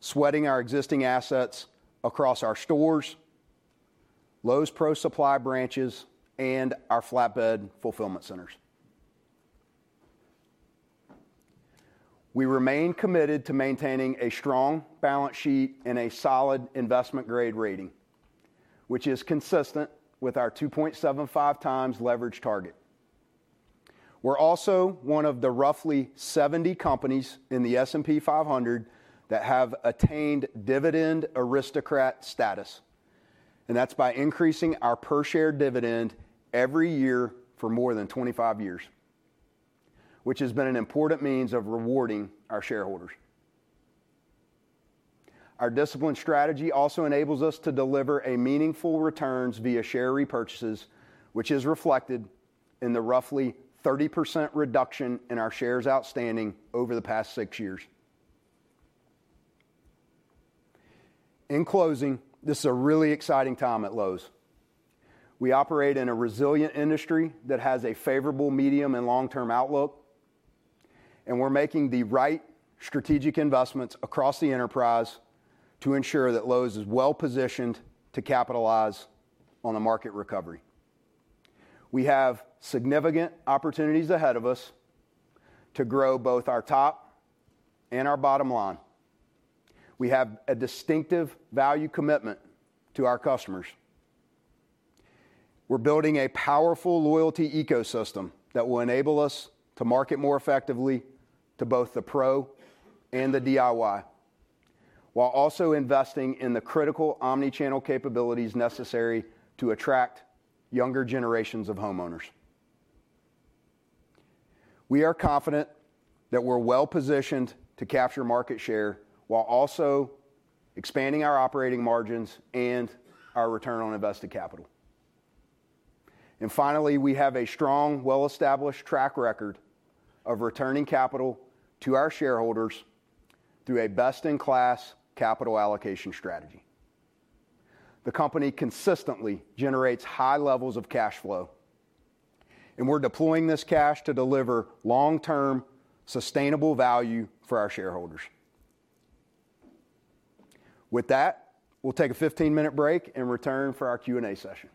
sweating our existing assets across our stores, Lowe's Pro Supply branches, and our Flatbed Fulfillment Centers. We remain committed to maintaining a strong balance sheet and a solid investment-grade rating, which is consistent with our 2.75 times leverage target. We're also one of the roughly 70 companies in the S&P 500 that have attained Dividend Aristocrat status, and that's by increasing our per-share dividend every year for more than 25 years, which has been an important means of rewarding our shareholders. Our disciplined strategy also enables us to deliver meaningful returns via share repurchases, which is reflected in the roughly 30% reduction in our shares outstanding over the past six years. In closing, this is a really exciting time at Lowe's. We operate in a resilient industry that has a favorable medium and long-term outlook, and we're making the right strategic investments across the enterprise to ensure that Lowe's is well-positioned to capitalize on the market recovery. We have significant opportunities ahead of us to grow both our top and our bottom line. We have a distinctive value commitment to our customers. We're building a powerful loyalty ecosystem that will enable us to market more effectively to both the Pro and the DIY, while also investing in the critical omnichannel capabilities necessary to attract younger generations of homeowners. We are confident that we're well-positioned to capture market share while also expanding our operating margins and our return on invested capital. And finally, we have a strong, well-established track record of returning capital to our shareholders through a best-in-class capital allocation strategy. The company consistently generates high levels of cash flow, and we're deploying this cash to deliver long-term sustainable value for our shareholders. With that, we'll take a 15-minute break and return for our Q&A session.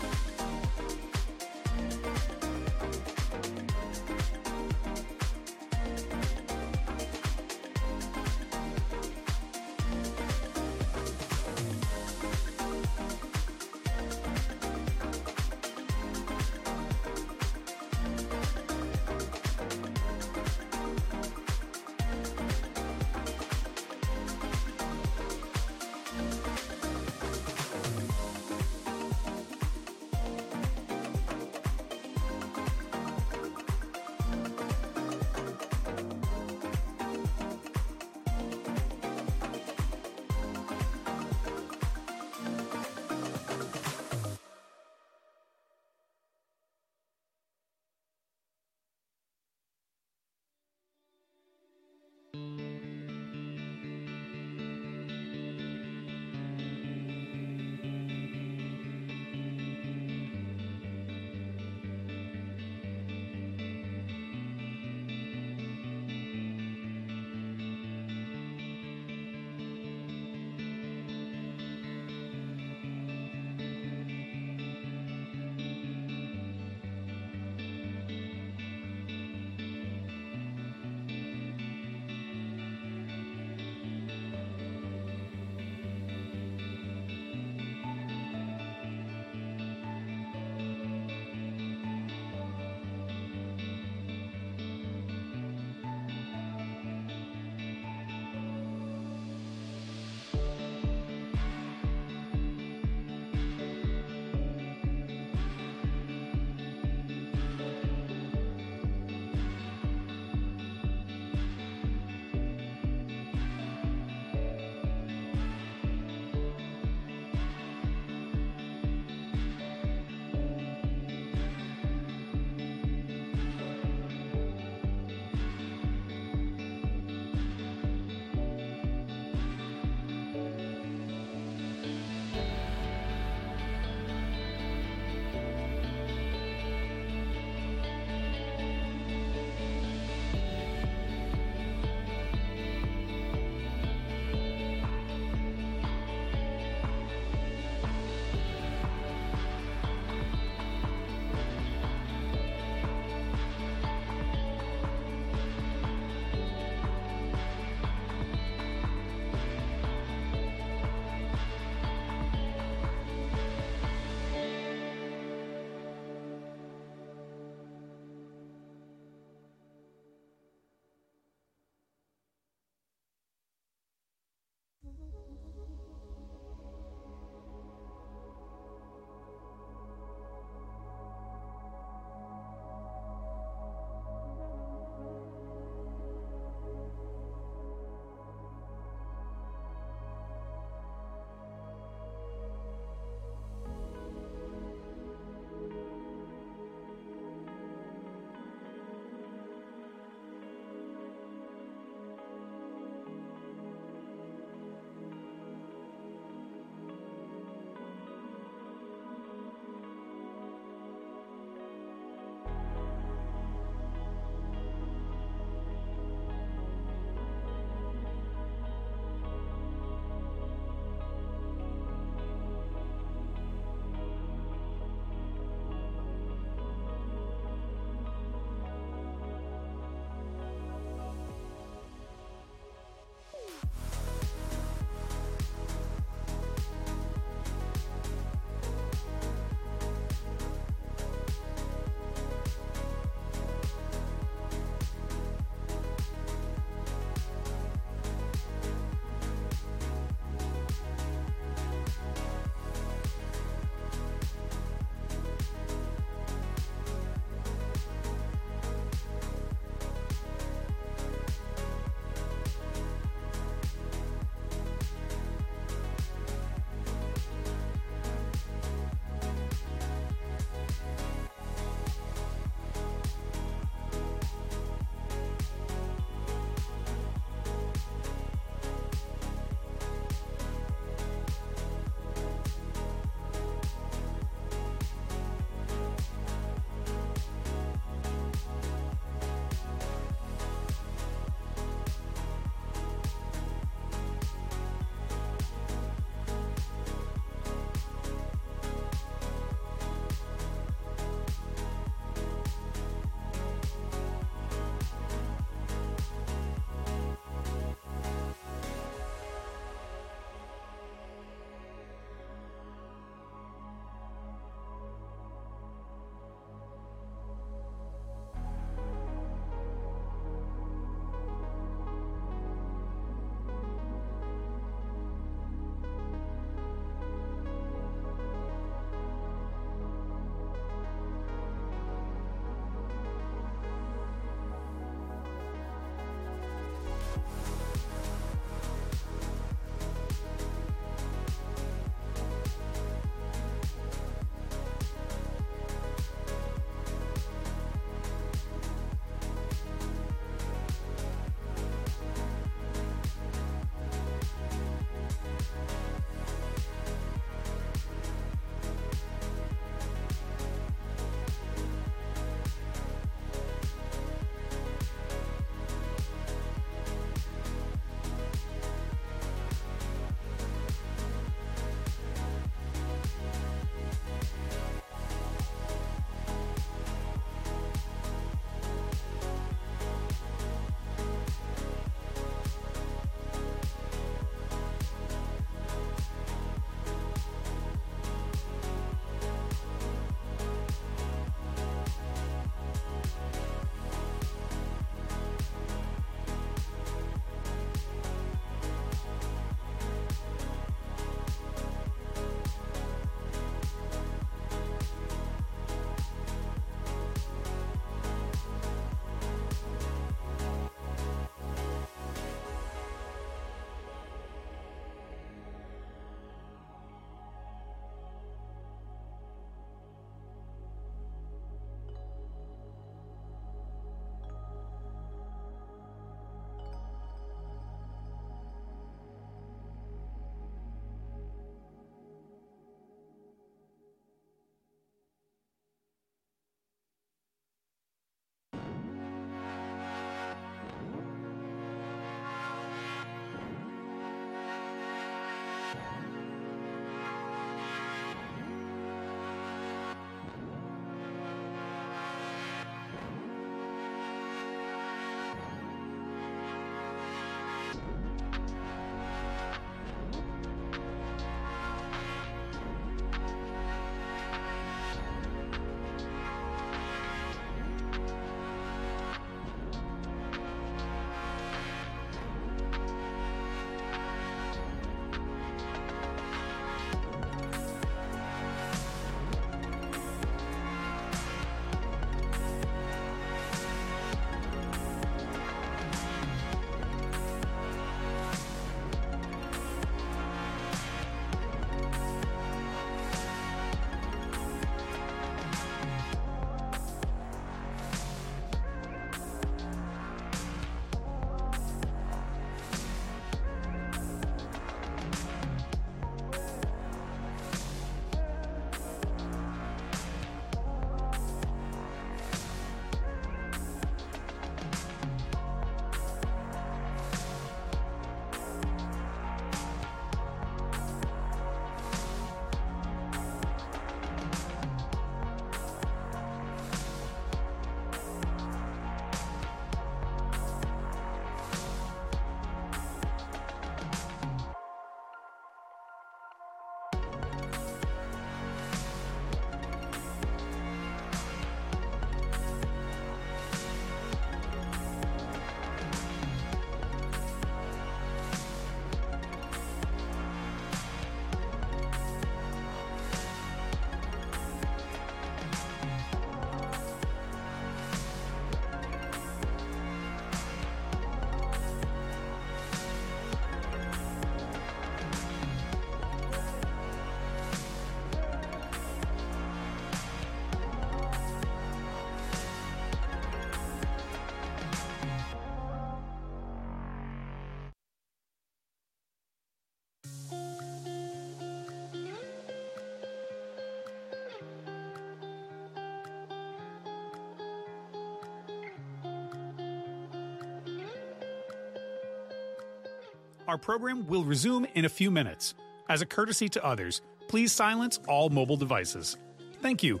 Our program will resume in a few minutes. As a courtesy to others, please silence all mobile devices. Thank you.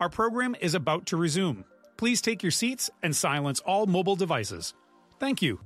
Our program is about to resume. Please take your seats and silence all mobile devices. Thank you.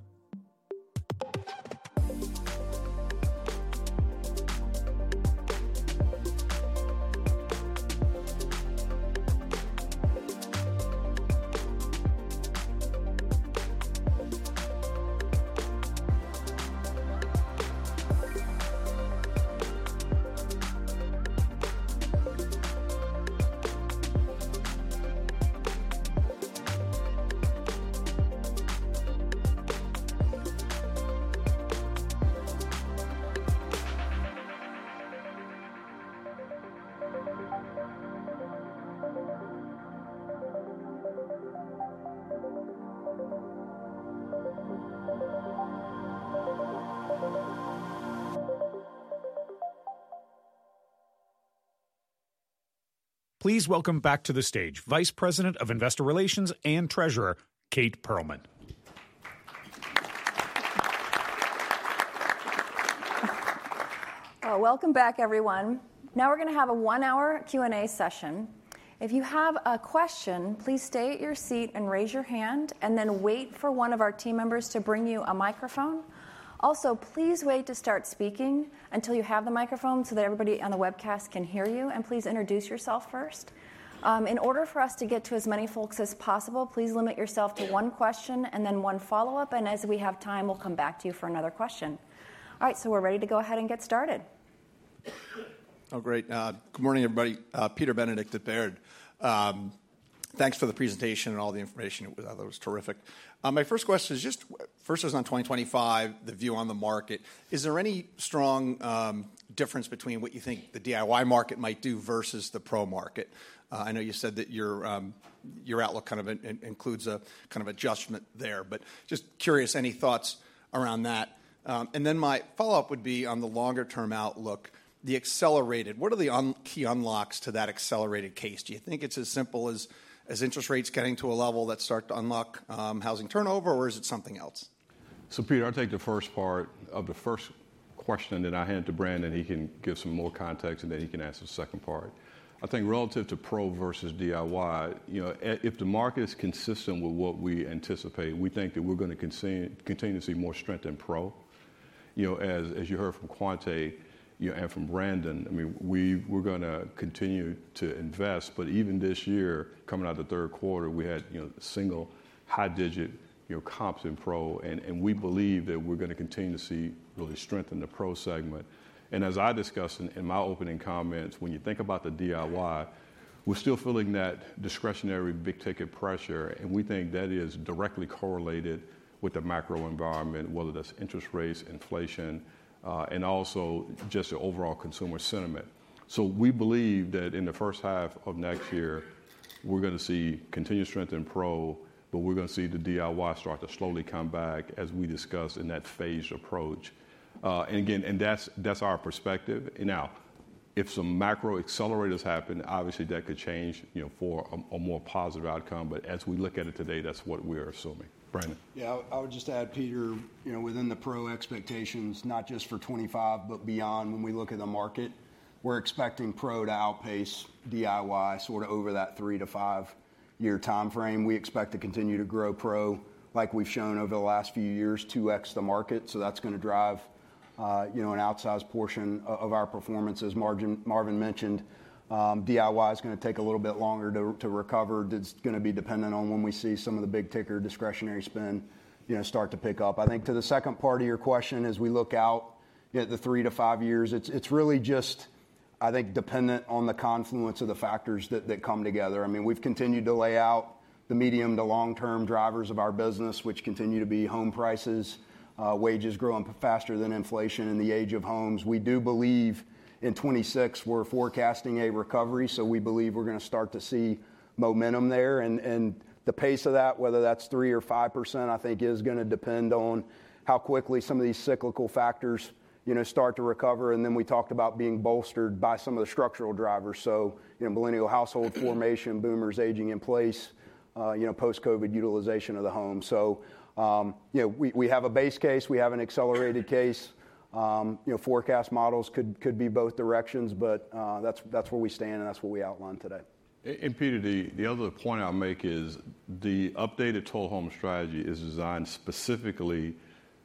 Please welcome back to the stage Vice President of Investor Relations and Treasurer Kate Pearlman. Welcome back, everyone. Now we're going to have a one-hour Q&A session. If you have a question, please state your seat and raise your hand, and then wait for one of our team members to bring you a microphone. Also, please wait to start speaking until you have the microphone so that everybody on the webcast can hear you, and please introduce yourself first. In order for us to get to as many folks as possible, please limit yourself to one question and then one follow-up, and as we have time, we'll come back to you for another question. All right, so we're ready to go ahead and get started. Oh, great. Good morning, everybody. Peter Benedict at Baird. Thanks for the presentation and all the information. That was terrific. My first question is just, first is on 2025, the view on the market. Is there any strong difference between what you think the DIY market might do versus the Pro market? I know you said that your outlook kind of includes a kind of adjustment there, but just curious, any thoughts around that? And then my follow-up would be on the longer-term outlook. The accelerated, what are the key unlocks to that accelerated case? Do you think it's as simple as interest rates getting to a level that start to unlock housing turnover, or is it something else? So, Peter, I'll take the first part of the first question that I hand to Brandon, and he can give some more context, and then he can answer the second part. I think relative to Pro versus DIY, you know, if the market is consistent with what we anticipate, we think that we're going to continue to see more strength in pro. You know, as you heard from Quonta and from Brandon, I mean, we're going to continue to invest, but even this year, coming out of the third quarter, we had single high-digit comps in pro, and we believe that we're going to continue to see really strength in the Pro segment. And as I discussed in my opening comments, when you think about the DIY, we're still feeling that discretionary big-ticket pressure, and we think that is directly correlated with the macro environment, whether that's interest rates, inflation, and also just the overall consumer sentiment. We believe that in the first half of next year, we're going to see continued strength in Pro, but we're going to see the DIY start to slowly come back as we discussed in that phased approach. And again, that's our perspective. Now, if some macro accelerators happen, obviously that could change for a more positive outcome, but as we look at it today, that's what we're assuming. Brandon. Yeah, I would just add, Peter, you know, within the Pro expectations, not just for 2025, but beyond, when we look at the market, we're expecting Pro to outpace DIY sort of over that three- to five-year time frame. We expect to continue to grow Pro like we've shown over the last few years, 2x the market, so that's going to drive an outsized portion of our performance. As Marvin mentioned, DIY is going to take a little bit longer to recover. It's going to be dependent on when we see some of the big-ticket discretionary spend start to pick up. I think to the second part of your question, as we look out at the three to five years, it's really just, I think, dependent on the confluence of the factors that come together. I mean, we've continued to lay out the medium- to long-term drivers of our business, which continue to be home prices, wages growing faster than inflation, and the age of homes. We do believe in 2026 we're forecasting a recovery, so we believe we're going to start to see momentum there, and the pace of that, whether that's 3% or 5%, I think is going to depend on how quickly some of these cyclical factors start to recover, and then we talked about being bolstered by some of the structural drivers, so millennial household formation, boomers aging in place, post-COVID utilization of the home. So we have a base case, we have an accelerated case. Forecast models could be both directions, but that's where we stand, and that's what we outlined today, And Peter, the other point I'll make is the updated Total Home Strategy is designed specifically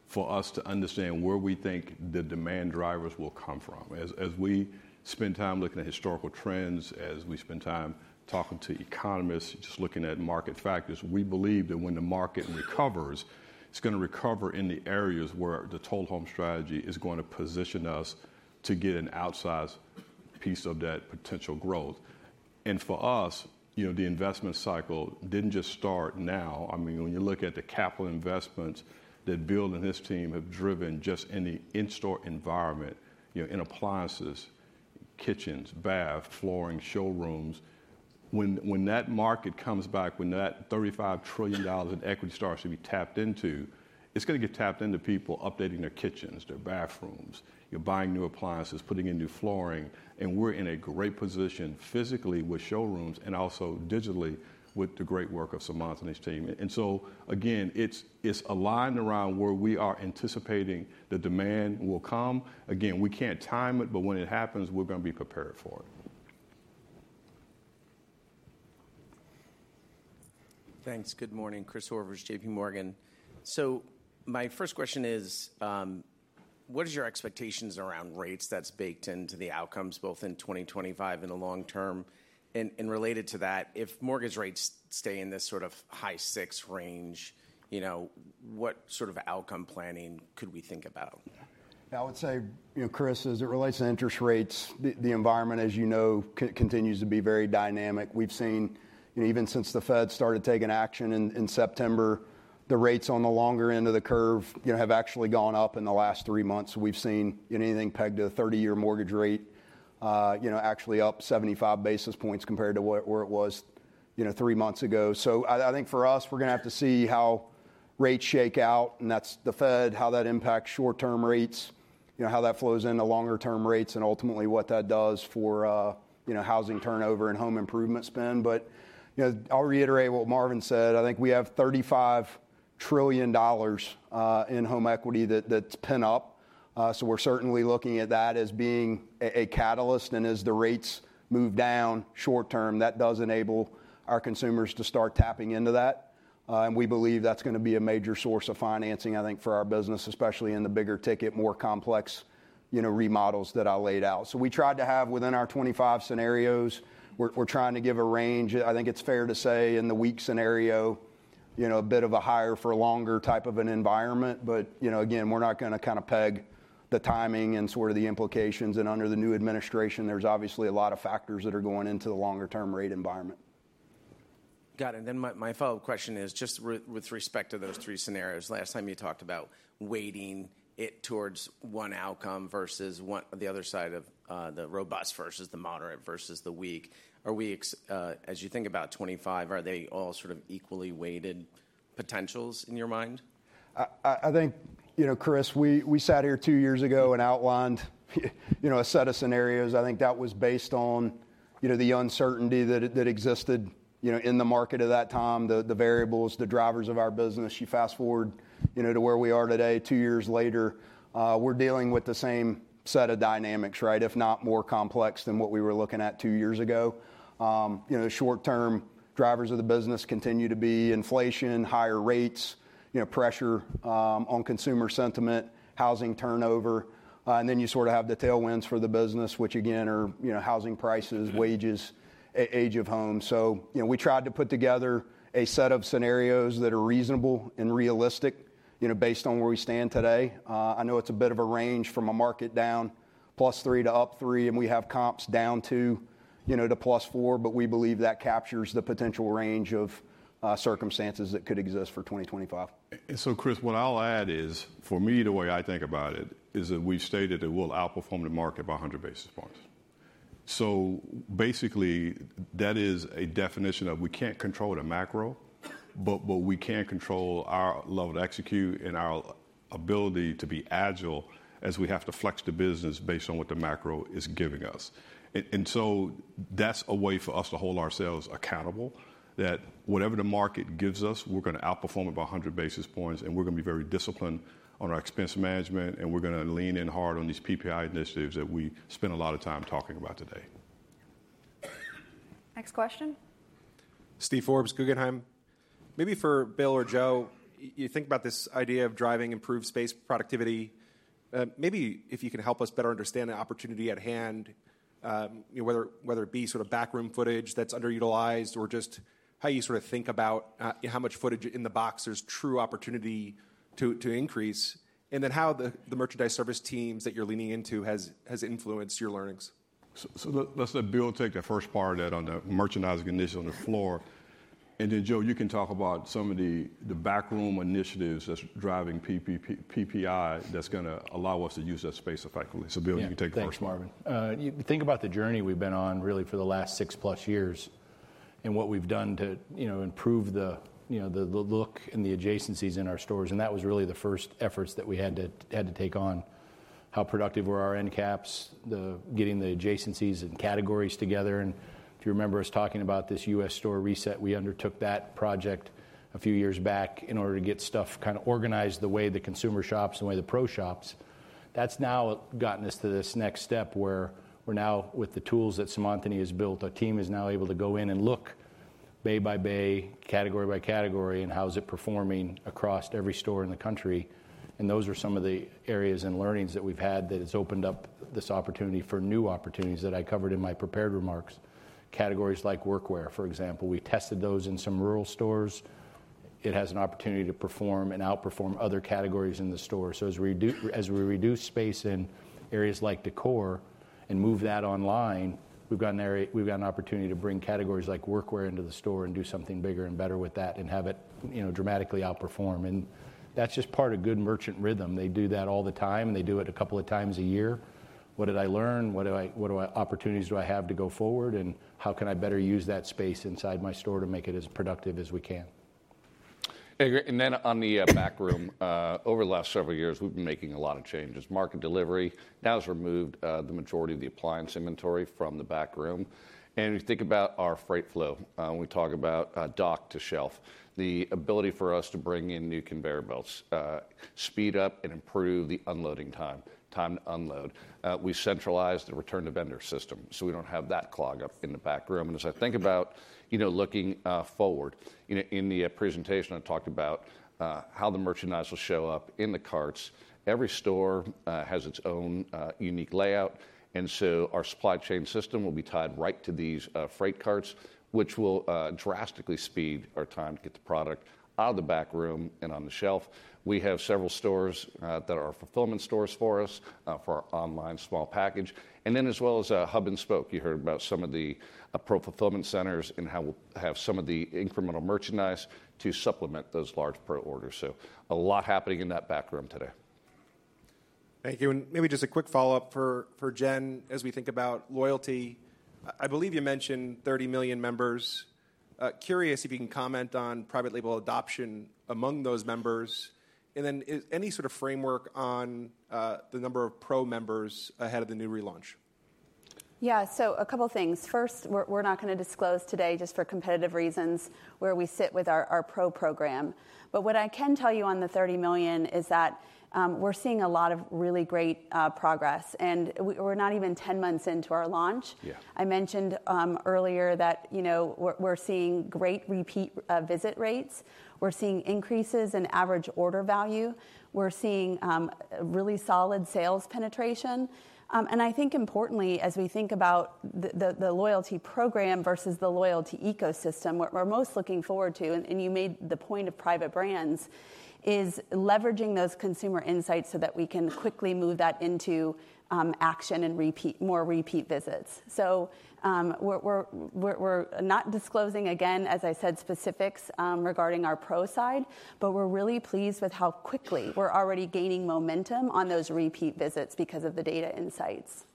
for us to understand where we think the demand drivers will come from. As we spend time looking at historical trends, as we spend time talking to economists, just looking at market factors, we believe that when the market recovers, it's going to recover in the areas where the Total Home Strategy is going to position us to get an outsized piece of that potential growth. And for us, the investment cycle didn't just start now. I mean, when you look at the capital investments that Bill and his team have driven just in the in-store environment, in appliances, kitchens, bath, flooring, showrooms, when that market comes back, when that $35 trillion in equity starts to be tapped into, it's going to get tapped into people updating their kitchens, their bathrooms, you're buying new appliances, putting in new flooring, and we're in a great position physically with showrooms and also digitally with the great work of Seemantini's team. And so again, it's aligned around where we are anticipating the demand will come. Again, we can't time it, but when it happens, we're going to be prepared for it. Thanks. Good morning, Chris Horvers, J.P. Morgan. So my first question is, what are your expectations around rates that's baked into the outcomes both in 2025 and the long term? And related to that, if mortgage rates stay in this sort of high six range, what sort of outcome planning could we think about? I would say, Chris, as it relates to interest rates, the environment, as you know, continues to be very dynamic. We've seen, even since the Fed started taking action in September, the rates on the longer end of the curve have actually gone up in the last three months. We've seen anything pegged to a 30-year mortgage rate actually up 75 basis points compared to where it was three months ago. So I think for us, we're going to have to see how rates shake out, and that's the Fed, how that impacts short-term rates, how that flows into longer-term rates, and ultimately what that does for housing turnover and home improvement spend. But I'll reiterate what Marvin said. I think we have $35 trillion in home equity that's pent up. So we're certainly looking at that as being a catalyst, and as the rates move down short-term, that does enable our consumers to start tapping into that. And we believe that's going to be a major source of financing, I think, for our business, especially in the bigger-ticket, more complex remodels that I laid out. We tried to have within our 25 scenarios. We're trying to give a range. I think it's fair to say in the weak scenario, a bit of a higher-for-longer type of an environment, but again, we're not going to kind of peg the timing and sort of the implications. And under the new administration, there's obviously a lot of factors that are going into the longer-term rate environment. Got it. And then my follow-up question is just with respect to those three scenarios. Last time you talked about weighting it towards one outcome versus the other side of the robust versus the moderate versus the weak. As you think about 2025, are they all sort of equally weighted potentials in your mind? I think, Chris, we sat here two years ago and outlined a set of scenarios. I think that was based on the uncertainty that existed in the market at that time, the variables, the drivers of our business. You fast forward to where we are today, two years later, we're dealing with the same set of dynamics, right? If not more complex than what we were looking at two years ago. The short-term drivers of the business continue to be inflation, higher rates, pressure on consumer sentiment, housing turnover, and then you sort of have the tailwinds for the business, which again are housing prices, wages, age of homes, so we tried to put together a set of scenarios that are reasonable and realistic based on where we stand today. I know it's a bit of a range from a market down plus three to up three, and we have comps down to plus four, but we believe that captures the potential range of circumstances that could exist for 2025. So, Chris, what I'll add is, for me, the way I think about it is that we've stated that we'll outperform the market by 100 basis points. So basically, that is a definition of we can't control the macro, but we can control our ability to execute and our ability to be agile as we have to flex the business based on what the macro is giving us. And so that's a way for us to hold ourselves accountable that whatever the market gives us, we're going to outperform it by 100 basis points, and we're going to be very disciplined on our expense management, and we're going to lean in hard on these PPI initiatives that we spent a lot of time talking about today. Next question. Steve Forbes, Guggenheim. Maybe for Bill or Joe, you think about this idea of driving improved space productivity. Maybe if you can help us better understand the opportunity at hand, whether it be sort of backroom footage that's underutilized or just how you sort of think about how much footage in the box there's true opportunity to increase, and then how the merchandise service teams that you're leaning into has influenced your learnings. So let's let Bill take the first part of that on the merchandising initiative on the floor. Then Joe, you can talk about some of the backroom initiatives that's driving PPI that's going to allow us to use that space effectively. So Bill, you can take the first part. Think about the journey we've been on really for the last six-plus years and what we've done to improve the look and the adjacencies in our stores. And that was really the first efforts that we had to take on. How productive were our end caps, getting the adjacencies and categories together? And if you remember us talking about this U.S. store reset, we undertook that project a few years back in order to get stuff kind of organized the way the consumer shops, the way the Pro shops. That's now gotten us to this next step where we're now with the tools that Seemantini and I have built. Our team is now able to go in and look bay by bay, category by category, and how is it performing across every store in the country. And those are some of the areas and learnings that we've had that have opened up this opportunity for new opportunities that I covered in my prepared remarks. Categories like workwear, for example, we've tested those in some rural stores. It has an opportunity to perform and outperform other categories in the store. So as we reduce space in areas like decor and move that online, we've got an opportunity to bring categories like workwear into the store and do something bigger and better with that and have it dramatically outperform. And that's just part of good merchant rhythm. They do that all the time, and they do it a couple of times a year. What did I learn? What opportunities do I have to go forward? And how can I better use that space inside my store to make it as productive as we can? And then in the backroom, over the last several years, we've been making a lot of changes. Market delivery now has removed the majority of the appliance inventory from the backroom. And if you think about our freight flow, we talk about dock to shelf, the ability for us to bring in new conveyor belts, speed up and improve the unloading time, time to unload. We centralize the return to vendor system, so we don't have that clog up in the backroom. And as I think about looking forward, in the presentation, I talked about how the merchandise will show up in the carts. Every store has its own unique layout, and so our supply chain system will be tied right to these freight carts, which will drastically speed our time to get the product out of the backroom and on the shelf. We have several stores that are fulfillment stores for us, for our online small package, and then as well as hub and spoke. You heard about some of the Pro fulfillment centers and how we'll have some of the incremental merchandise to supplement those large Pro orders. So a lot happening in that backroom today. Thank you, and maybe just a quick follow-up for Jen as we think about loyalty. I believe you mentioned 30 million members. Curious if you can comment on private label adoption among those members. And then any sort of framework on the number of Pro members ahead of the new relaunch? Yeah, so a couple of things. First, we're not going to disclose today just for competitive reasons where we sit with our Pro program. But what I can tell you on the 30 million is that we're seeing a lot of really great progress. And we're not even 10 months into our launch. I mentioned earlier that we're seeing great repeat visit rates. We're seeing increases in average order value. We're seeing really solid sales penetration. And I think importantly, as we think about the loyalty program versus the loyalty ecosystem, what we're most looking forward to, and you made the point of private brands, is leveraging those consumer insights so that we can quickly move that into action and more repeat visits. We're not disclosing, again, as I said, specifics regarding our Pro side, but we're really pleased with how quickly we're already gaining momentum on those repeat visits because of the data insights.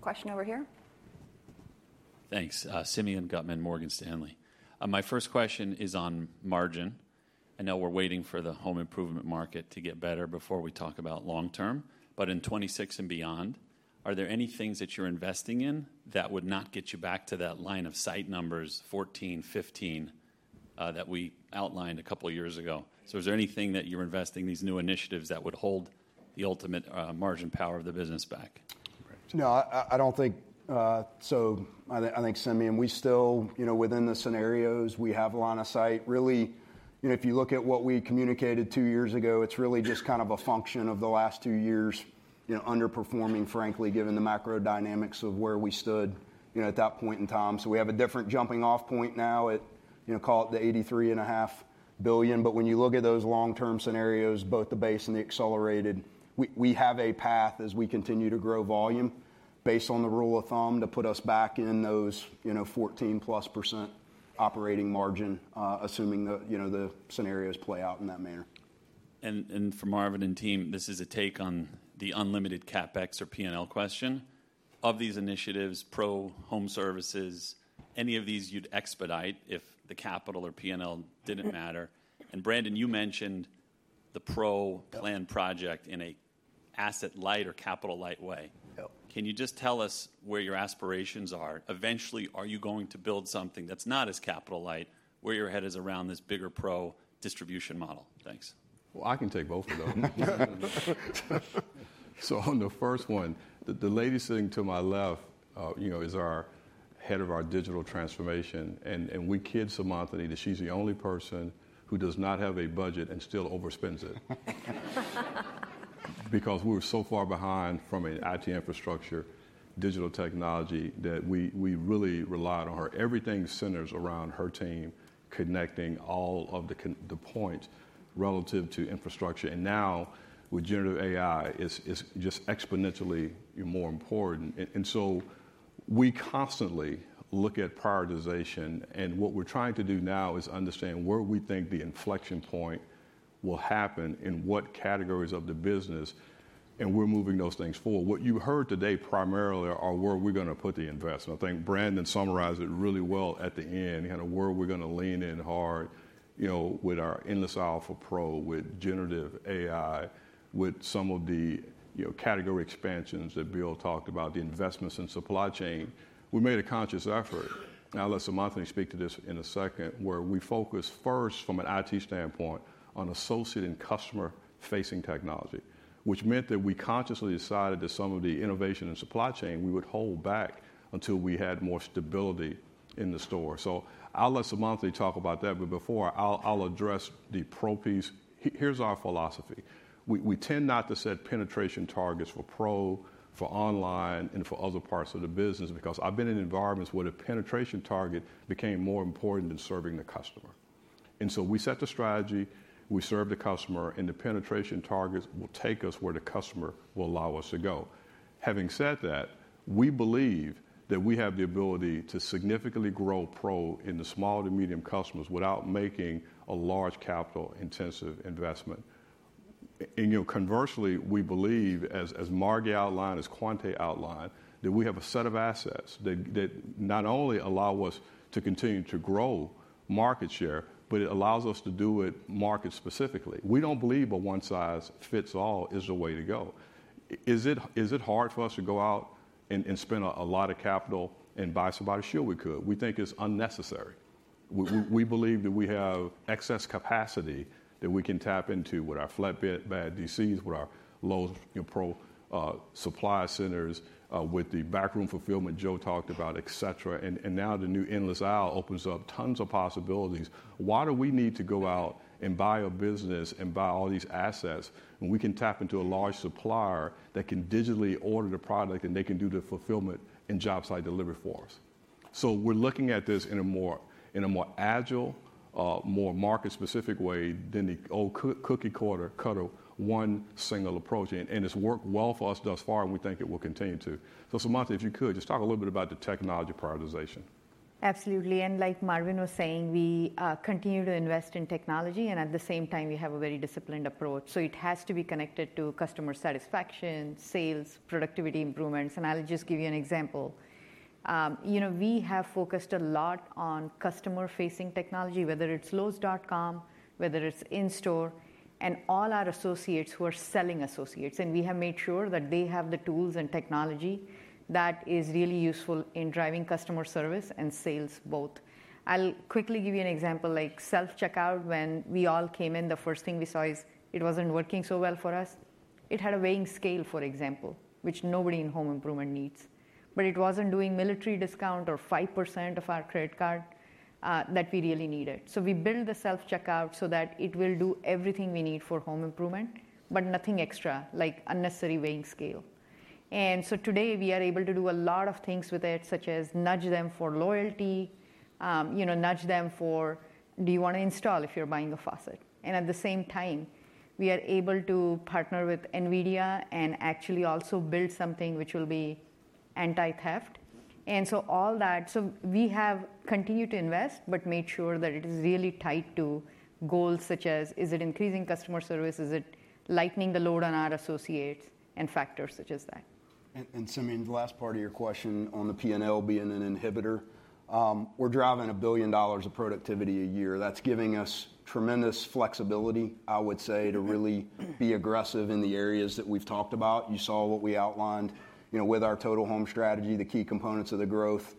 Question over here. Thanks. Simeon Gutman, Morgan Stanley. My first question is on margin. I know we're waiting for the home improvement market to get better before we talk about long term, but in 2026 and beyond, are there any things that you're investing in that would not get you back to that line of sight numbers, 14, 15, that we outlined a couple of years ago? So is there anything that you're investing, these new initiatives that would hold the ultimate margin power of the business back? No, I don't think so. I think, Simeon, we're still within the scenarios we have a line of sight. Really, if you look at what we communicated two years ago, it's really just kind of a function of the last two years underperforming, frankly, given the macro dynamics of where we stood at that point in time. So we have a different jumping off point now at, call it the $83.5 billion. But when you look at those long-term scenarios, both the base and the accelerated, we have a path as we continue to grow volume based on the rule of thumb to put us back in those 14% plus operating margin, assuming the scenarios play out in that manner. And for Marvin and team, this is a take on the unlimited CapEx or P&L question. Of these initiatives, Pro home services, any of these you'd expedite if the capital or P&L didn't matter? Brandon, you mentioned the Pro Planned project in an asset light or capital light way. Can you just tell us where your aspirations are? Eventually, are you going to build something that's not as capital light where your head is around this bigger Pro distribution model? Thanks. I can take both of them. On the first one, the lady sitting to my left is our head of our digital transformation. We kid Seemantini that she's the only person who does not have a budget and still overspends it because we were so far behind from an IT infrastructure, digital technology that we really relied on her. Everything centers around her team connecting all of the points relative to infrastructure. Now with generative AI, it's just exponentially more important. We constantly look at prioritization. What we're trying to do now is understand where we think the inflection point will happen in what categories of the business. We're moving those things forward. What you heard today primarily are where we're going to put the investment. I think Brandon summarized it really well at the end, where we're going to lean in hard with our Endless Aisle Pro with generative AI, with some of the category expansions that Bill talked about, the investments in supply chain. We made a conscious effort. Now, let Seemantini speak to this in a second, where we focused first from an IT standpoint on associate and customer-facing technology, which meant that we consciously decided that some of the innovation in supply chain we would hold back until we had more stability in the store. So I'll let Seemantini talk about that. Before that, I'll address the Pro piece. Here's our philosophy. We tend not to set penetration targets for Pro, for online, and for other parts of the business because I've been in environments where the penetration target became more important than serving the customer. And so we set the strategy. We serve the customer, and the penetration targets will take us where the customer will allow us to go. Having said that, we believe that we have the ability to significantly grow Pro in the small to medium customers without making a large capital-intensive investment. And conversely, we believe, as Margi outlined, as Quonta outlined, that we have a set of assets that not only allow us to continue to grow market share, but it allows us to do it market-specifically. We don't believe a one-size-fits-all is the way to go. Is it hard for us to go out and spend a lot of capital and buy somebody else we could? We think it's unnecessary. We believe that we have excess capacity that we can tap into with our flatbed DCs, with our Lowe's Pro Supply centers, with the backroom fulfillment Joe talked about, et cetera. And now the new endless aisle opens up tons of possibilities. Why do we need to go out and buy a business and buy all these assets when we can tap into a large supplier that can digitally order the product and they can do the fulfillment and job site delivery for us? So we're looking at this in a more agile, more market-specific way than the old cookie cutter, one single approach. And it's worked well for us thus far, and we think it will continue to. Seemantini, if you could just talk a little bit about the technology prioritization. Absolutely, and like Marvin was saying, we continue to invest in technology, and at the same time, we have a very disciplined approach, so it has to be connected to customer satisfaction, sales, productivity improvements, and I'll just give you an example. We have focused a lot on customer-facing technology, whether it's lowes.com, whether it's in-store, and all our associates who are selling associates, and we have made sure that they have the tools and technology that is really useful in driving customer service and sales both. I'll quickly give you an example like self-checkout. When we all came in, the first thing we saw is it wasn't working so well for us. It had a weighing scale, for example, which nobody in home improvement needs. But it wasn't doing military discount or 5% off our credit card that we really needed. So we built the self-checkout so that it will do everything we need for home improvement, but nothing extra, like unnecessary weighing scale. And so today, we are able to do a lot of things with it, such as nudge them for loyalty, nudge them for, do you want to install if you're buying a faucet? And at the same time, we are able to partner with NVIDIA and actually also build something which will be anti-theft. And so all that, so we have continued to invest, but made sure that it is really tied to goals such as, is it increasing customer service? Is it lightening the load on our associates and factors such as that? Simeon, the last part of your question on the P&L being an inhibitor, we're driving $1 billion of productivity a year. That's giving us tremendous flexibility, I would say, to really be aggressive in the areas that we've talked about. You saw what we outlined with our Total Home Strategy, the key components of the growth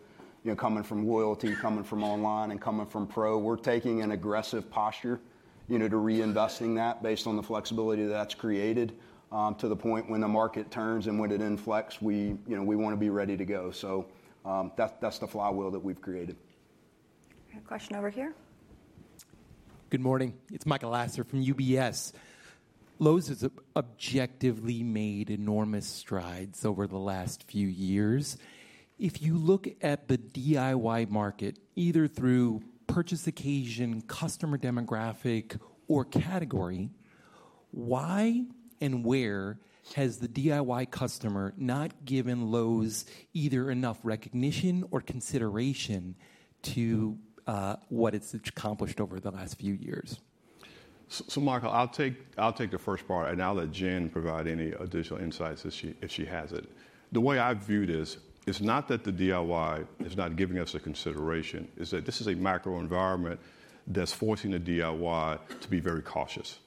coming from loyalty, coming from online, and coming from Pro. We're taking an aggressive posture to reinvesting that based on the flexibility that's created to the point when the market turns and when it inflects, we want to be ready to go. So that's the flywheel that we've created. Question over here. Good morning. It's Michael Lasser from UBS. Lowe's has objectively made enormous strides over the last few years. If you look at the DIY market, either through purchase occasion, customer demographic, or category, why and where has the DIY customer not given Lowe's either enough recognition or consideration to what it's accomplished over the last few years? So Michael, I'll take the first part and I'll let Jen provide any additional insights if she has it. The way I view this is not that the DIY is not giving us a consideration, is that this is a macro environment that's forcing the DIY to be very cautious.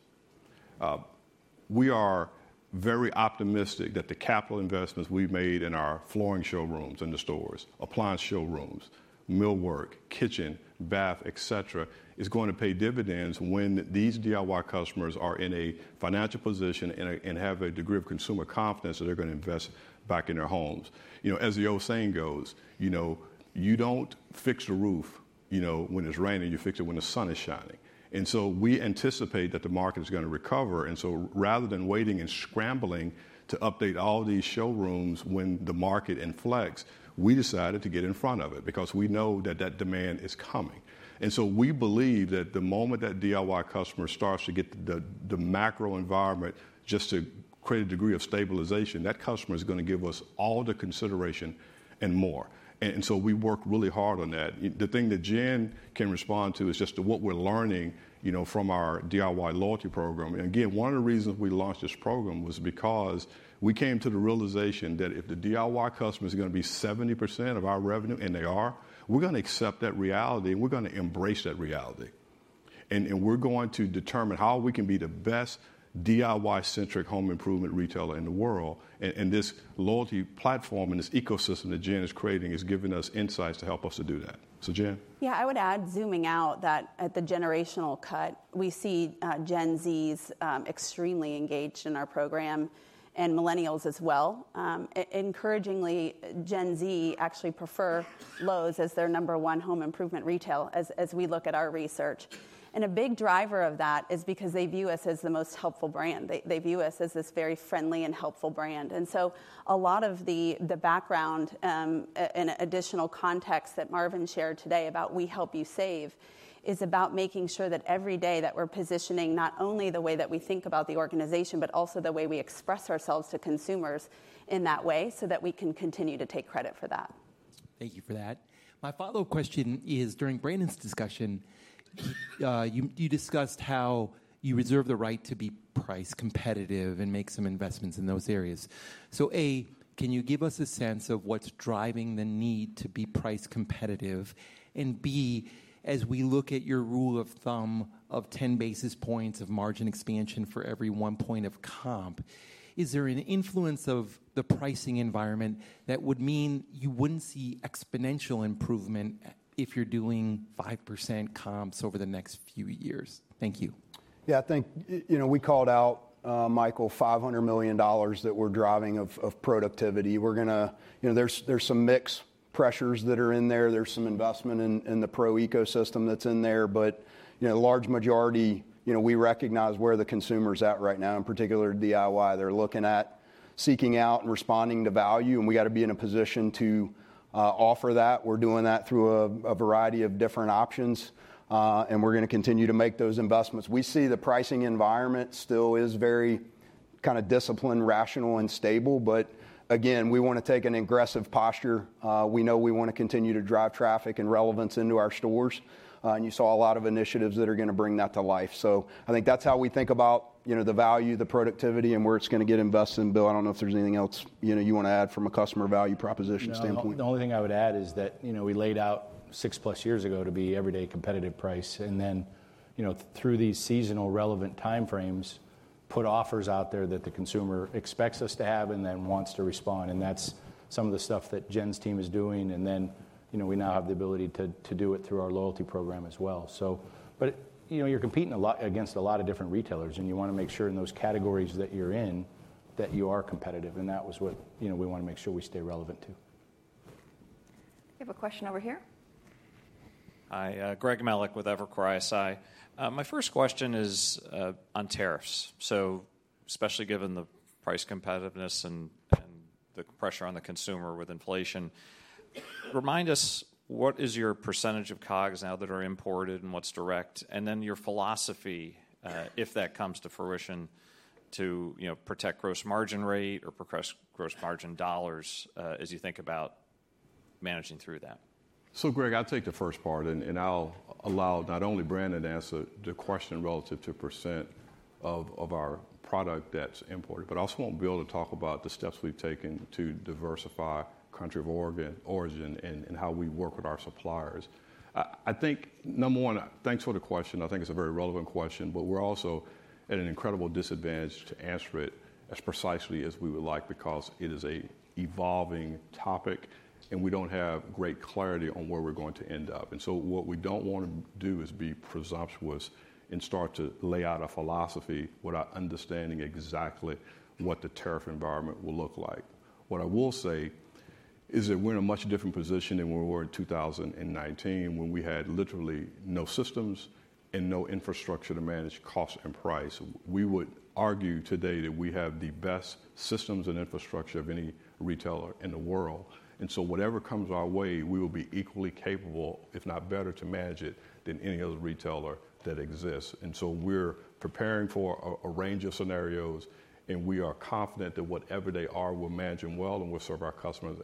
We are very optimistic that the capital investments we've made in our flooring showrooms and the stores, appliance showrooms, millwork, kitchen, bath, et cetera, is going to pay dividends when these DIY customers are in a financial position and have a degree of consumer confidence that they're going to invest back in their homes. As the old saying goes, you don't fix the roof when it's raining. You fix it when the sun is shining, and so we anticipate that the market is going to recover, and so rather than waiting and scrambling to update all these showrooms when the market inflects, we decided to get in front of it because we know that that demand is coming, and so we believe that the moment that DIY customer starts to get the macro environment just to create a degree of stabilization, that customer is going to give us all the consideration and more. And so we work really hard on that. The thing that Jen can respond to is just what we're learning from our DIY loyalty program. And again, one of the reasons we launched this program was because we came to the realization that if the DIY customer is going to be 70% of our revenue, and they are, we're going to accept that reality. And we're going to embrace that reality. And we're going to determine how we can be the best DIY-centric home improvement retailer in the world. And this loyalty platform and this ecosystem that Jen is creating is giving us insights to help us to do that. So Jen? Yeah, I would add, zooming out, that at the generational cut, we see Gen Zs extremely engaged in our program and millennials as well. Encouragingly, Gen Z actually prefer Lowe's as their number one home improvement retail as we look at our research. And a big driver of that is because they view us as the most helpful brand. They view us as this very friendly and helpful brand. And so a lot of the background and additional context that Marvin shared today about we help you save is about making sure that every day that we're positioning not only the way that we think about the organization, but also the way we express ourselves to consumers in that way so that we can continue to take credit for that. Thank you for that. My follow-up question is, during Brandon's discussion, you discussed how you reserve the right to be price competitive and make some investments in those areas. So A, can you give us a sense of what's driving the need to be price competitive? And B, as we look at your rule of thumb of 10 basis points of margin expansion for every one point of comp, is there an influence of the pricing environment that would mean you wouldn't see exponential improvement if you're doing 5% comps over the next few years? Thank you. Yeah, I think we called out, Michael, $500 million that we're driving of productivity. There's some mixed pressures that are in there. There's some investment in the Pro ecosystem that's in there. But the large majority, we recognize where the consumer is at right now, in particular DIY. They're looking at seeking out and responding to value. And we got to be in a position to offer that. We're doing that through a variety of different options. And we're going to continue to make those investments. We see the pricing environment still is very kind of disciplined, rational, and stable. But again, we want to take an aggressive posture. We know we want to continue to drive traffic and relevance into our stores. And you saw a lot of initiatives that are going to bring that to life. So I think that's how we think about the value, the productivity, and where it's going to get invested in, Bill. I don't know if there's anything else you want to add from a customer value proposition standpoint. The only thing I would add is that we laid out six-plus years ago to be everyday competitive price. And then through these seasonal relevant time frames, put offers out there that the consumer expects us to have and then wants to respond. And that's some of the stuff that Jen's team is doing. And then we now have the ability to do it through our loyalty program as well. But you're competing against a lot of different retailers. And you want to make sure in those categories that you're in that you are competitive. And that was what we want to make sure we stay relevant to. We have a question over here. Hi. Greg Melich with Evercore ISI. My first question is on tariffs. So especially given the price competitiveness and the pressure on the consumer with inflation, remind us what is your percentage of COGS now that are imported and what's direct? And then your philosophy if that comes to fruition to protect gross margin rate or progress gross margin dollars as you think about managing through that. So Greg, I'll take the first part. I'll allow not only Brandon to answer the question relative to percent of our product that's imported, but I also want Bill to talk about the steps we've taken to diversify country of origin and how we work with our suppliers. I think number one, thanks for the question. I think it's a very relevant question. We're also at an incredible disadvantage to answer it as precisely as we would like because it is an evolving topic. We don't have great clarity on where we're going to end up. So what we don't want to do is be presumptuous and start to lay out a philosophy without understanding exactly what the tariff environment will look like. What I will say is that we're in a much different position than we were in 2019 when we had literally no systems and no infrastructure to manage cost and price. We would argue today that we have the best systems and infrastructure of any retailer in the world. And so whatever comes our way, we will be equally capable, if not better, to manage it than any other retailer that exists. And so we're preparing for a range of scenarios. And we are confident that whatever they are, we're managing well. And we'll serve our customers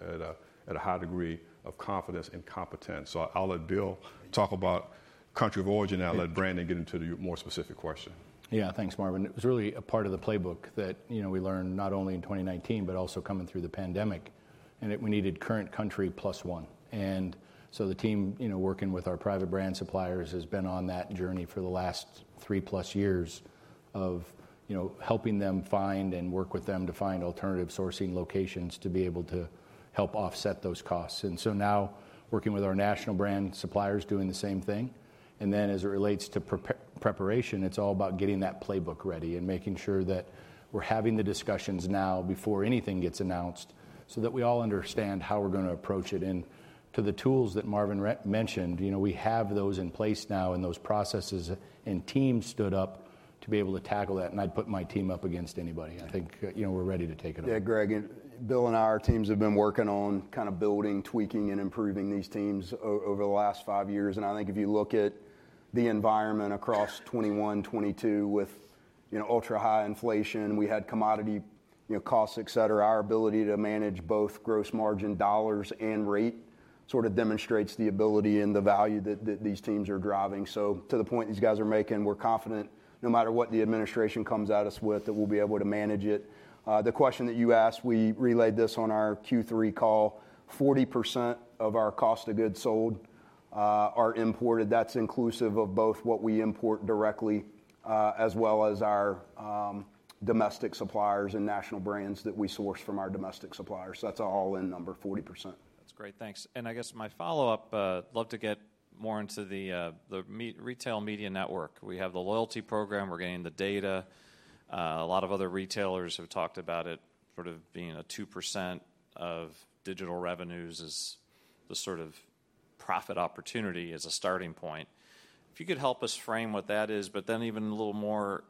at a high degree of confidence and competence. So I'll let Bill talk about country of origin. And I'll let Brandon get into the more specific question. Yeah, thanks, Marvin. It was really a part of the playbook that we learned not only in 2019, but also coming through the pandemic. And we needed China Plus One. And so the team working with our private brand suppliers has been on that journey for the last three-plus years of helping them find and work with them to find alternative sourcing locations to be able to help offset those costs. And so now working with our national brand suppliers doing the same thing. And then as it relates to preparation, it's all about getting that playbook ready and making sure that we're having the discussions now before anything gets announced so that we all understand how we're going to approach it. And to the tools that Marvin mentioned, we have those in place now and those processes and teams stood up to be able to tackle that. And I'd put my team up against anybody. I think we're ready to take it on. Yeah, Greg. Bill and our teams have been working on kind of building, tweaking, and improving these teams over the last five years. I think if you look at the environment across 2021, 2022 with ultra-high inflation, we had commodity costs, et cetera, our ability to manage both gross margin dollars and rate sort of demonstrates the ability and the value that these teams are driving. To the point these guys are making, we're confident no matter what the administration comes at us with, that we'll be able to manage it. The question that you asked, we relayed this on our Q3 call. 40% of our cost of goods sold are imported. That's inclusive of both what we import directly as well as our domestic suppliers and national brands that we source from our domestic suppliers. So that's an all-in number, 40%. That's great. Thanks. I guess my follow-up. I'd love to get more into the retail media network. We have the loyalty program. We're getting the data. A lot of other retailers have talked about it sort of being a 2% of digital revenues as the sort of profit opportunity as a starting point. If you could help us frame what that is, but then even a little more,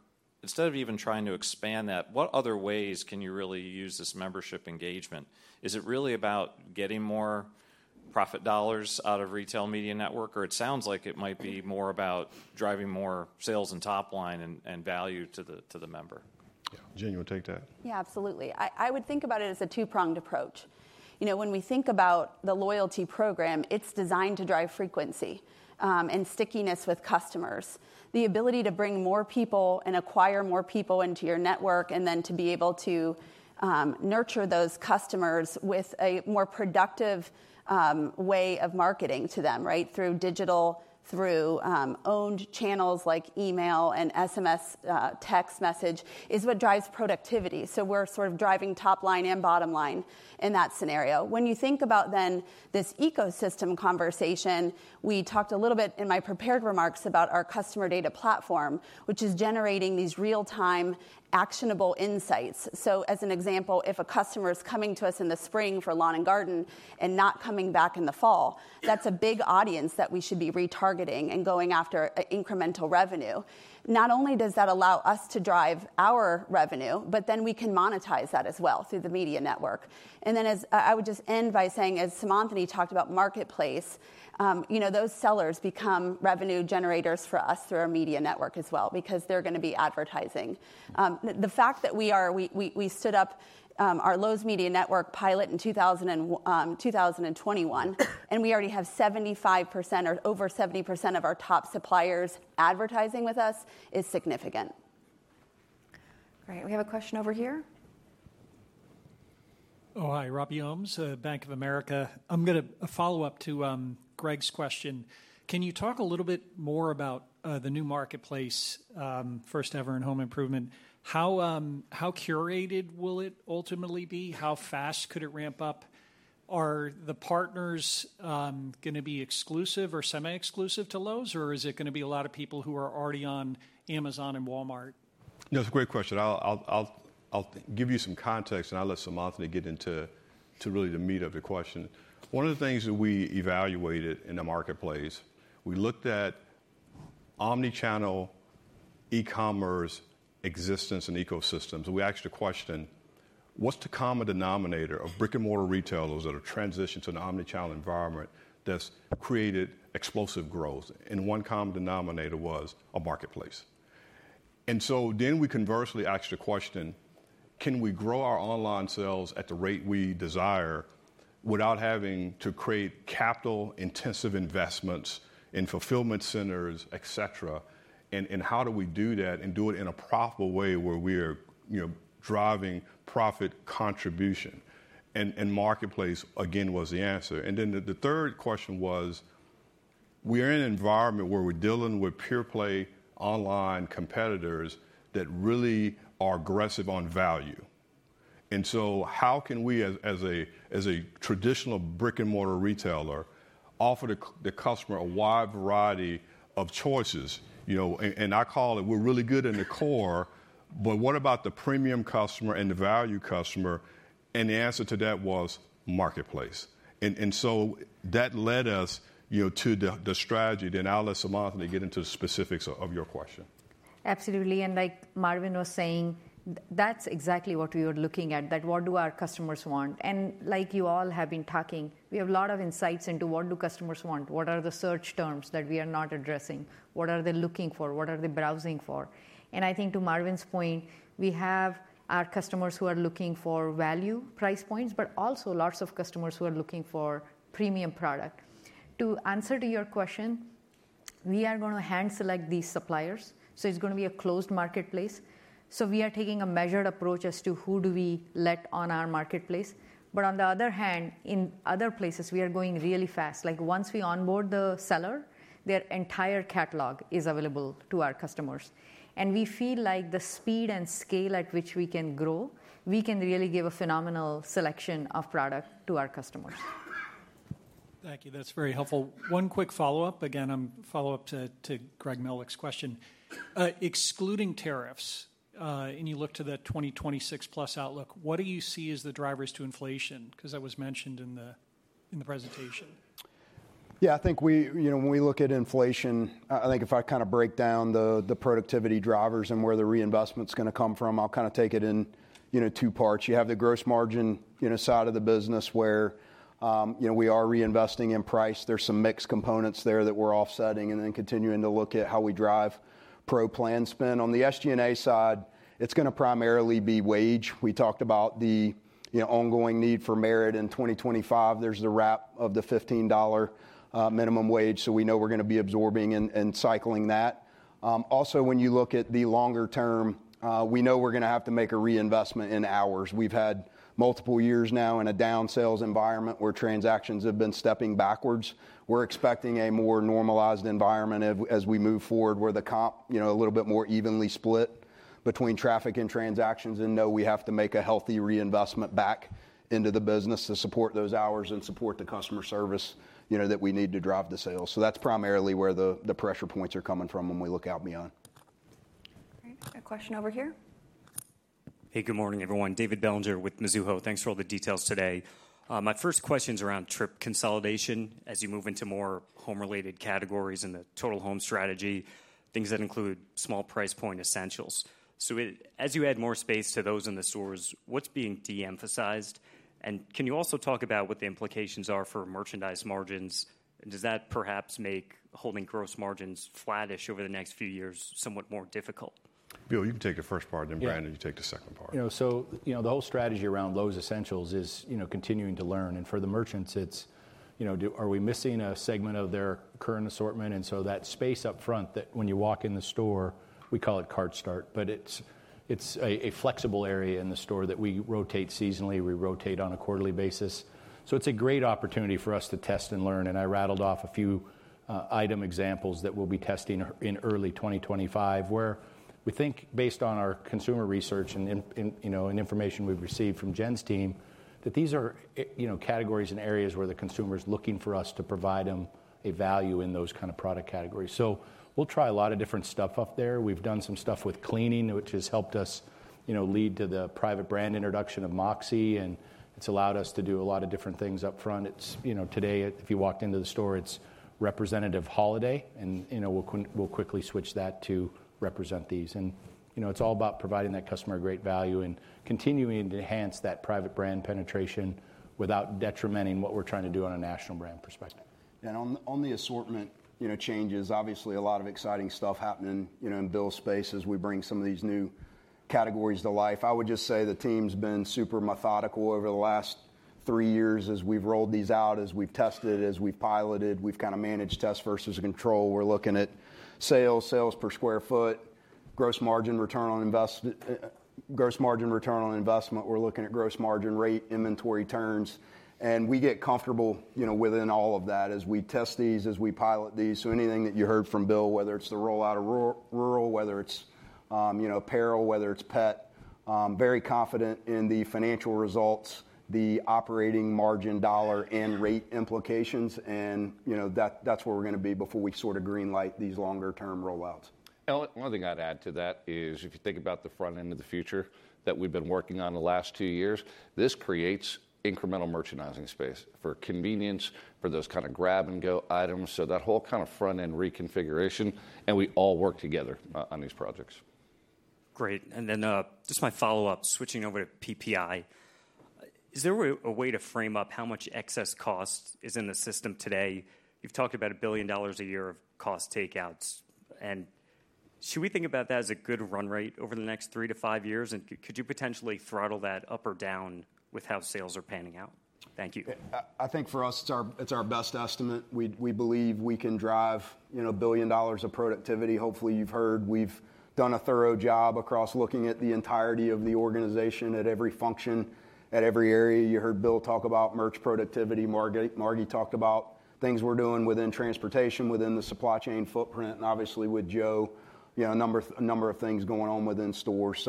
instead of even trying to expand that, what other ways can you really use this membership engagement? Is it really about getting more profit dollars out of retail media network? Or it sounds like it might be more about driving more sales and top line and value to the member. Yeah. Jen, you want to take that? Yeah, absolutely. I would think about it as a two-pronged approach. When we think about the loyalty program, it's designed to drive frequency and stickiness with customers, the ability to bring more people and acquire more people into your network, and then to be able to nurture those customers with a more productive way of marketing to them through digital, through owned channels like email and SMS text message is what drives productivity. So we're sort of driving top line and bottom line in that scenario. When you think about then this ecosystem conversation, we talked a little bit in my prepared remarks about our customer data platform, which is generating these real-time actionable insights. So as an example, if a customer is coming to us in the spring for lawn and garden and not coming back in the fall, that's a big audience that we should be retargeting and going after incremental revenue. Not only does that allow us to drive our revenue, but then we can monetize that as well through the Lowe's Media Network. And then I would just end by saying, as Seemantini and you talked about marketplace, those sellers become revenue generators for us through our Lowe's Media Network as well because they're going to be advertising. The fact that we stood up our Lowe's Media Network pilot in 2021, and we already have 75% or over 70% of our top suppliers advertising with us is significant. Great. We have a question over here. Oh, hi. Robbie Ohmes, Bank of America. I'm going to follow up to Greg's question. Can you talk a little bit more about the new marketplace, first ever in home improvement? How curated will it ultimately be? How fast could it ramp up? Are the partners going to be exclusive or semi-exclusive to Lowe's? Or is it going to be a lot of people who are already on Amazon and Walmart? That's a great question. I'll give you some context. And I'll let Seemantini get into really the meat of the question. One of the things that we evaluated in the marketplace, we looked at omnichannel e-commerce existence and ecosystems. And we asked the question, what's the common denominator of brick-and-mortar retailers that are transitioned to an omnichannel environment that's created explosive growth? And one common denominator was a marketplace. And so then we conversely asked the question, can we grow our online sales at the rate we desire without having to create capital-intensive investments in fulfillment centers, et cetera? And how do we do that and do it in a profitable way where we are driving profit contribution? And marketplace, again, was the answer. And then the third question was, we are in an environment where we're dealing with pure-play online competitors that really are aggressive on value. And so how can we, as a traditional brick-and-mortar retailer, offer the customer a wide variety of choices? And I call it we're really good in the core. But what about the premium customer and the value customer? And the answer to that was marketplace. And so that led us to the strategy. Then I'll let Seemantini get into the specifics of your question. Absolutely. And like Marvin was saying, that's exactly what we were looking at, that what do our customers want? And like you all have been talking, we have a lot of insights into what do customers want? What are the search terms that we are not addressing? What are they looking for? What are they browsing for? And I think to Marvin's point, we have our customers who are looking for value, price points, but also lots of customers who are looking for premium product. To answer to your question, we are going to hand-select these suppliers. So it's going to be a closed marketplace. So we are taking a measured approach as to who do we let on our marketplace. But on the other hand, in other places, we are going really fast. Like once we onboard the seller, their entire catalog is available to our customers. And we feel like the speed and scale at which we can grow, we can really give a phenomenal selection of product to our customers. Thank you. That's very helpful. One quick follow-up. Again, I'm following up to Greg Melich's question. Excluding tariffs, and you look to the 2026 plus outlook, what do you see as the drivers to inflation? Because that was mentioned in the presentation. Yeah, I think when we look at inflation, I think if I kind of break down the productivity drivers and where the reinvestment is going to come from, I'll kind of take it in two parts. You have the gross margin side of the business where we are reinvesting in price. There's some mixed components there that we're offsetting. And then continuing to look at how we drive Pro planned spend. On the SG&A side, it's going to primarily be wage. We talked about the ongoing need for merit in 2025. There's the wrap of the $15 minimum wage. So we know we're going to be absorbing and cycling that. Also, when you look at the longer term, we know we're going to have to make a reinvestment in hours. We've had multiple years now in a down sales environment where transactions have been stepping backwards. We're expecting a more normalized environment as we move forward where the comp is a little bit more evenly split between traffic and transactions. And no, we have to make a healthy reinvestment back into the business to support those hours and support the customer service that we need to drive the sales. So that's primarily where the pressure points are coming from when we look out beyond. Great. A question over here. Hey, good morning, everyone. David Bellinger with Mizuho. Thanks for all the details today. My first question is around trip consolidation as you move into more home-related categories in the Total Home Strategy, things that include small price point essentials. So as you add more space to those in the stores, what's being de-emphasized? And can you also talk about what the implications are for merchandise margins? And does that perhaps make holding gross margins flattish over the next few years somewhat more difficult? Bill, you can take the first part. And Brandon, you take the second part. So the whole strategy around Lowe's Essentials is continuing to learn. And for the merchants, it's, are we missing a segment of their current assortment? And so that space up front that when you walk in the store, we call it Cart Start. But it's a flexible area in the store that we rotate seasonally. We rotate on a quarterly basis. So it's a great opportunity for us to test and learn. And I rattled off a few item examples that we'll be testing in early 2025 where we think, based on our consumer research and information we've received from Jen's team, that these are categories and areas where the consumer is looking for us to provide them a value in those kind of product categories. So we'll try a lot of different stuff up there. We've done some stuff with cleaning, which has helped us lead to the private brand introduction of Moxie. And it's allowed us to do a lot of different things up front. Today, if you walked into the store, it's representative holiday. And we'll quickly switch that to represent these. And it's all about providing that customer great value and continuing to enhance that private brand penetration without detrimenting what we're trying to do on a national brand perspective. On the assortment changes, obviously, a lot of exciting stuff happening in Bill's space as we bring some of these new categories to life. I would just say the team's been super methodical over the last three years as we've rolled these out, as we've tested, as we've piloted, we've kind of managed test versus control. We're looking at sales, sales per square foot, gross margin return on investment. We're looking at gross margin rate, inventory turns. And we get comfortable within all of that as we test these, as we've piloted these. So anything that you heard from Bill, whether it's the rollout of rural, whether it's apparel, whether it's pet, very confident in the financial results, the operating margin dollar and rate implications. And that's where we're going to be before we sort of greenlight these longer-term rollouts. One thing I'd add to that is if you think about the front end of the future that we've been working on the last two years, this creates incremental merchandising space for convenience, for those kind of grab-and-go items. So that whole kind of front-end reconfiguration. And we all work together on these projects. Great. And then just my follow-up, switching over to PPI, is there a way to frame up how much excess cost is in the system today? You've talked about $1 billion a year of cost takeouts. And should we think about that as a good run rate over the next three to five years? And could you potentially throttle that up or down with how sales are panning out? Thank you. I think for us, it's our best estimate. We believe we can drive $1 billion of productivity. Hopefully, you've heard we've done a thorough job across looking at the entirety of the organization at every function, at every area. You heard Bill talk about merch productivity. Margi talked about things we're doing within transportation, within the supply chain footprint, and obviously, with Joe, a number of things going on within stores.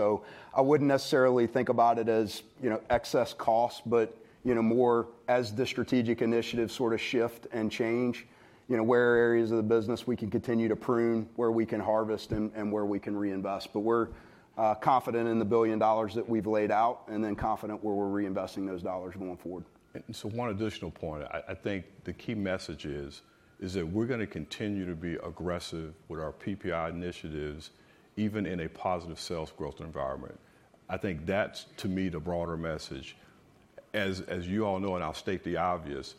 I wouldn't necessarily think about it as excess cost, but more as the strategic initiatives sort of shift and change, where are areas of the business we can continue to prune, where we can harvest, and where we can reinvest. We're confident in the $1 billion that we've laid out and then confident where we're reinvesting those dollars going forward. One additional point, I think the key message is that we're going to continue to be aggressive with our PPI initiatives, even in a positive sales growth environment. I think that's, to me, the broader message. As you all know, and I'll state the obvious,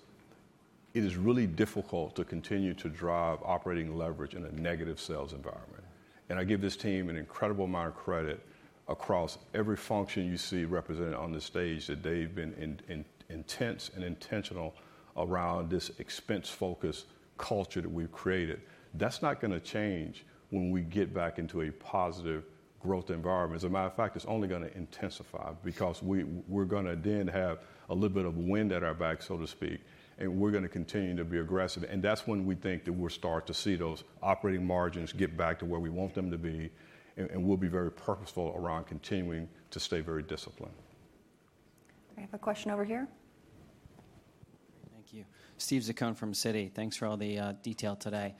it is really difficult to continue to drive operating leverage in a negative sales environment. And I give this team an incredible amount of credit across every function you see represented on this stage that they've been intense and intentional around this expense-focused culture that we've created. That's not going to change when we get back into a positive growth environment. As a matter of fact, it's only going to intensify because we're going to then have a little bit of wind at our back, so to speak. And we're going to continue to be aggressive. And that's when we think that we'll start to see those operating margins get back to where we want them to be. And we'll be very purposeful around continuing to stay very disciplined. I have a question over here. Thank you. Steven Zaccone from Citi. Thanks for all the detail today.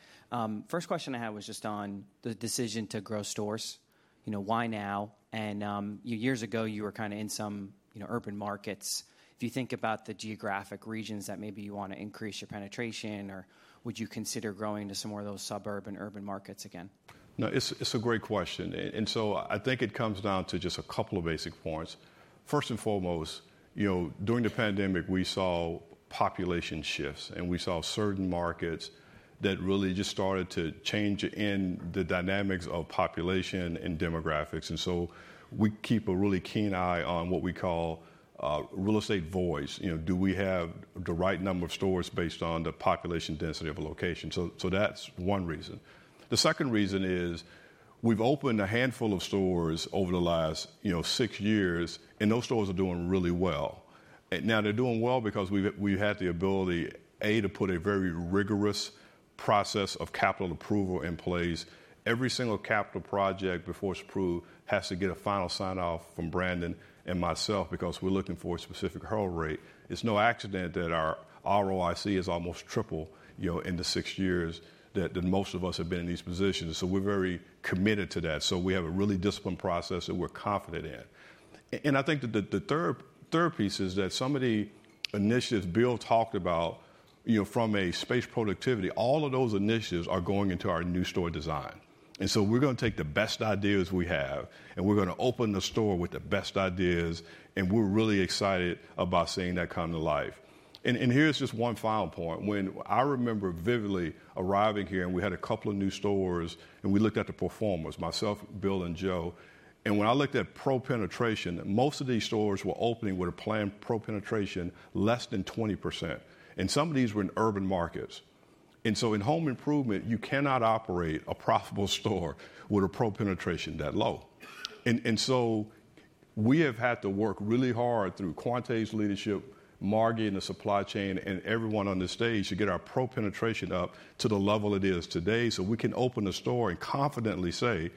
First question I had was just on the decision to grow stores. Why now? And years ago, you were kind of in some urban markets. If you think about the geographic regions that maybe you want to increase your penetration, or would you consider growing to some more of those suburban urban markets again? No, it's a great question, and so I think it comes down to just a couple of basic points. First and foremost, during the pandemic, we saw population shifts, and we saw certain markets that really just started to change in the dynamics of population and demographics, and so we keep a really keen eye on what we call real estate void. Do we have the right number of stores based on the population density of a location? So that's one reason. The second reason is we've opened a handful of stores over the last six years. And those stores are doing really well. Now, they're doing well because we've had the ability, A, to put a very rigorous process of capital approval in place. Every single capital project before it's approved has to get a final sign-off from Brandon and myself because we're looking for a specific hurdle rate. It's no accident that our ROIC is almost triple in the six years that most of us have been in these positions. So we're very committed to that. So we have a really disciplined process that we're confident in. And I think the third piece is that some of the initiatives Bill talked about from a space productivity, all of those initiatives are going into our new store design. And so we're going to take the best ideas we have. And we're going to open the store with the best ideas. And we're really excited about seeing that come to life. And here's just one final point. When I remember vividly arriving here, and we had a couple of new stores, and we looked at the performers, myself, Bill, and Joe. And when I looked at Pro penetration, most of these stores were opening with a planned Pro penetration less than 20%. And so in home improvement, you cannot operate a profitable store with a Pro penetration that low. And so we have had to work really hard through Quonta's leadership, Margi in the supply chain, and everyone on the stage to get our Pro penetration up to the level it is today so we can open a store and confidently say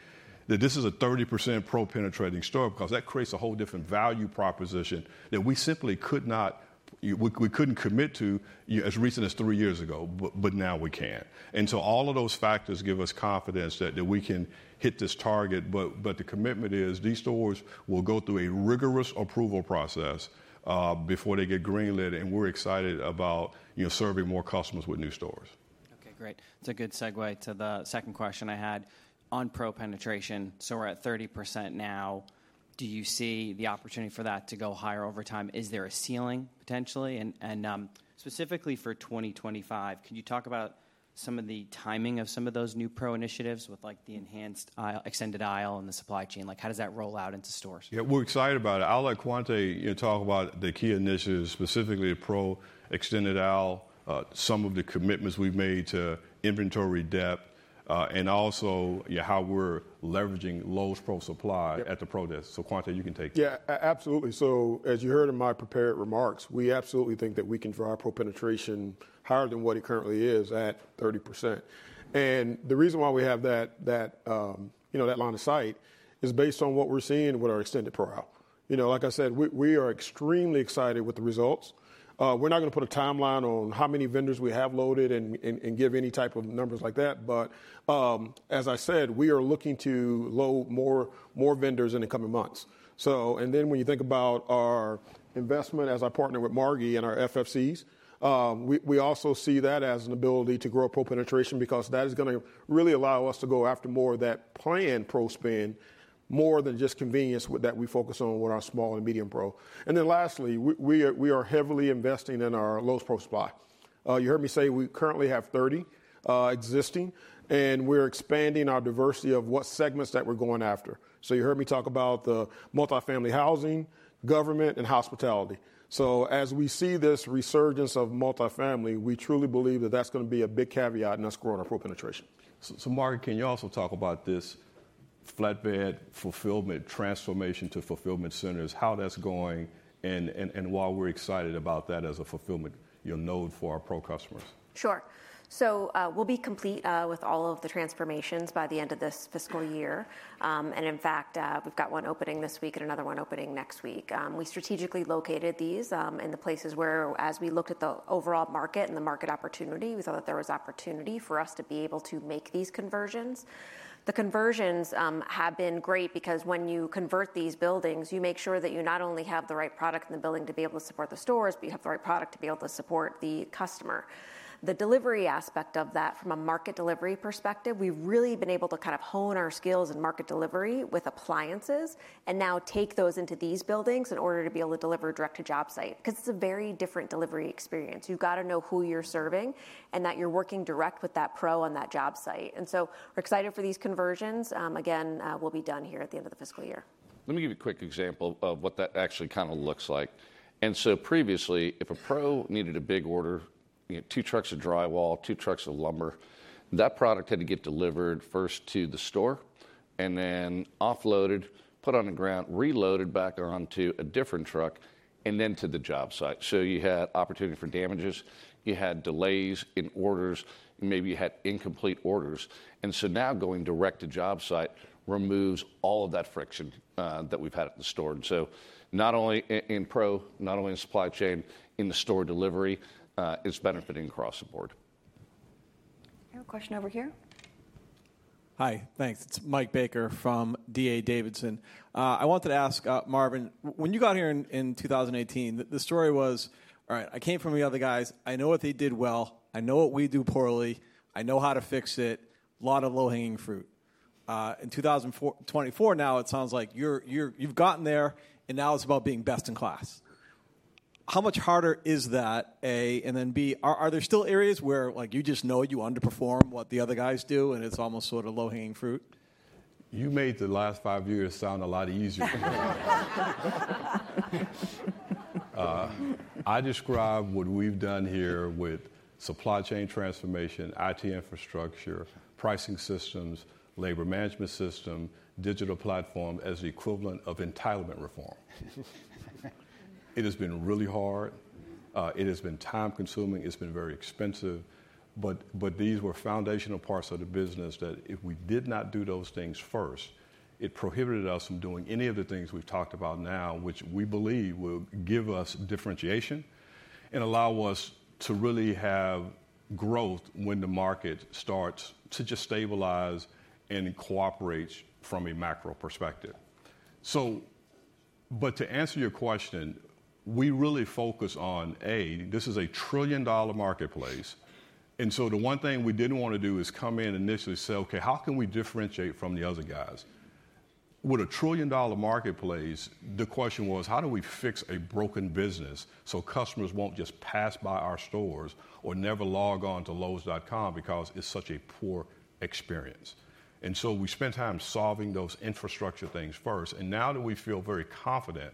that this is a 30% Pro penetrating store because that creates a whole different value proposition that we simply could not we couldn't commit to as recent as three years ago. But now we can. And so all of those factors give us confidence that we can hit this target. But the commitment is these stores will go through a rigorous approval process before they get greenlit. And we're excited about serving more customers with new stores. Okay, great. It's a good segue to the second question I had on Pro penetration. So we're at 30% now. Do you see the opportunity for that to go higher over time? Is there a ceiling potentially? And specifically for 2025, can you talk about some of the timing of some of those new Pro initiatives with the Extended Aisle and the supply chain? How does that roll out into stores? Yeah, we're excited about it. I'll let Quonta talk about the key initiatives, specifically Pro Extended Aisle, some of the commitments we've made to inventory depth, and also how we're leveraging Lowe's Pro Supply at the Pro desk. So Quonta, you can take that. Yeah, absolutely. So as you heard in my prepared remarks, we absolutely think that we can drive Pro penetration higher than what it currently is at 30%. And the reason why we have that line of sight is based on what we're seeing with our Pro Extended Aisle. Like I said, we are extremely excited with the results. We're not going to put a timeline on how many vendors we have loaded and give any type of numbers like that. But as I said, we are looking to load more vendors in the coming months. And then when you think about our investment as our partner with Margi and our FDCs, we also see that as an ability to grow Pro penetration because that is going to really allow us to go after more of that planned Pro spend more than just convenience that we focus on with our small and medium pro. And then lastly, we are heavily investing in our Lowe's Pro Supply. You heard me say we currently have 30 existing. And we're expanding our diversity of what segments that we're going after. So you heard me talk about the multifamily housing, government, and hospitality. As we see this resurgence of multifamily, we truly believe that that's going to be a big caveat in us growing our Pro penetration. So Margi, can you also talk about this flatbed fulfillment transformation to fulfillment centers, how that's going, and why we're excited about that as a fulfillment node for our Pro customers? Sure. So we'll be complete with all of the transformations by the end of this fiscal year. And in fact, we've got one opening this week and another one opening next week. We strategically located these in the places where, as we looked at the overall market and the market opportunity, we thought that there was opportunity for us to be able to make these conversions. The conversions have been great because when you convert these buildings, you make sure that you not only have the right product in the building to be able to support the stores, but you have the right product to be able to support the customer. The delivery aspect of that, from a market delivery perspective, we've really been able to kind of hone our skills in market delivery with appliances and now take those into these buildings in order to be able to deliver direct to job site because it's a very different delivery experience. You've got to know who you're serving and that you're working direct with that Pro on that job site, and so we're excited for these conversions. Again, we'll be done here at the end of the fiscal year. Let me give you a quick example of what that actually kind of looks like. And so previously, if a Pro needed a big order, two trucks of drywall, two trucks of lumber, that product had to get delivered first to the store, and then offloaded, put on the ground, reloaded back onto a different truck, and then to the job site. So you had opportunity for damages. You had delays in orders. And maybe you had incomplete orders. And so now going direct to job site removes all of that friction that we've had at the store. And so not only in pro, not only in supply chain, in the store delivery, it's benefiting across the board. I have a question over here. Hi, thanks. It's Mike Baker from D.A. Davidson. I wanted to ask, Marvin, when you got here in 2018, the story was, all right, I came from the other guys. I know what they did well. I know what we do poorly. I know how to fix it. A lot of low-hanging fruit. In 2024 now, it sounds like you've gotten there, and now it's about being best in class. How much harder is that, A, and then B, are there still areas where you just know you underperform what the other guys do, and it's almost sort of low-hanging fruit? You made the last five years sound a lot easier. I describe what we've done here with supply chain transformation, IT infrastructure, pricing systems, labor management system, digital platform as the equivalent of entitlement reform. It has been really hard. It has been time-consuming. It's been very expensive. But these were foundational parts of the business that if we did not do those things first, it prohibited us from doing any of the things we've talked about now, which we believe will give us differentiation and allow us to really have growth when the market starts to just stabilize and cooperate from a macro perspective. But to answer your question, we really focus on, A, this is a trillion-dollar marketplace. And so the one thing we didn't want to do is come in initially say, OK, how can we differentiate from the other guys? With a trillion-dollar marketplace, the question was, how do we fix a broken business so customers won't just pass by our stores or never log on to Lowe's.com because it's such a poor experience? And so we spent time solving those infrastructure things first. And now that we feel very confident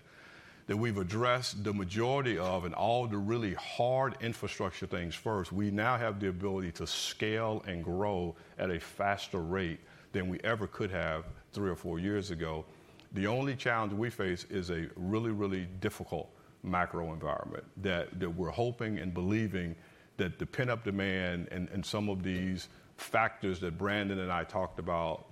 that we've addressed the majority of and all the really hard infrastructure things first, we now have the ability to scale and grow at a faster rate than we ever could have three or four years ago. The only challenge we face is a really, really difficult macro environment that we're hoping and believing that the pent-up demand and some of these factors that Brandon and I talked about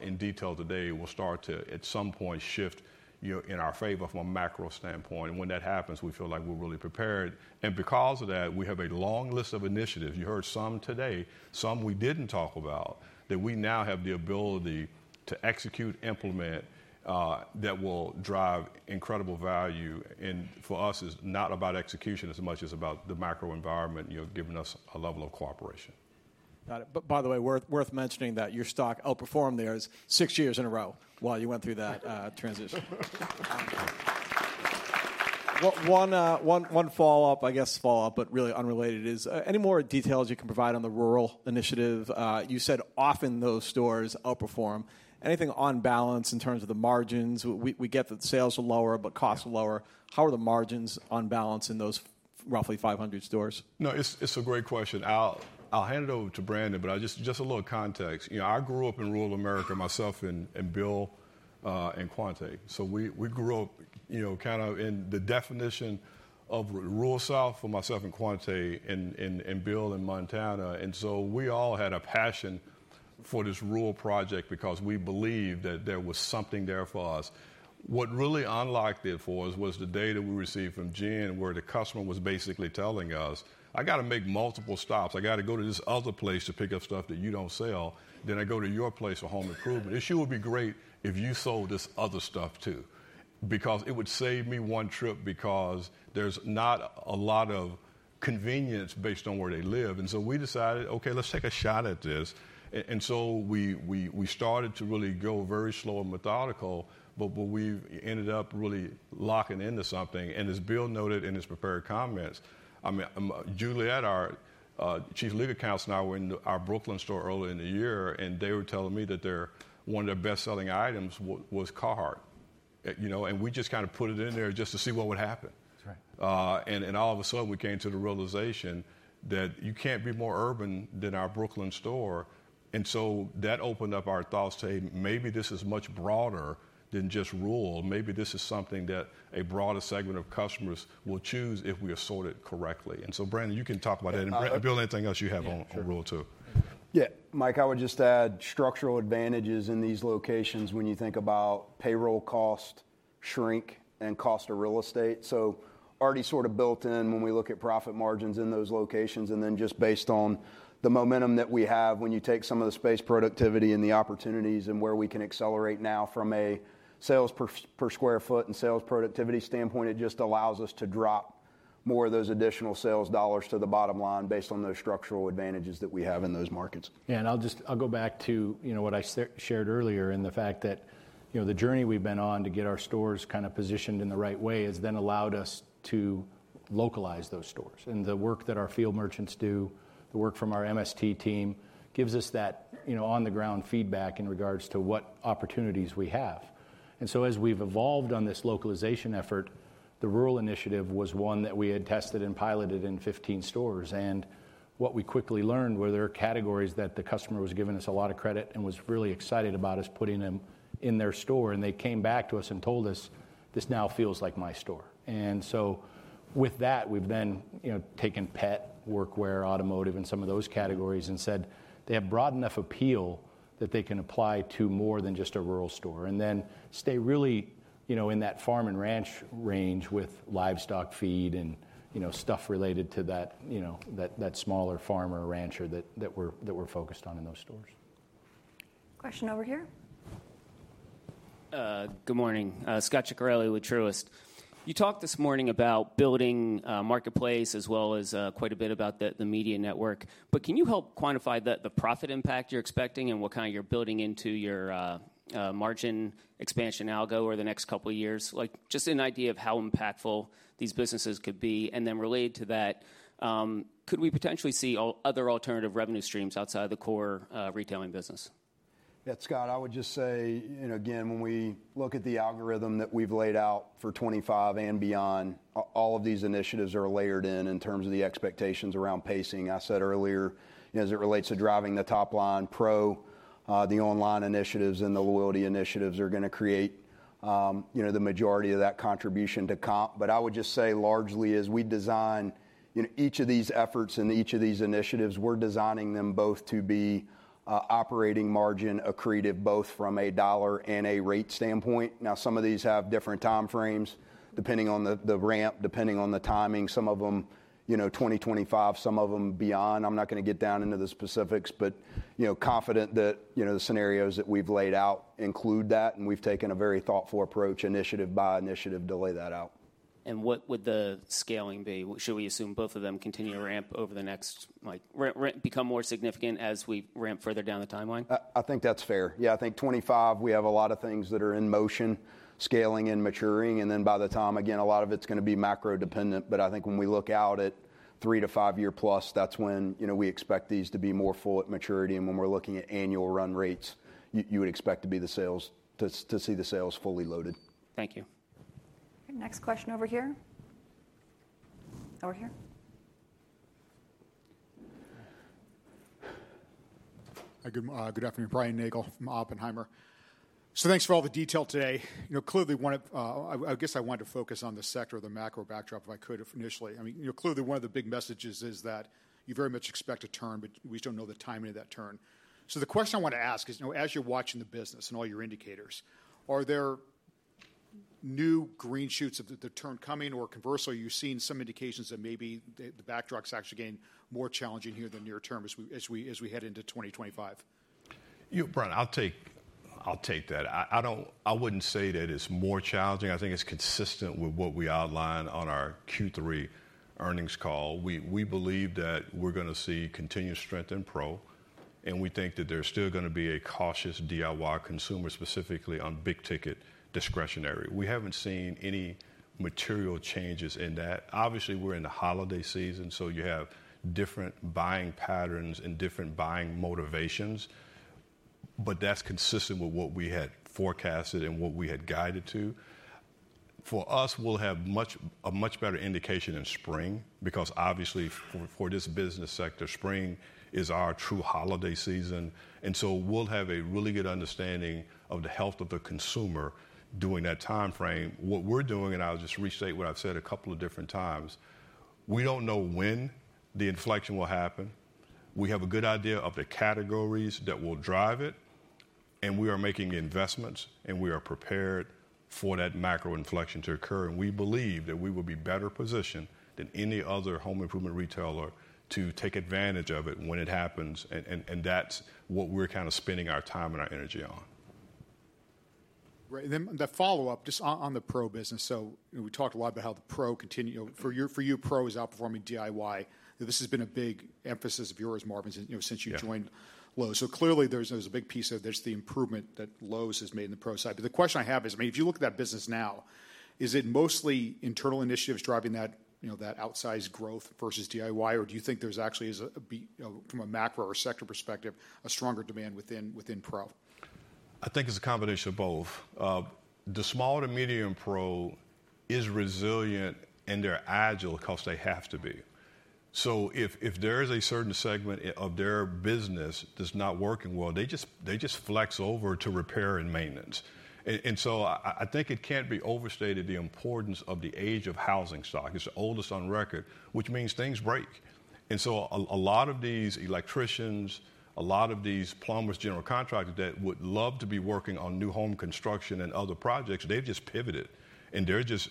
in detail today will start to, at some point, shift in our favor from a macro standpoint. And when that happens, we feel like we're really prepared. And because of that, we have a long list of initiatives. You heard some today, some we didn't talk about, that we now have the ability to execute, implement, that will drive incredible value. For us, it's not about execution as much as about the macro environment giving us a level of cooperation. Got it. But by the way, worth mentioning that your stock outperformed theirs six years in a row while you went through that transition. One follow-up, I guess, but really unrelated, is any more details you can provide on the rural initiative? You said often those stores outperform. Anything on balance in terms of the margins? We get that sales are lower, but costs are lower. How are the margins on balance in those roughly 500 stores? No, it's a great question. I'll hand it over to Brandon. But just a little context. I grew up in rural America myself and Bill and Quonta. So we grew up kind of in the definition of rural south for myself and Quonta and Bill in Montana. And so we all had a passion for this rural project because we believed that there was something there for us. What really unlocked it for us was the data we received from Jen, where the customer was basically telling us, "I got to make multiple stops. I got to go to this other place to pick up stuff that you don't sell. Then I go to your place for home improvement. It sure would be great if you sold this other stuff too because it would save me one trip because there's not a lot of convenience based on where they live." And so we decided, okay, let's take a shot at this. And so we started to really go very slow and methodical. But we ended up really locking into something. As Bill noted in his prepared comments, Juliette, our Chief Legal Counsel now, went into our Brooklyn store earlier in the year, and they were telling me that one of their best-selling items was Carhartt, and we just kind of put it in there just to see what would happen, and all of a sudden, we came to the realization that you can't be more urban than our Brooklyn store, and so that opened up our thoughts to, hey, maybe this is much broader than just rural. Maybe this is something that a broader segment of customers will choose if we are sorted correctly, and so Brandon, you can talk about that, and Bill, anything else you have on rural too? Yeah, Mike, I would just add structural advantages in these locations when you think about payroll cost, shrink, and cost of real estate. So already sort of built in when we look at profit margins in those locations. And then just based on the momentum that we have when you take some of the space productivity and the opportunities and where we can accelerate now from a sales per sq ft and sales productivity standpoint, it just allows us to drop more of those additional sales dollars to the bottom line based on those structural advantages that we have in those markets. Yeah, and I'll go back to what I shared earlier and the fact that the journey we've been on to get our stores kind of positioned in the right way has then allowed us to localize those stores. And the work that our field merchants do, the work from our MST team gives us that on-the-ground feedback in regards to what opportunities we have. And so as we've evolved on this localization effort, the rural initiative was one that we had tested and piloted in 15 stores. And what we quickly learned were there categories that the customer was giving us a lot of credit and was really excited about us putting them in their store. And they came back to us and told us, this now feels like my store. And so with that, we've then taken pet, workwear, automotive, and some of those categories and said they have broad enough appeal that they can apply to more than just a rural store and then stay really in that farm and ranch range with livestock feed and stuff related to that smaller farmer rancher that we're focused on in those stores. Question over here. Good morning. Scot Ciccarelli with Truist. You talked this morning about building marketplace as well as quite a bit about the Media Network. But can you help quantify the profit impact you're expecting and what kind of you're building into your margin expansion algo over the next couple of years? Just an idea of how impactful these businesses could be. And then related to that, could we potentially see other alternative revenue streams outside of the core retailing business? Yeah, Scot, I would just say, again, when we look at the algorithm that we've laid out for 2025 and beyond, all of these initiatives are layered in in terms of the expectations around pacing. I said earlier, as it relates to driving the top line pro, the online initiatives and the loyalty initiatives are going to create the majority of that contribution to comp. But I would just say largely as we design each of these efforts and each of these initiatives, we're designing them both to be operating margin accretive both from a dollar and a rate standpoint. Now, some of these have different time frames depending on the ramp, depending on the timing. Some of them 2025, some of them beyond. I'm not going to get down into the specifics, but confident that the scenarios that we've laid out include that. And we've taken a very thoughtful approach, initiative by initiative, to lay that out. And what would the scaling be? Should we assume both of them continue to ramp over the next become more significant as we ramp further down the timeline? I think that's fair. Yeah, I think 2025, we have a lot of things that are in motion, scaling and maturing. And then by the time, again, a lot of it's going to be macro dependent. But I think when we look out at three- to five-year-plus, that's when we expect these to be more full at maturity. And when we're looking at annual run rates, you would expect to see the sales fully loaded. Thank you. Next question over here. Over here. Hi, good afternoon. Brian Nagel from Oppenheimer. So thanks for all the detail today. Clearly, I guess I wanted to focus on the sector of the macro backdrop if I could initially. Clearly, one of the big messages is that you very much expect a turn, but we just don't know the timing of that turn. So the question I want to ask is, as you're watching the business and all your indicators, are there new green shoots of the turn coming? Or conversely, you've seen some indications that maybe the backdrop's actually getting more challenging here in the near term as we head into 2025? Brandon, I'll take that. I wouldn't say that it's more challenging. I think it's consistent with what we outlined on our Q3 earnings call. We believe that we're going to see continued strength in pro. And we think that there's still going to be a cautious DIY consumer specifically on big ticket discretionary. We haven't seen any material changes in that. Obviously, we're in the holiday season. So you have different buying patterns and different buying motivations. But that's consistent with what we had forecasted and what we had guided to. For us, we'll have a much better indication in spring because obviously for this business sector, spring is our true holiday season. And so we'll have a really good understanding of the health of the consumer during that time frame. What we're doing, and I'll just restate what I've said a couple of different times, we don't know when the inflection will happen. We have a good idea of the categories that will drive it. And we are making investments. And we are prepared for that macro inflection to occur. And we believe that we will be better positioned than any other home improvement retailer to take advantage of it when it happens. And that's what we're kind of spending our time and our energy on. Right. And then the follow-up just on the Pro business. So we talked a lot about how the Pro continues. For you, Pro is outperforming DIY. This has been a big emphasis of yours, Marvin, since you joined Lowe's. So clearly, there's a big piece of the improvement that Lowe's has made in the Pro side. But the question I have is, I mean, if you look at that business now, is it mostly internal initiatives driving that outsized growth versus DIY? Or do you think there's actually, from a macro or sector perspective, a stronger demand within Pro? I think it's a combination of both. The small and medium Pro is resilient and they're agile because they have to be. So if there is a certain segment of their business that's not working well, they just flex over to repair and maintenance. And so I think it can't be overstated the importance of the age of housing stock. It's the oldest on record, which means things break. And so a lot of these electricians, a lot of these plumbers, general contractors that would love to be working on new home construction and other projects, they've just pivoted. And they're just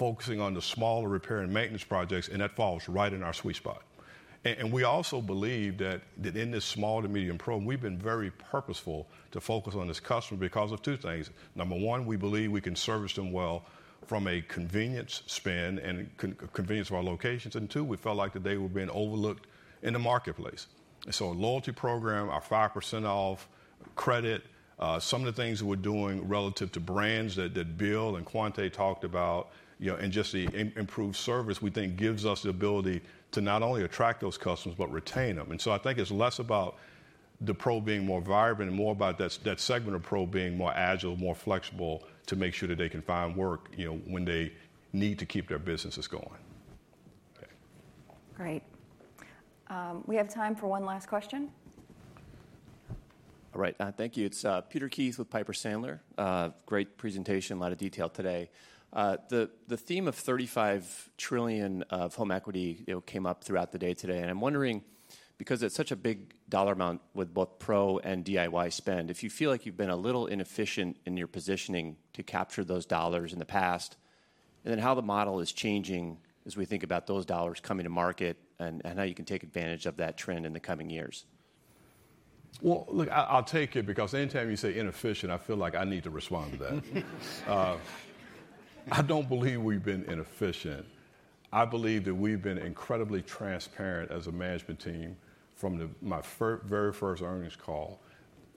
focusing on the smaller repair and maintenance projects. And that falls right in our sweet spot. And we also believe that in this small to medium pro, we've been very purposeful to focus on this customer because of two things. Number one, we believe we can service them well from a convenience spend and convenience of our locations. And two, we felt like that they were being overlooked in the marketplace. And so a loyalty program, our 5% off credit, some of the things we're doing relative to brands that Bill and Quonta talked about, and just the improved service we think gives us the ability to not only attract those customers, but retain them. And so I think it's less about the Pro being more vibrant and more about that segment of Pro being more agile, more flexible to make sure that they can find work when they need to keep their businesses going. Great. We have time for one last question. All right. Thank you. It's Peter Keith with Piper Sandler. Great presentation, a lot of detail today. The theme of $35 trillion of home equity came up throughout the day today. And I'm wondering, because it's such a big dollar amount with both Pro and DIY spend, if you feel like you've been a little inefficient in your positioning to capture those dollars in the past, and then how the model is changing as we think about those dollars coming to market and how you can take advantage of that trend in the coming years. Well, look, I'll take it because anytime you say inefficient, I feel like I need to respond to that. I don't believe we've been inefficient. I believe that we've been incredibly transparent as a management team from my very first earnings call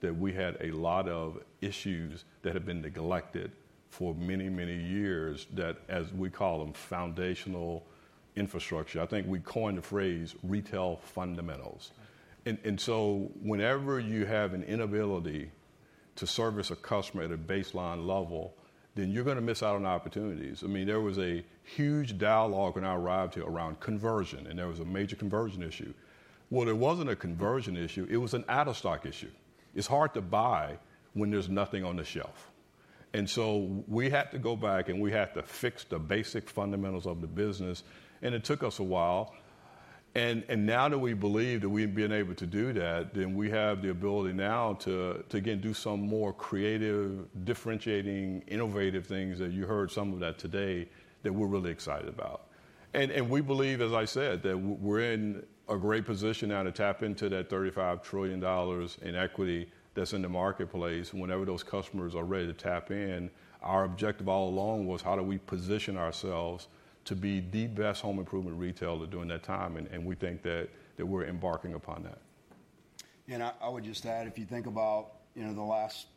that we had a lot of issues that have been neglected for many, many years that, as we call them, foundational infrastructure. I think we coined the phrase retail fundamentals. And so whenever you have an inability to service a customer at a baseline level, then you're going to miss out on opportunities. I mean, there was a huge dialogue when I arrived here around conversion. And there was a major conversion issue. Well, it wasn't a conversion issue. It was an out-of-stock issue. It's hard to buy when there's nothing on the shelf. We had to go back and fix the basic fundamentals of the business. It took us a while. Now that we believe that we've been able to do that, we have the ability to do some more creative, differentiating, innovative things that you heard some of today that we're really excited about. We believe, as I said, that we're in a great position to tap into that $35 trillion in equity that's in the marketplace whenever those customers are ready to tap in. Our objective all along was how do we position ourselves to be the best home improvement retailer during that time. We think that we're embarking upon that. And I would just add, if you think about the last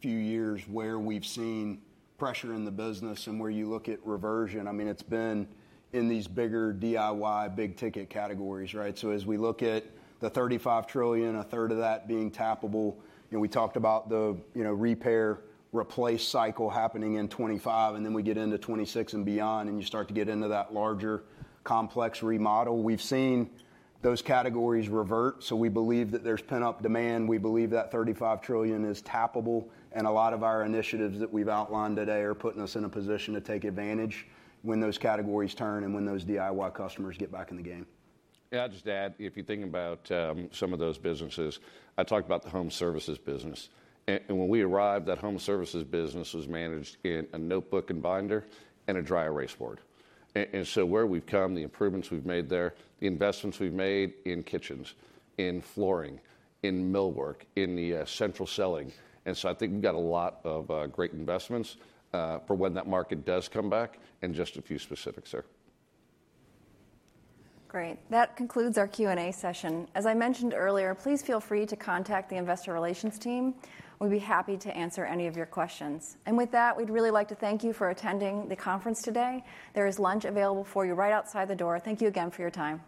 few years where we've seen pressure in the business and where you look at reversion, I mean, it's been in these bigger DIY, big ticket categories, right? So as we look at the $35 trillion, a third of that being tappable, we talked about the repair, replace cycle happening in 2025. And then we get into 2026 and beyond, and you start to get into that larger complex remodel. We've seen those categories revert. So we believe that there's pent-up demand. We believe that $35 trillion is tappable. And a lot of our initiatives that we've outlined today are putting us in a position to take advantage when those categories turn and when those DIY customers get back in the game. Yeah, I'll just add, if you're thinking about some of those businesses, I talked about the home services business. And when we arrived, that home services business was managed in a notebook and binder and a dry erase board. And so where we've come, the improvements we've made there, the investments we've made in kitchens, in flooring, in millwork, in the Central Selling. And so I think we've got a lot of great investments for when that market does come back and just a few specifics there. Great. That concludes our Q&A session. As I mentioned earlier, please feel free to contact the investor relations team. We'd be happy to answer any of your questions. And with that, we'd really like to thank you for attending the conference today. There is lunch available for you right outside the door. Thank you again for your time.